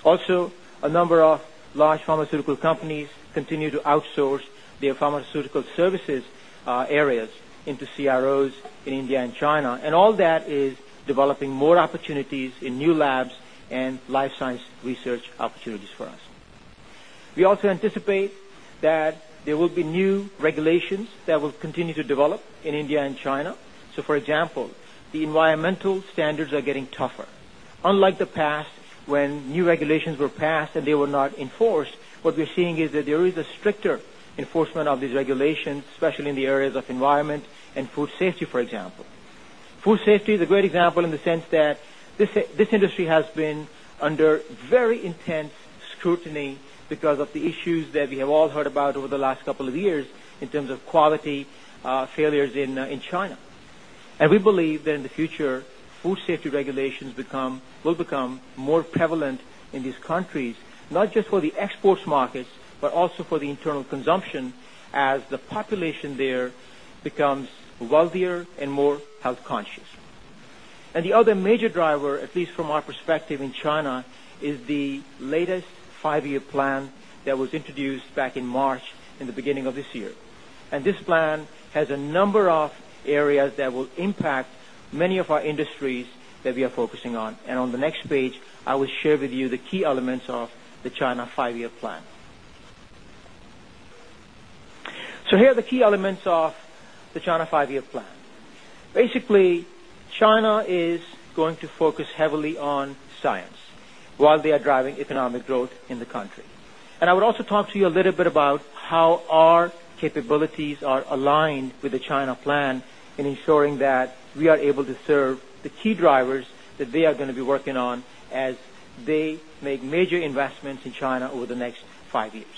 Also, a number of large pharmaceutical companies continue to outsource their pharmaceutical services areas into CROs in India and China. All that is developing more opportunities in new labs and life science research opportunities for us. We also anticipate that there will be new regulations that will continue to develop in India and China. For example, the environmental standards are getting tougher. Unlike the past, when new regulations were passed and they were not enforced, what we're seeing is that there is a stricter enforcement of these regulations, especially in the areas of environment and food safety, for example. Food safety is a great example in the sense that this industry has been under very intense scrutiny because of the issues that we have all heard about over the last couple of years in terms of quality failures in China. We believe that in the future, food safety regulations will become more prevalent in these countries, not just for the export markets, but also for the internal consumption as the population there becomes wealthier and more health-conscious. The other major driver, at least from our perspective in China, is the latest five-year plan that was introduced back in March in the beginning of this year. This plan has a number of areas that will impact many of our industries that we are focusing on. On the next page, I will share with you the key elements of the China five-year plan. Here are the key elements of the China five-year plan. Basically, China is going to focus heavily on science while they are driving economic growth in the country. I would also talk to you a little bit about how our capabilities are aligned with the China plan in ensuring that we are able to serve the key drivers that they are going to be working on as they make major investments in China over the next five years.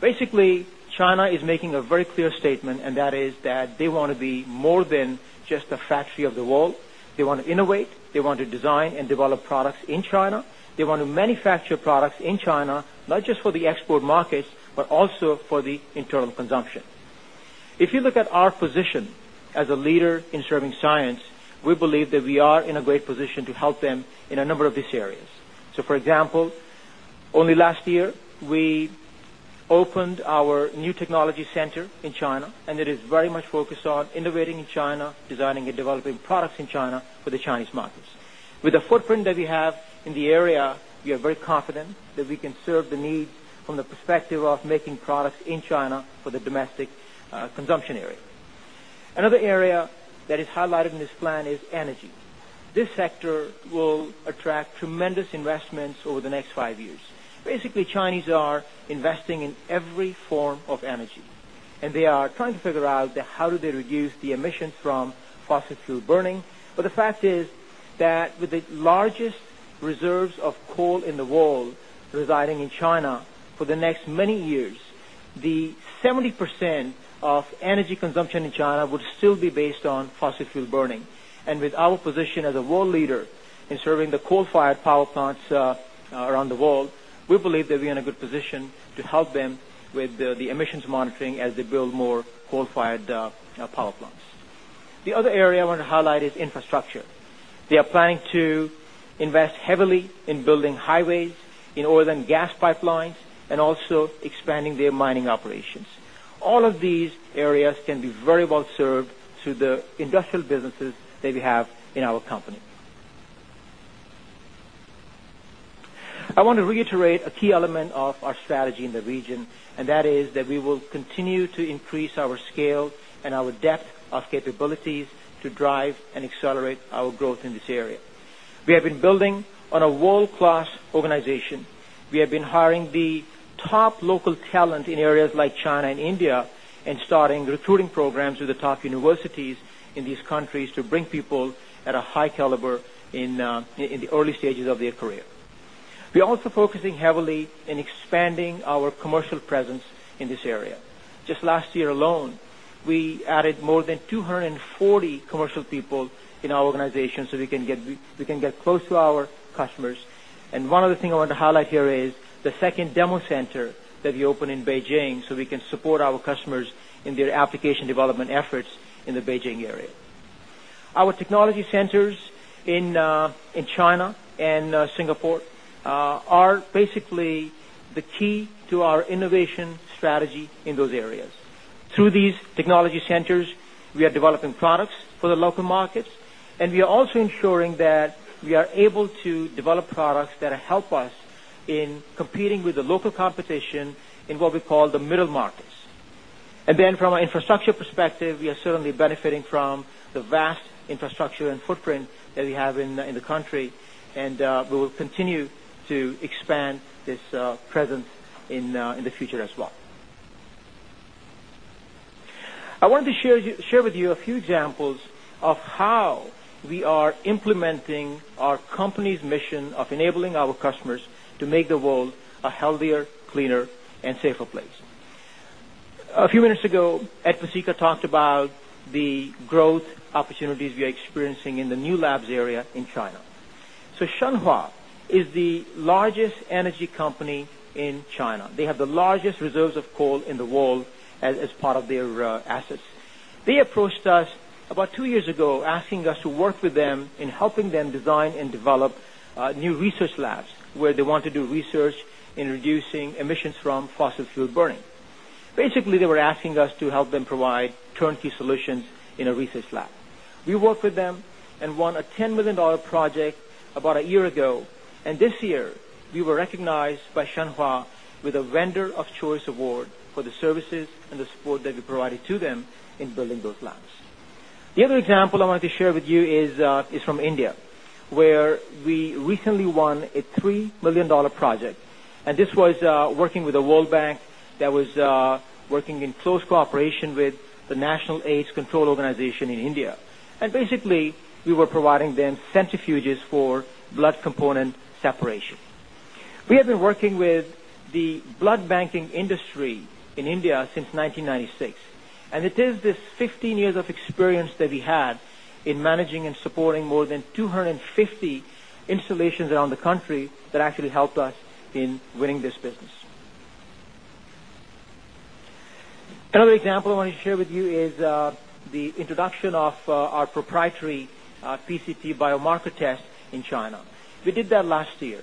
Basically, China is making a very clear statement, and that is that they want to be more than just a factory of the world. They want to innovate. They want to design and develop products in China. They want to manufacture products in China, not just for the export markets, but also for the internal consumption. If you look at our position as a leader in serving science, we believe that we are in a great position to help them in a number of these areas. For example, only last year, we opened our new technology center in China. It is very much focused on innovating in China, designing and developing products in China for the Chinese markets. With the footprint that we have in the area, we are very confident that we can serve the needs from the perspective of making products in China for the domestic consumption area. Another area that is highlighted in this plan is energy. This sector will attract tremendous investments over the next five years. Basically, Chinese are investing in every form of energy. They are trying to figure out how do they reduce the emissions from fossil fuel burning. The fact is that with the largest reserves of coal in the world residing in China, for the next many years, 70% of energy consumption in China will still be based on fossil fuel burning. With our position as a world leader in serving the coal-fired power plants around the world, we believe that we are in a good position to help them with the emissions monitoring as they build more coal-fired power plants. The other area I want to highlight is infrastructure. They are planning to invest heavily in building highways, in oil and gas pipelines, and also expanding their mining operations. All of these areas can be very well served through the industrial businesses that we have in our company. I want to reiterate a key element of our strategy in the region, and that is that we will continue to increase our scale and our depth of capabilities to drive and accelerate our growth in this area. We have been building on a world-class organization. We have been hiring the top local talent in areas like China and India and starting recruiting programs with the top universities in these countries to bring people at a high caliber in the early stages of their career. We are also focusing heavily on expanding our commercial presence in this area. Just last year alone, we added more than 240 commercial people in our organization so we can get close to our customers. One other thing I want to highlight here is the second demo center that we opened in Beijing so we can support our customers in their application development efforts in the Beijing area. Our technology centers in China and Singapore are basically the key to our innovation strategy in those areas. Through these technology centers, we are developing products for the local markets. We are also ensuring that we are able to develop products that help us in competing with the local competition in what we call the middle markets. From an infrastructure perspective, we are certainly benefiting from the vast infrastructure and footprint that we have in the country. We will continue to expand this presence in the future as well. I wanted to share with you a few examples of how we are implementing our company's mission of enabling our customers to make the world a healthier, cleaner, and safer place. A few minutes ago, Ed Pesicka talked about the growth opportunities we are experiencing in the new labs area in China. Shenhua is the largest energy company in China. They have the largest reserves of coal in the world as part of their assets. They approached us about two years ago, asking us to work with them in helping them design and develop new research labs where they want to do research in reducing emissions from fossil fuel burning. Basically, they were asking us to help them provide turnkey solutions in a research lab. We worked with them and won a $10 million project about a year ago. This year, we were recognized by Shenhua with a Vendor of Choice Award for the services and the support that we provided to them in building those labs. The other example I wanted to share with you is from India, where we recently won a $3 million project. This was working with a World Bank that was working in close cooperation with the National AIDS Control Organization in India. Basically, we were providing them centrifuges for blood component separation. We have been working with the blood banking industry in India since 1996. It is this 15 years of experience that we had in managing and supporting more than 250 installations around the country that actually helped us in winning this business. Another example I wanted to share with you is the introduction of our proprietary PCT biomarker test in China. We did that last year.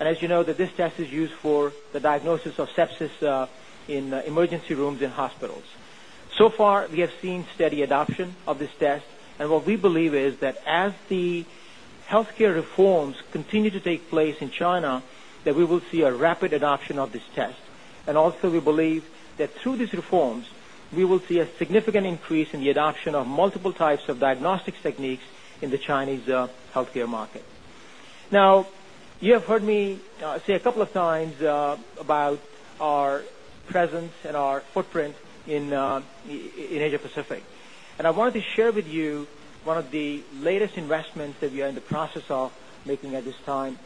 As you know, this test is used for the diagnosis of sepsis in emergency rooms and hospitals. So far, we have seen steady adoption of this test. What we believe is that as the healthcare reforms continue to take place in China, we will see a rapid adoption of this test. We also believe that through these reforms, we will see a significant increase in the adoption of multiple types of diagnostics techniques in the Chinese healthcare market. You have heard me say a couple of times about our presence and our footprint in Asia-Pacific. I wanted to share with you one of the latest investments that we are in the process of making at this time.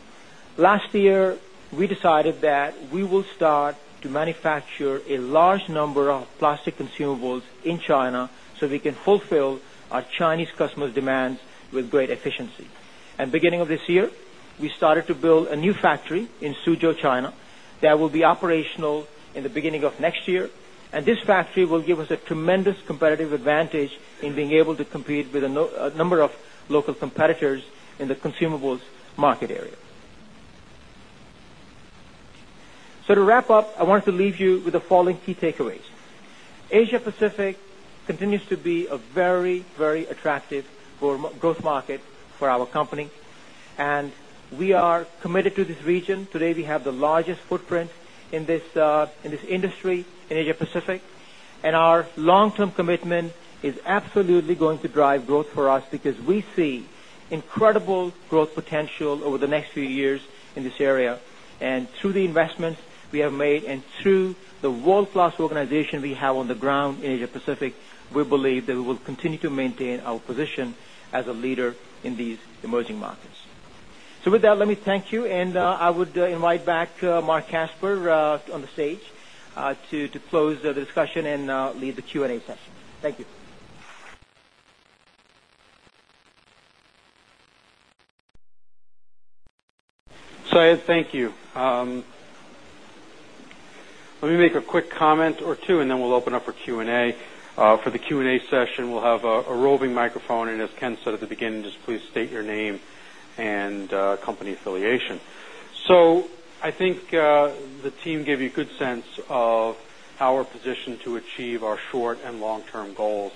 Last year, we decided that we will start to manufacture a large number of plastic consumables in China so we can fulfill our Chinese customers' demands with great efficiency. At the beginning of this year, we started to build a new factory in Suzhou, China, that will be operational at the beginning of next year. This factory will give us a tremendous competitive advantage in being able to compete with a number of local competitors in the consumables market area. To wrap up, I wanted to leave you with the following key takeaways. Asia-Pacific continues to be a very, very attractive growth market for our company, and we are committed to this region. Today, we have the largest footprint in this industry in Asia-Pacific, and our long-term commitment is absolutely going to drive growth for us because we see incredible growth potential over the next few years in this area. Through the investments we have made and through the world-class organization we have on the ground in Asia-Pacific, we believe that we will continue to maintain our position as a leader in these emerging markets. Let me thank you, and I would invite back Marc Casper on the stage to close the discussion and lead the Q&A session. Thank you. Syed, thank you. Let me make a quick comment or two, and then we'll open up for Q&A. For the Q&A session, we'll have a roving microphone. As Ken said at the beginning, just please state your name and company affiliation. I think the team gave you a good sense of how we're positioned to achieve our short and long-term goals.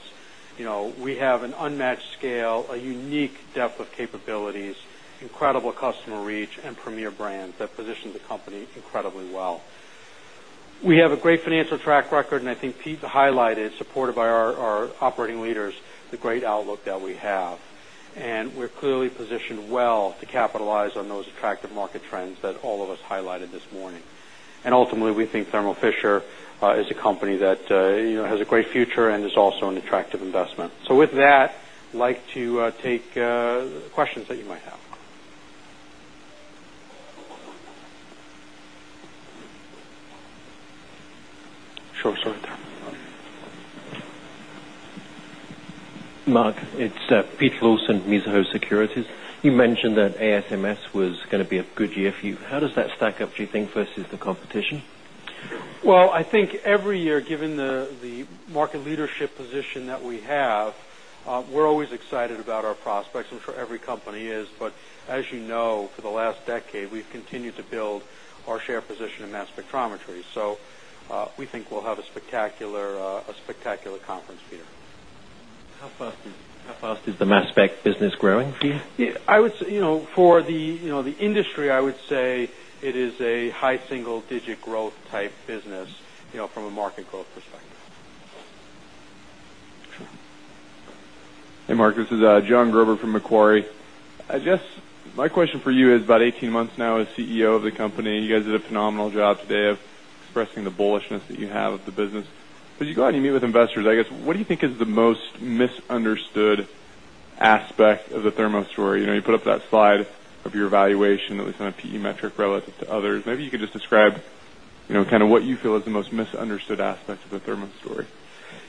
We have an unmatched scale, a unique depth of capabilities, incredible customer reach, and premier brands that position the company incredibly well. We have a great financial track record. I think Pete highlighted, supported by our operating leaders, the great outlook that we have. We're clearly positioned well to capitalize on those attractive market trends that all of us highlighted this morning. Ultimately, we think Thermo Fisher is a company that has a great future and is also an attractive investment. With that, I'd like to take questions that you might have. Marc, it's [Pete Wilson] of Mizuho Securities. You mentioned that ASMS was going to be a good year for you. How does that stack up, do you think, versus the competition? I think every year, given the market leadership position that we have, we're always excited about our prospects. I'm sure every company is. As you know, for the last decade, we've continued to build our share position in mass spectrometry. We think we'll have a spectacular conference here. How fast is the mass spec business growing for you? I would say for the industry, I would say it is a high single-digit growth type business, you know, from a market growth perspective. Sure. Hey, Marc, this is Jon Gerber from Macquarie. I guess my question for you is about 18 months now as CEO of the company. You guys did a phenomenal job today of expressing the bullishness that you have of the business. You go out and you meet with investors. What do you think is the most misunderstood aspect of the Thermo story? You put up that slide of your evaluation, at least on a P.E. metric relative to others. Maybe you could just describe what you feel is the most misunderstood aspect of the Thermo story.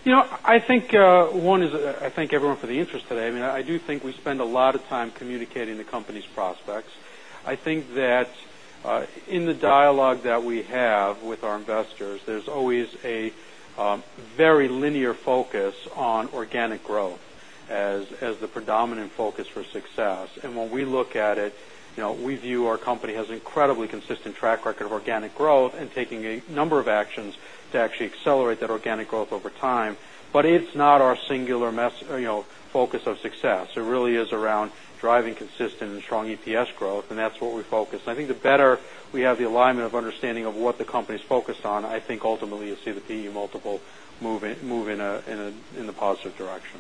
I think one is, I thank everyone for the interest today. I mean, I do think we spend a lot of time communicating the company's prospects. I think that in the dialogue that we have with our investors, there's always a very linear focus on organic growth as the predominant focus for success. When we look at it, you know, we view our company has an incredibly consistent track record of organic growth and taking a number of actions to actually accelerate that organic growth over time. It's not our singular focus of success. It really is around driving consistent and strong EPS growth. That's what we focus. I think the better we have the alignment of understanding of what the company is focused on, I think ultimately you see the PE multiple move in a positive direction.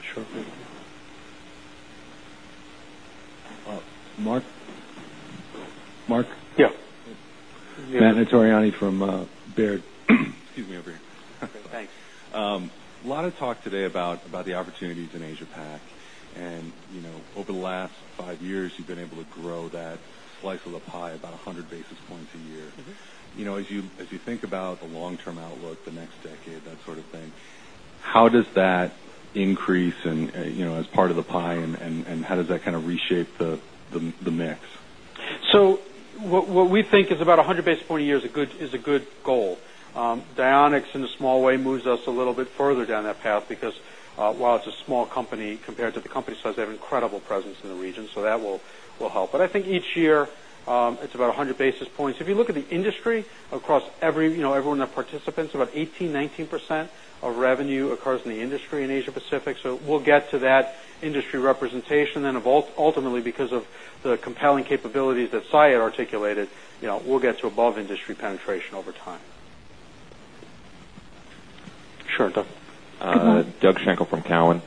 Sure, thank you. Marc? Yes. [Anthony Arias] from Baird. Excuse me, over here. OK, thanks. A lot of talk today about the opportunities in Asia-Pacific. Over the last five years, you've been able to grow that life of the pie about 100 basis points a year. As you think about the long-term outlook, the next decade, that sort of thing, how does that increase as part of the pie? How does that kind of reshape the mix? What we think is about 100 basis points a year is a good goal. Dionex, in a small way, moves us a little bit further down that path because while it's a small company compared to the company size, they have an incredible presence in the region. That will help. I think each year, it's about 100 basis points. If you look at the industry across every one of the participants, about 18%, 19% of revenue occurs in the industry in Asia-Pacific. We'll get to that industry representation. Ultimately, because of the compelling capabilities that Syed articulated, you know, we'll get to above industry penetration over time. Doug Schenkel from Cowen.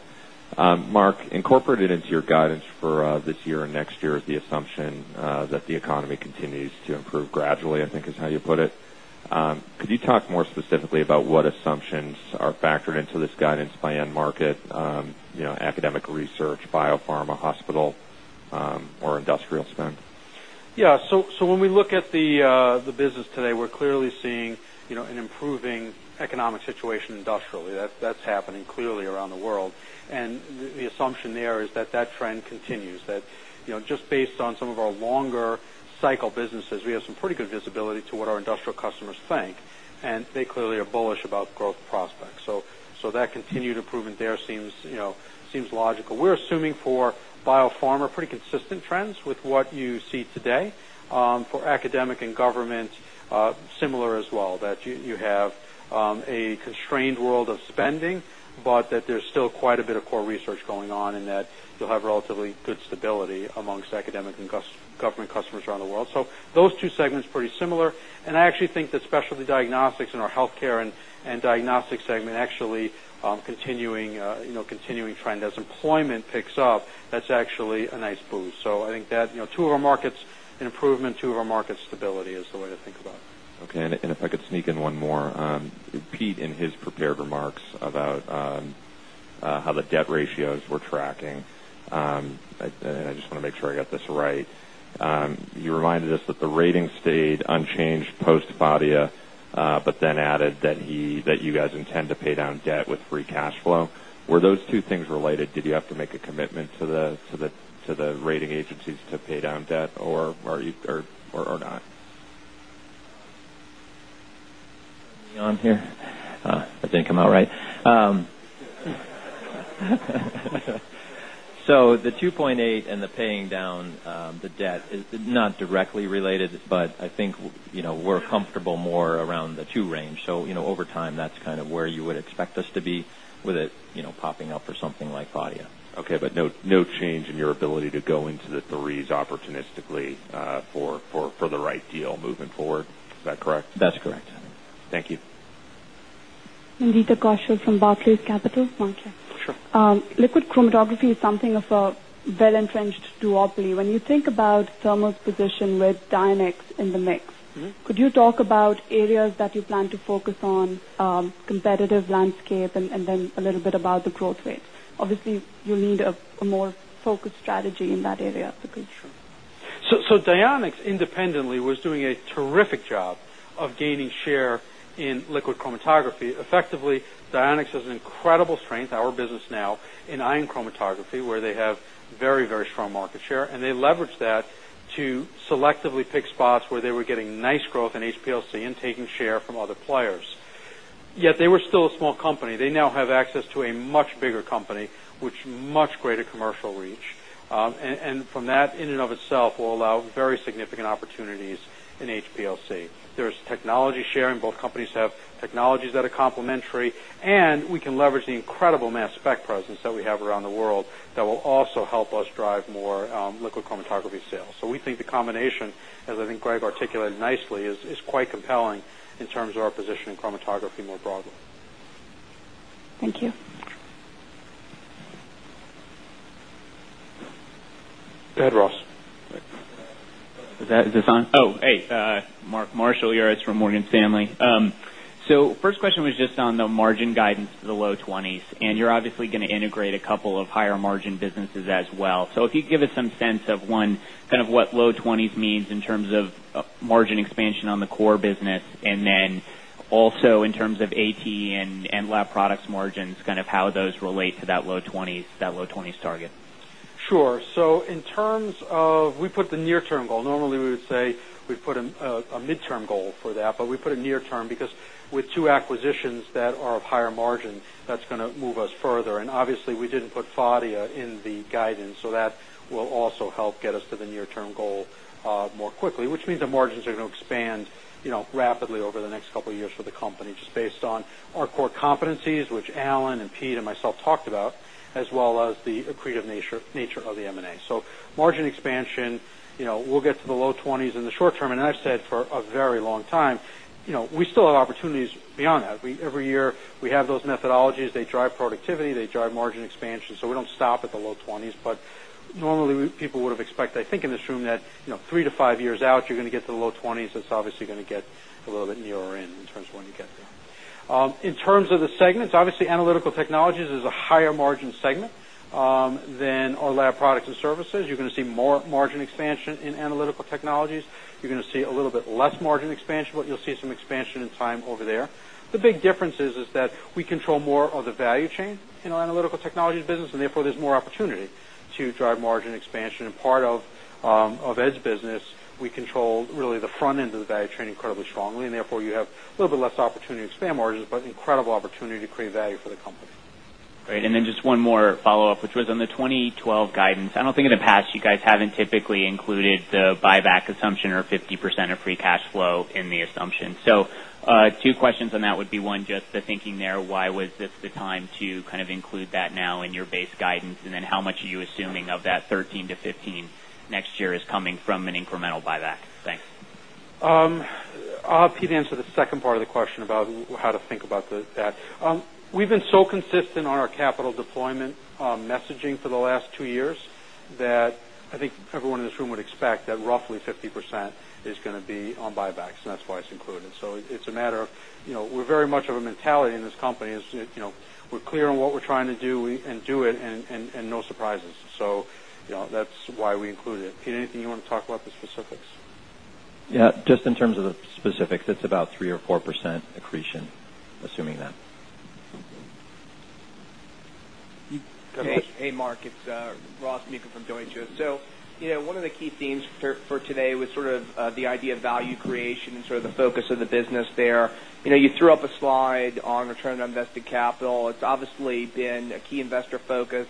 Marc, incorporated into your guidance for this year and next year is the assumption that the economy continues to improve gradually, I think is how you put it. Could you talk more specifically about what assumptions are factored into this guidance by end market, you know, academic research, biopharma, hospital, or industrial spend? Yeah, so when we look at the business today, we're clearly seeing an improving economic situation industrially. That's happening clearly around the world. The assumption there is that that trend continues, that just based on some of our longer cycle businesses, we have some pretty good visibility to what our industrial customers think. They clearly are bullish about growth prospects. That continued improvement there seems logical. We're assuming for biopharma pretty consistent trends with what you see today. For academic and government, similar as well, that you have a constrained world of spending, but that there's still quite a bit of core research going on and that you'll have relatively good stability amongst academic and government customers around the world. Those two segments are pretty similar. I actually think that specialty diagnostics in our healthcare and diagnostics segment actually continuing trends. As employment picks up, that's actually a nice boost. I think that two of our markets in improvement, two of our markets in stability is the way to think about it. OK, and if I could sneak in one more, Pete in his prepared remarks about how the debt ratios were tracking, and I just want to make sure I got this right, you reminded us that the rating stayed unchanged post-Phadia, but then added that you guys intend to pay down debt with free cash flow. Were those two things related? Did you have to make a commitment to the rating agencies to pay down debt or not? That didn't come out right. The 2.8% and the paying down the debt is not directly related, but I think we're comfortable more around the 2% range. Over time, that's kind of where you would expect us to be with it popping up for something like Phadia. OK, no change in your ability to go into the 3% opportunistically for the right deal moving forward. Is that correct? That's correct. Thank you. [Nandita Kaushal] from Barclays Capital. Sure. Liquid chromatography is something of a well-entrenched duopoly. When you think about Thermo's position with Dionex in the mix, could you talk about areas that you plan to focus on, competitive landscape, and then a little bit about the growth rate? Obviously, you need a more focused strategy in that area to be. Sure. Dionex independently was doing a terrific job of gaining share in liquid chromatography. Effectively, Dionex has an incredible strength, our business now, in ion chromatography, where they have very, very strong market share. They leveraged that to selectively pick spots where they were getting nice growth in HPLC and taking share from other players. Yet they were still a small company. They now have access to a much bigger company, with much greater commercial reach. From that, in and of itself, will allow very significant opportunities in HPLC. There is technology sharing. Both companies have technologies that are complementary. We can leverage the incredible mass spec presence that we have around the world that will also help us drive more liquid chromatography sales. We think the combination, as I think Greg articulated nicely, is quite compelling in terms of our position in chromatography more broadly. Thank you. Go ahead, Ross. Is this on? Oh, hey, Marc, Marshall here. It's from Morgan Stanley. First question was just on the margin guidance for the low 20s. You're obviously going to integrate a couple of higher margin businesses as well. If you could give us some sense of, one, kind of what low 20s means in terms of margin expansion on the core business, and then also in terms of analytical technologies and lab products margins, kind of how those relate to that low 20s target. Sure. In terms of, we put the near-term goal. Normally, we would say we put a midterm goal for that. We put a near term because with two acquisitions that are of higher margin, that's going to move us further. Obviously, we didn't put Phadia in the guidance. That will also help get us to the near-term goal more quickly, which means our margins are going to expand rapidly over the next couple of years for the company, just based on our core competencies, which Alan and Pete and myself talked about, as well as the accretive nature of the M&A. Margin expansion, we'll get to the low 20s in the short term. I've said for a very long time, we still have opportunities beyond that. Every year, we have those methodologies. They drive productivity. They drive margin expansion. We don't stop at the low 20s. Normally, people would have expected, I think, in this room that three to five years out, you're going to get to the low 20s. That's obviously going to get a little bit nearer in terms of when you get there. In terms of the segments, obviously, analytical technologies is a higher margin segment than our laboratory products & services. You're going to see more margin expansion in analytical technologies. You're going to see a little bit less margin expansion, but you'll see some expansion in time over there. The big difference is that we control more of the value chain in our analytical technologies business. Therefore, there's more opportunity to drive margin expansion. Part of Ed's business, we control really the front end of the value chain incredibly strongly. Therefore, you have a little bit less opportunity to expand margins, but incredible opportunity to create value for the company. Right. Just one more follow-up, which was on the 2012 guidance. I don't think in the past, you guys haven't typically included the buyback assumption or 50% of free cash flow in the assumption. Two questions on that would be, one, just the thinking there. Why was this the time to kind of include that now in your base guidance? How much are you assuming of that 13%-15% next year is coming from an incremental buyback? Thanks. Pete answered the second part of the question about how to think about that. We've been so consistent on our capital deployment messaging for the last two years that I think everyone in this room would expect that roughly 50% is going to be on buybacks. That's why it's included. It's a matter of, you know, we're very much of a mentality in this company. We're clear on what we're trying to do and do it, and no surprises. That's why we included it. Pete, anything you want to talk about the specifics? Yeah, just in terms of the specifics, it's about 3% or 4% accretion, assuming that. Hey Marc, it's [Ross Mika] from Deutsche. One of the key themes for today was the idea of value creation and the focus of the business there. You threw up a slide on the return on invested capital. It's obviously been a key investor focus.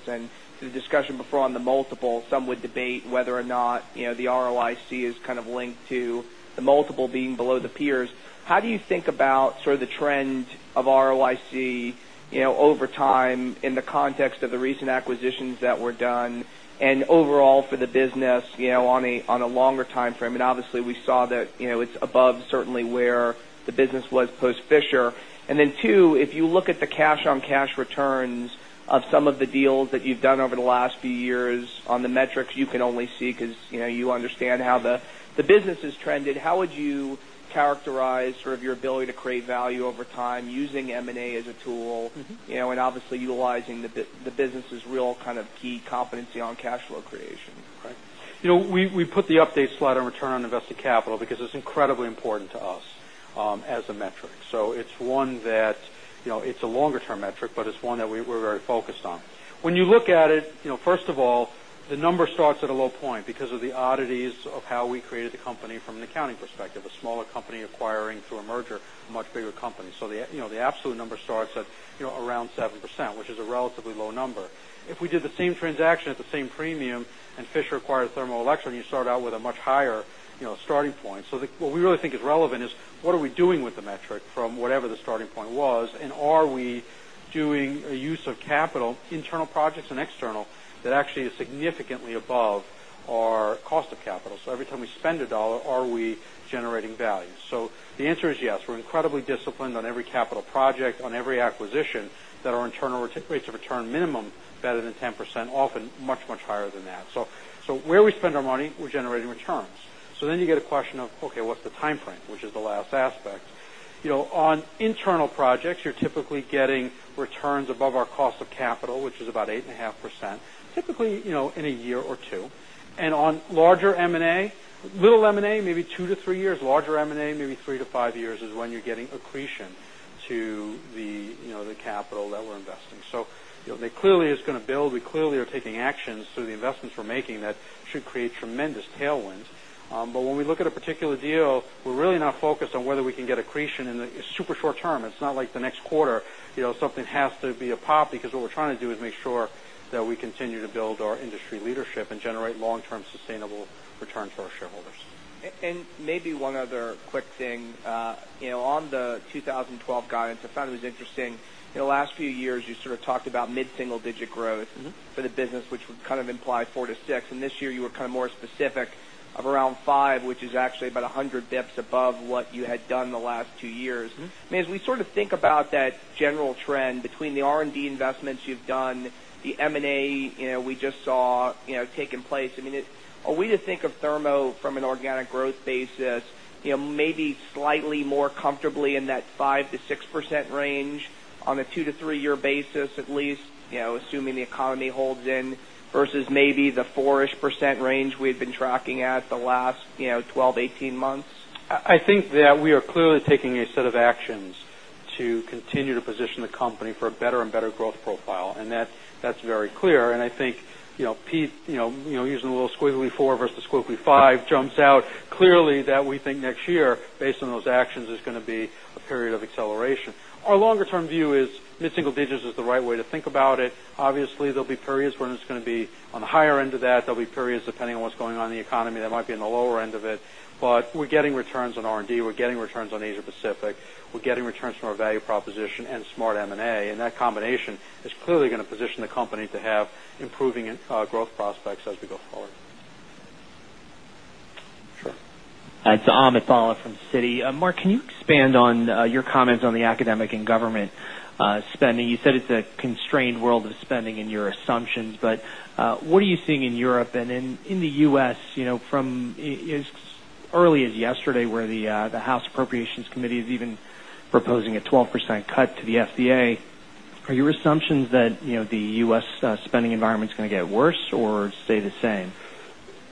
To the discussion before on the multiple, some would debate whether or not the ROIC is kind of linked to the multiple being below the peers. How do you think about the trend of ROIC over time in the context of the recent acquisitions that were done and overall for the business on a longer time frame? Obviously, we saw that it's above certainly where the business was post-Fisher. If you look at the cash-on-cash returns of some of the deals that you've done over the last few years on the metrics, you can only see because you understand how the business has trended. How would you characterize your ability to create value over time using M&A as a tool and utilizing the business's real key competency on cash flow creation? Right. You know, we put the update slide on return on invested capital because it's incredibly important to us as a metric. It's one that is a longer-term metric, but it's one that we're very focused on. When you look at it, first of all, the number starts at a low point because of the oddities of how we created the company from an accounting perspective, a smaller company acquiring through a merger a much bigger company. The absolute number starts at around 7%, which is a relatively low number. If we did the same transaction at the same premium and Fisher acquired Thermo Electron, you start out with a much higher starting point. What we really think is relevant is what are we doing with the metric from whatever the starting point was? Are we doing a use of capital, internal projects and external, that actually is significantly above our cost of capital? Every time we spend a dollar, are we generating value? The answer is yes. We're incredibly disciplined on every capital project, on every acquisition that our internal rates of return minimum are better than 10%, often much, much higher than that. Where we spend our money, we're generating returns. You get a question of, OK, what's the time frame, which is the last aspect. On internal projects, you're typically getting returns above our cost of capital, which is about 8.5%, typically in a year or two. On larger M&A, little M&A, maybe two to three years, larger M&A, maybe three to five years, is when you're getting accretion to the capital that we're investing. It clearly is going to build. We clearly are taking actions through the investments we're making that should create tremendous tailwinds. When we look at a particular deal, we're really not focused on whether we can get accretion in the super short term. It's not like the next quarter something has to be a pop because what we're trying to do is make sure that we continue to build our industry leadership and generate long-term sustainable returns for our shareholders. Maybe one other quick thing. You know, on the 2012 guidance, I found it was interesting. In the last few years, you sort of talked about mid single-digit growth for the business, which would kind of imply 4%-6%. This year, you were kind of more specific of around 5%, which is actually about 100 bps above what you had done the last two years. I mean, as we sort of think about that general trend between the R&D investments you've done, the M&A we just saw taking place, I mean, are we to think of Thermo from an organic growth basis maybe slightly more comfortably in that 5%-6% range on a two to three-year basis, at least assuming the economy holds in, versus maybe the 4%-ish percent range we had been tracking at the last 12-18 months? I think that we are clearly taking a set of actions to continue to position the company for a better and better growth profile. That is very clear. I think Pete, using the little squiggly four versus the squiggly five, jumps out clearly that we think next year, based on those actions, is going to be a period of acceleration. Our longer-term view is mid-single digits is the right way to think about it. Obviously, there'll be periods when it's going to be on the higher end of that. There'll be periods, depending on what's going on in the economy, that might be on the lower end of it. We're getting returns on R&D. We're getting returns on Asia-Pacific. We're getting returns from our value proposition and smart M&A. That combination is clearly going to position the company to have improving growth prospects as we go forward. Hi, it's [Ahmed Fala] from Citi. Marc, can you expand on your comments on the academic and government spending? You said it's a constrained world of spending in your assumptions. What are you seeing in Europe and in the U.S. from as early as yesterday, where the House Appropriations Committee is even proposing a 12% cut to the FDA? Are your assumptions that the U.S. spending environment is going to get worse or stay the same?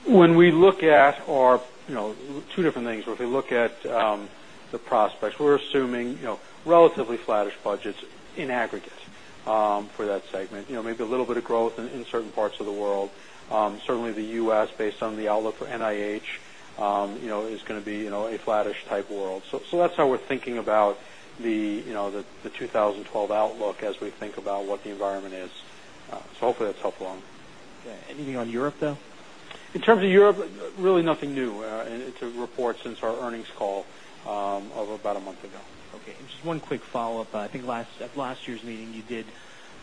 When we look at our two different things, if we look at the prospects, we're assuming relatively flattish budgets in aggregate for that segment, maybe a little bit of growth in certain parts of the world. Certainly, the U.S., based on the outlook for NIH, is going to be a flattish type world. That's how we're thinking about the 2012 outlook as we think about what the environment is. Hopefully, that's helpful. Anything on Europe, though? In terms of Europe, really nothing new to report since our earnings call of about a month ago. OK. Just one quick follow-up. I think at last year's meeting, you did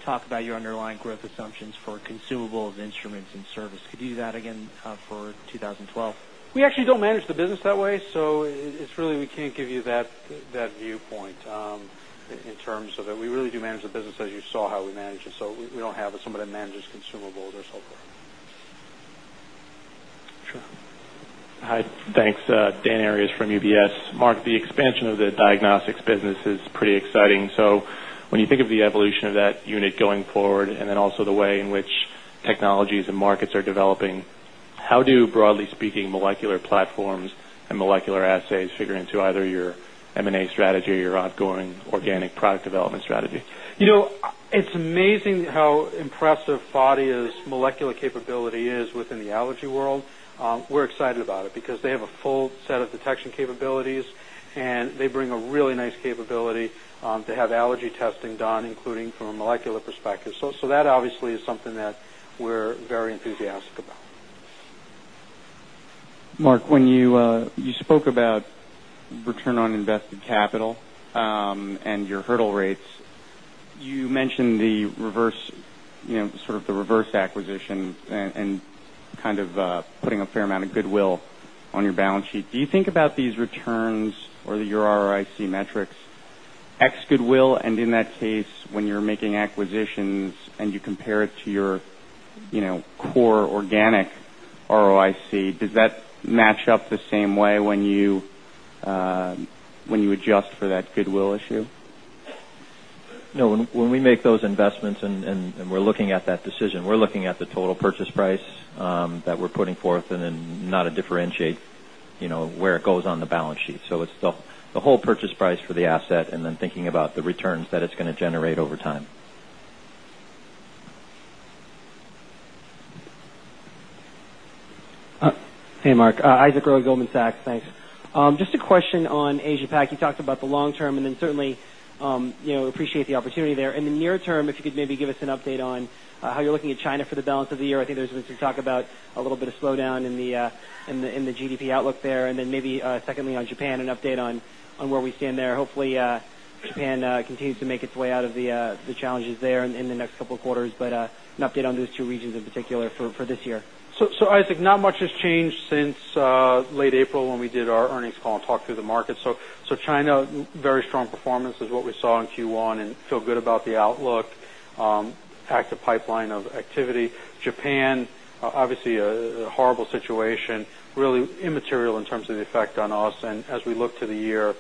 talk about your underlying growth assumptions for consumables, instruments, and service. Could you do that again for 2012? We actually don't manage the business that way. We can't give you that viewpoint in terms of that. We really do manage the business as you saw how we manage it. We don't have somebody that manages consumables or so forth. Sure. Hi, thanks. Dan Arias from UBS. Marc, the expansion of the diagnostics business is pretty exciting. When you think of the evolution of that unit going forward and also the way in which technologies and markets are developing, how do, broadly speaking, molecular platforms and molecular assays figure into either your M&A strategy or your ongoing organic product development strategy? You know, it's amazing how impressive Phadia's molecular capability is within the allergy world. We're excited about it because they have a full set of detection capabilities. They bring a really nice capability to have allergy testing done, including from a molecular perspective. That obviously is something that we're very enthusiastic about. Marc, when you spoke about return on invested capital and your hurdle rates, you mentioned the reverse, sort of the reverse acquisition and kind of putting a fair amount of goodwill on your balance sheet. Do you think about these returns or your ROIC metrics, ex-goodwill, and in that case, when you're making acquisitions and you compare it to your core organic ROIC, does that match up the same way when you adjust for that goodwill issue? No, when we make those investments and we're looking at that decision, we're looking at the total purchase price that we're putting forth and then not to differentiate where it goes on the balance sheet. It's the whole purchase price for the asset and then thinking about the returns that it's going to generate over time. Hey Marc, Isaac Ro of Goldman Sachs, thanks. Just a question on Asia-Pacific. You talked about the long term. I certainly appreciate the opportunity there. In the near term, if you could maybe give us an update on how you're looking at China for the balance of the year. I think there's been some talk about a little bit of slowdown in the GDP outlook there. Maybe secondly on Japan, an update on where we stand there. Hopefully, Japan continues to make its way out of the challenges there in the next couple of quarters. An update on those two regions in particular for this year. Isaac, not much has changed since late April when we did our earnings call and talked through the market. China, very strong performance is what we saw in Q1 and feel good about the outlook, active pipeline of activity. Japan, obviously a horrible situation, really immaterial in terms of the effect on us. As we look to the year,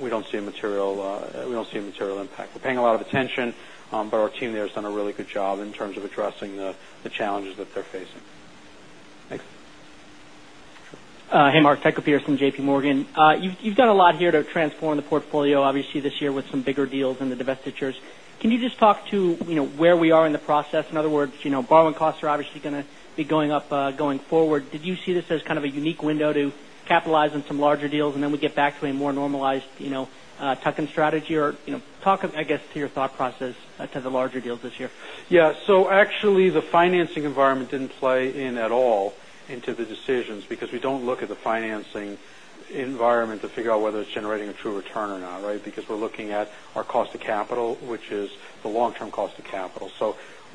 we don't see a material impact. We're paying a lot of attention. Our team there has done a really good job in terms of addressing the challenges that they're facing. Hey, Marc, [Tucker Pearson], JP Morgan. You've got a lot here to transform the portfolio, obviously, this year with some bigger deals in the divestitures. Can you just talk to where we are in the process? In other words, borrowing costs are obviously going to be going up going forward. Did you see this as kind of a unique window to capitalize on some larger deals and then we get back to a more normalized tuck-in strategy? Or talk, I guess, to your thought process to the larger deals this year. Yeah, so actually, the financing environment didn't play in at all into the decisions because we don't look at the financing environment to figure out whether it's generating a true return or not, right? Because we're looking at our cost of capital, which is the long-term cost of capital.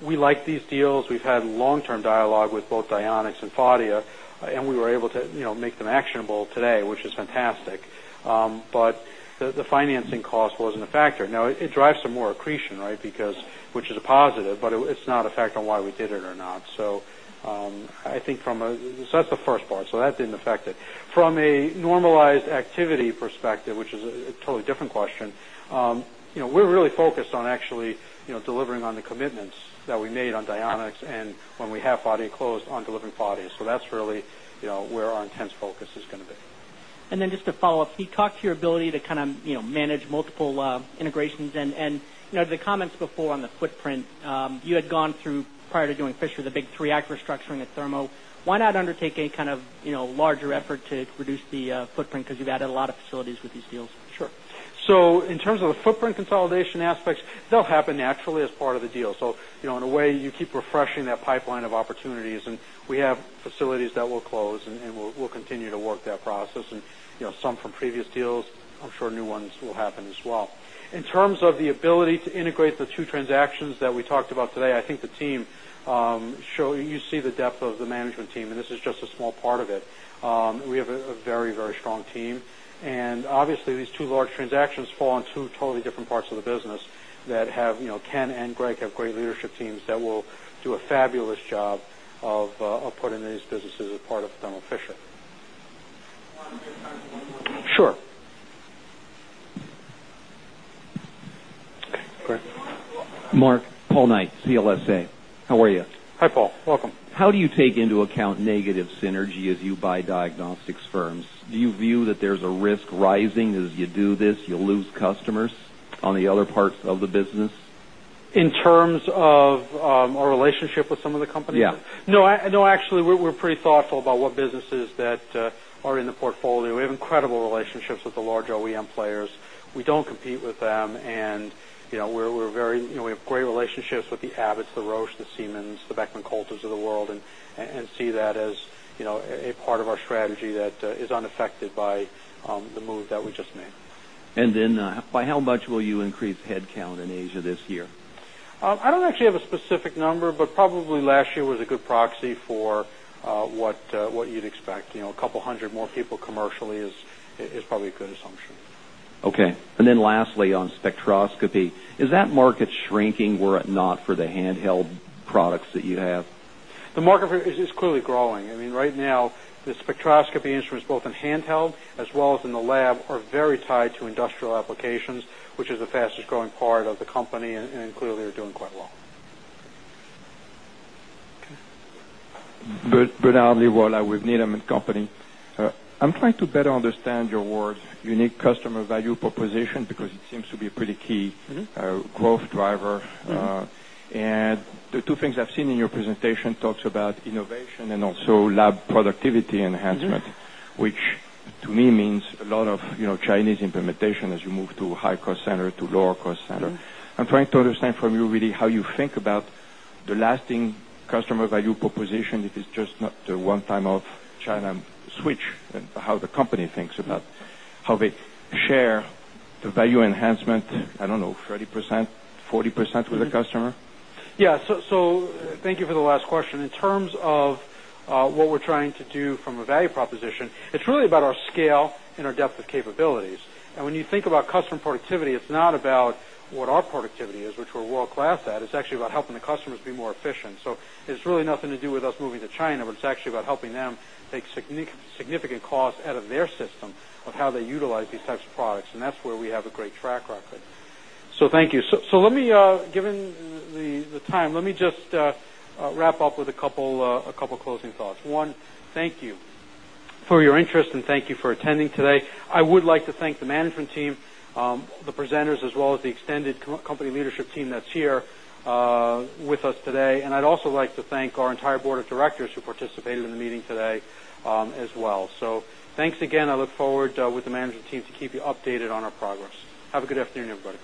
We like these deals. We've had long-term dialogue with both Dionex and Phadia, and we were able to make them actionable today, which is fantastic. The financing cost wasn't a factor. It drives some more accretion, right, which is a positive. It's not a factor on why we did it or not. I think from a, that's the first part. That didn't affect it. From a normalized activity perspective, which is a totally different question, we're really focused on actually delivering on the commitments that we made on Dionex and when we have Phadia closed on delivering Phadia. That's really where our intense focus is going to be. Just to follow up, you talked to your ability to kind of manage multiple integrations. The comments before on the footprint, you had gone through prior to doing Fisher the big three active restructuring at Thermo. Why not undertake a kind of larger effort to reduce the footprint because you've added a lot of facilities with these deals? Sure. In terms of the footprint consolidation aspects, they'll happen naturally as part of the deal. In a way, you keep refreshing that pipeline of opportunities. We have facilities that will close, and we'll continue to work that process. Some from previous deals, I'm sure new ones will happen as well. In terms of the ability to integrate the two transactions that we talked about today, I think the team, you see the depth of the management team. This is just a small part of it. We have a very, very strong team. Obviously, these two large transactions fall in two totally different parts of the business that have, Ken and Greg have great leadership teams that will do a fabulous job of putting these businesses as part of Thermo Fisher. OK. Great. Marc, Paul Knight, CLSA. How are you? Hi, Paul. Welcome. How do you take into account negative synergy as you buy diagnostics firms? Do you view that there's a risk rising as you do this? You lose customers on the other parts of the business? In terms of our relationship with some of the companies? Yeah. No, actually, we're pretty thoughtful about what businesses that are in the portfolio. We have incredible relationships with the large OEM players. We don't compete with them. We have great relationships with the Abbotts, the Roche, the Siemens, the Beckman Coulters of the world, and see that as a part of our strategy that is unaffected by the move that we just made. By how much will you increase headcount in Asia this year? I don't actually have a specific number. Probably last year was a good proxy for what you'd expect. A couple hundred more people commercially is probably a good assumption. OK. Lastly, on spectroscopy, is that market shrinking or not for the handheld products that you have? The market is clearly growing. I mean, right now, the spectroscopy instruments, both in handheld as well as in the lab, are very tied to industrial applications, which is the fastest growing part of the company. Clearly, they're doing quite well. I'm trying to better understand your, unique customer value proposition, because it seems to be a pretty key growth driver. The two things I've seen in your presentation talked about innovation and also lab productivity enhancement, which to me means a lot of Chinese implementation as you move to a high-cost center to a lower-cost center. I'm trying to understand from you really how you think about the lasting customer value proposition if it's just not the one-time-off China switch and how the company thinks about how they share the value enhancement, I don't know, 30%, 40% with the customer? Yeah, thank you for the last question. In terms of what we're trying to do from a value proposition, it's really about our scale and our depth of capabilities. When you think about customer productivity, it's not about what our productivity is, which we're world-class at. It's actually about helping the customers be more efficient. It's really nothing to do with us moving to China. It's actually about helping them take significant costs out of their system of how they utilize these types of products. That's where we have a great track record. Thank you. Given the time, let me just wrap up with a couple of closing thoughts. One, thank you for your interest. Thank you for attending today. I would like to thank the management team, the presenters, as well as the extended company leadership team that's here with us today. I'd also like to thank our entire board of directors who participated in the meeting today as well. Thanks again. I look forward with the management team to keep you updated on our progress. Have a good afternoon, everybody.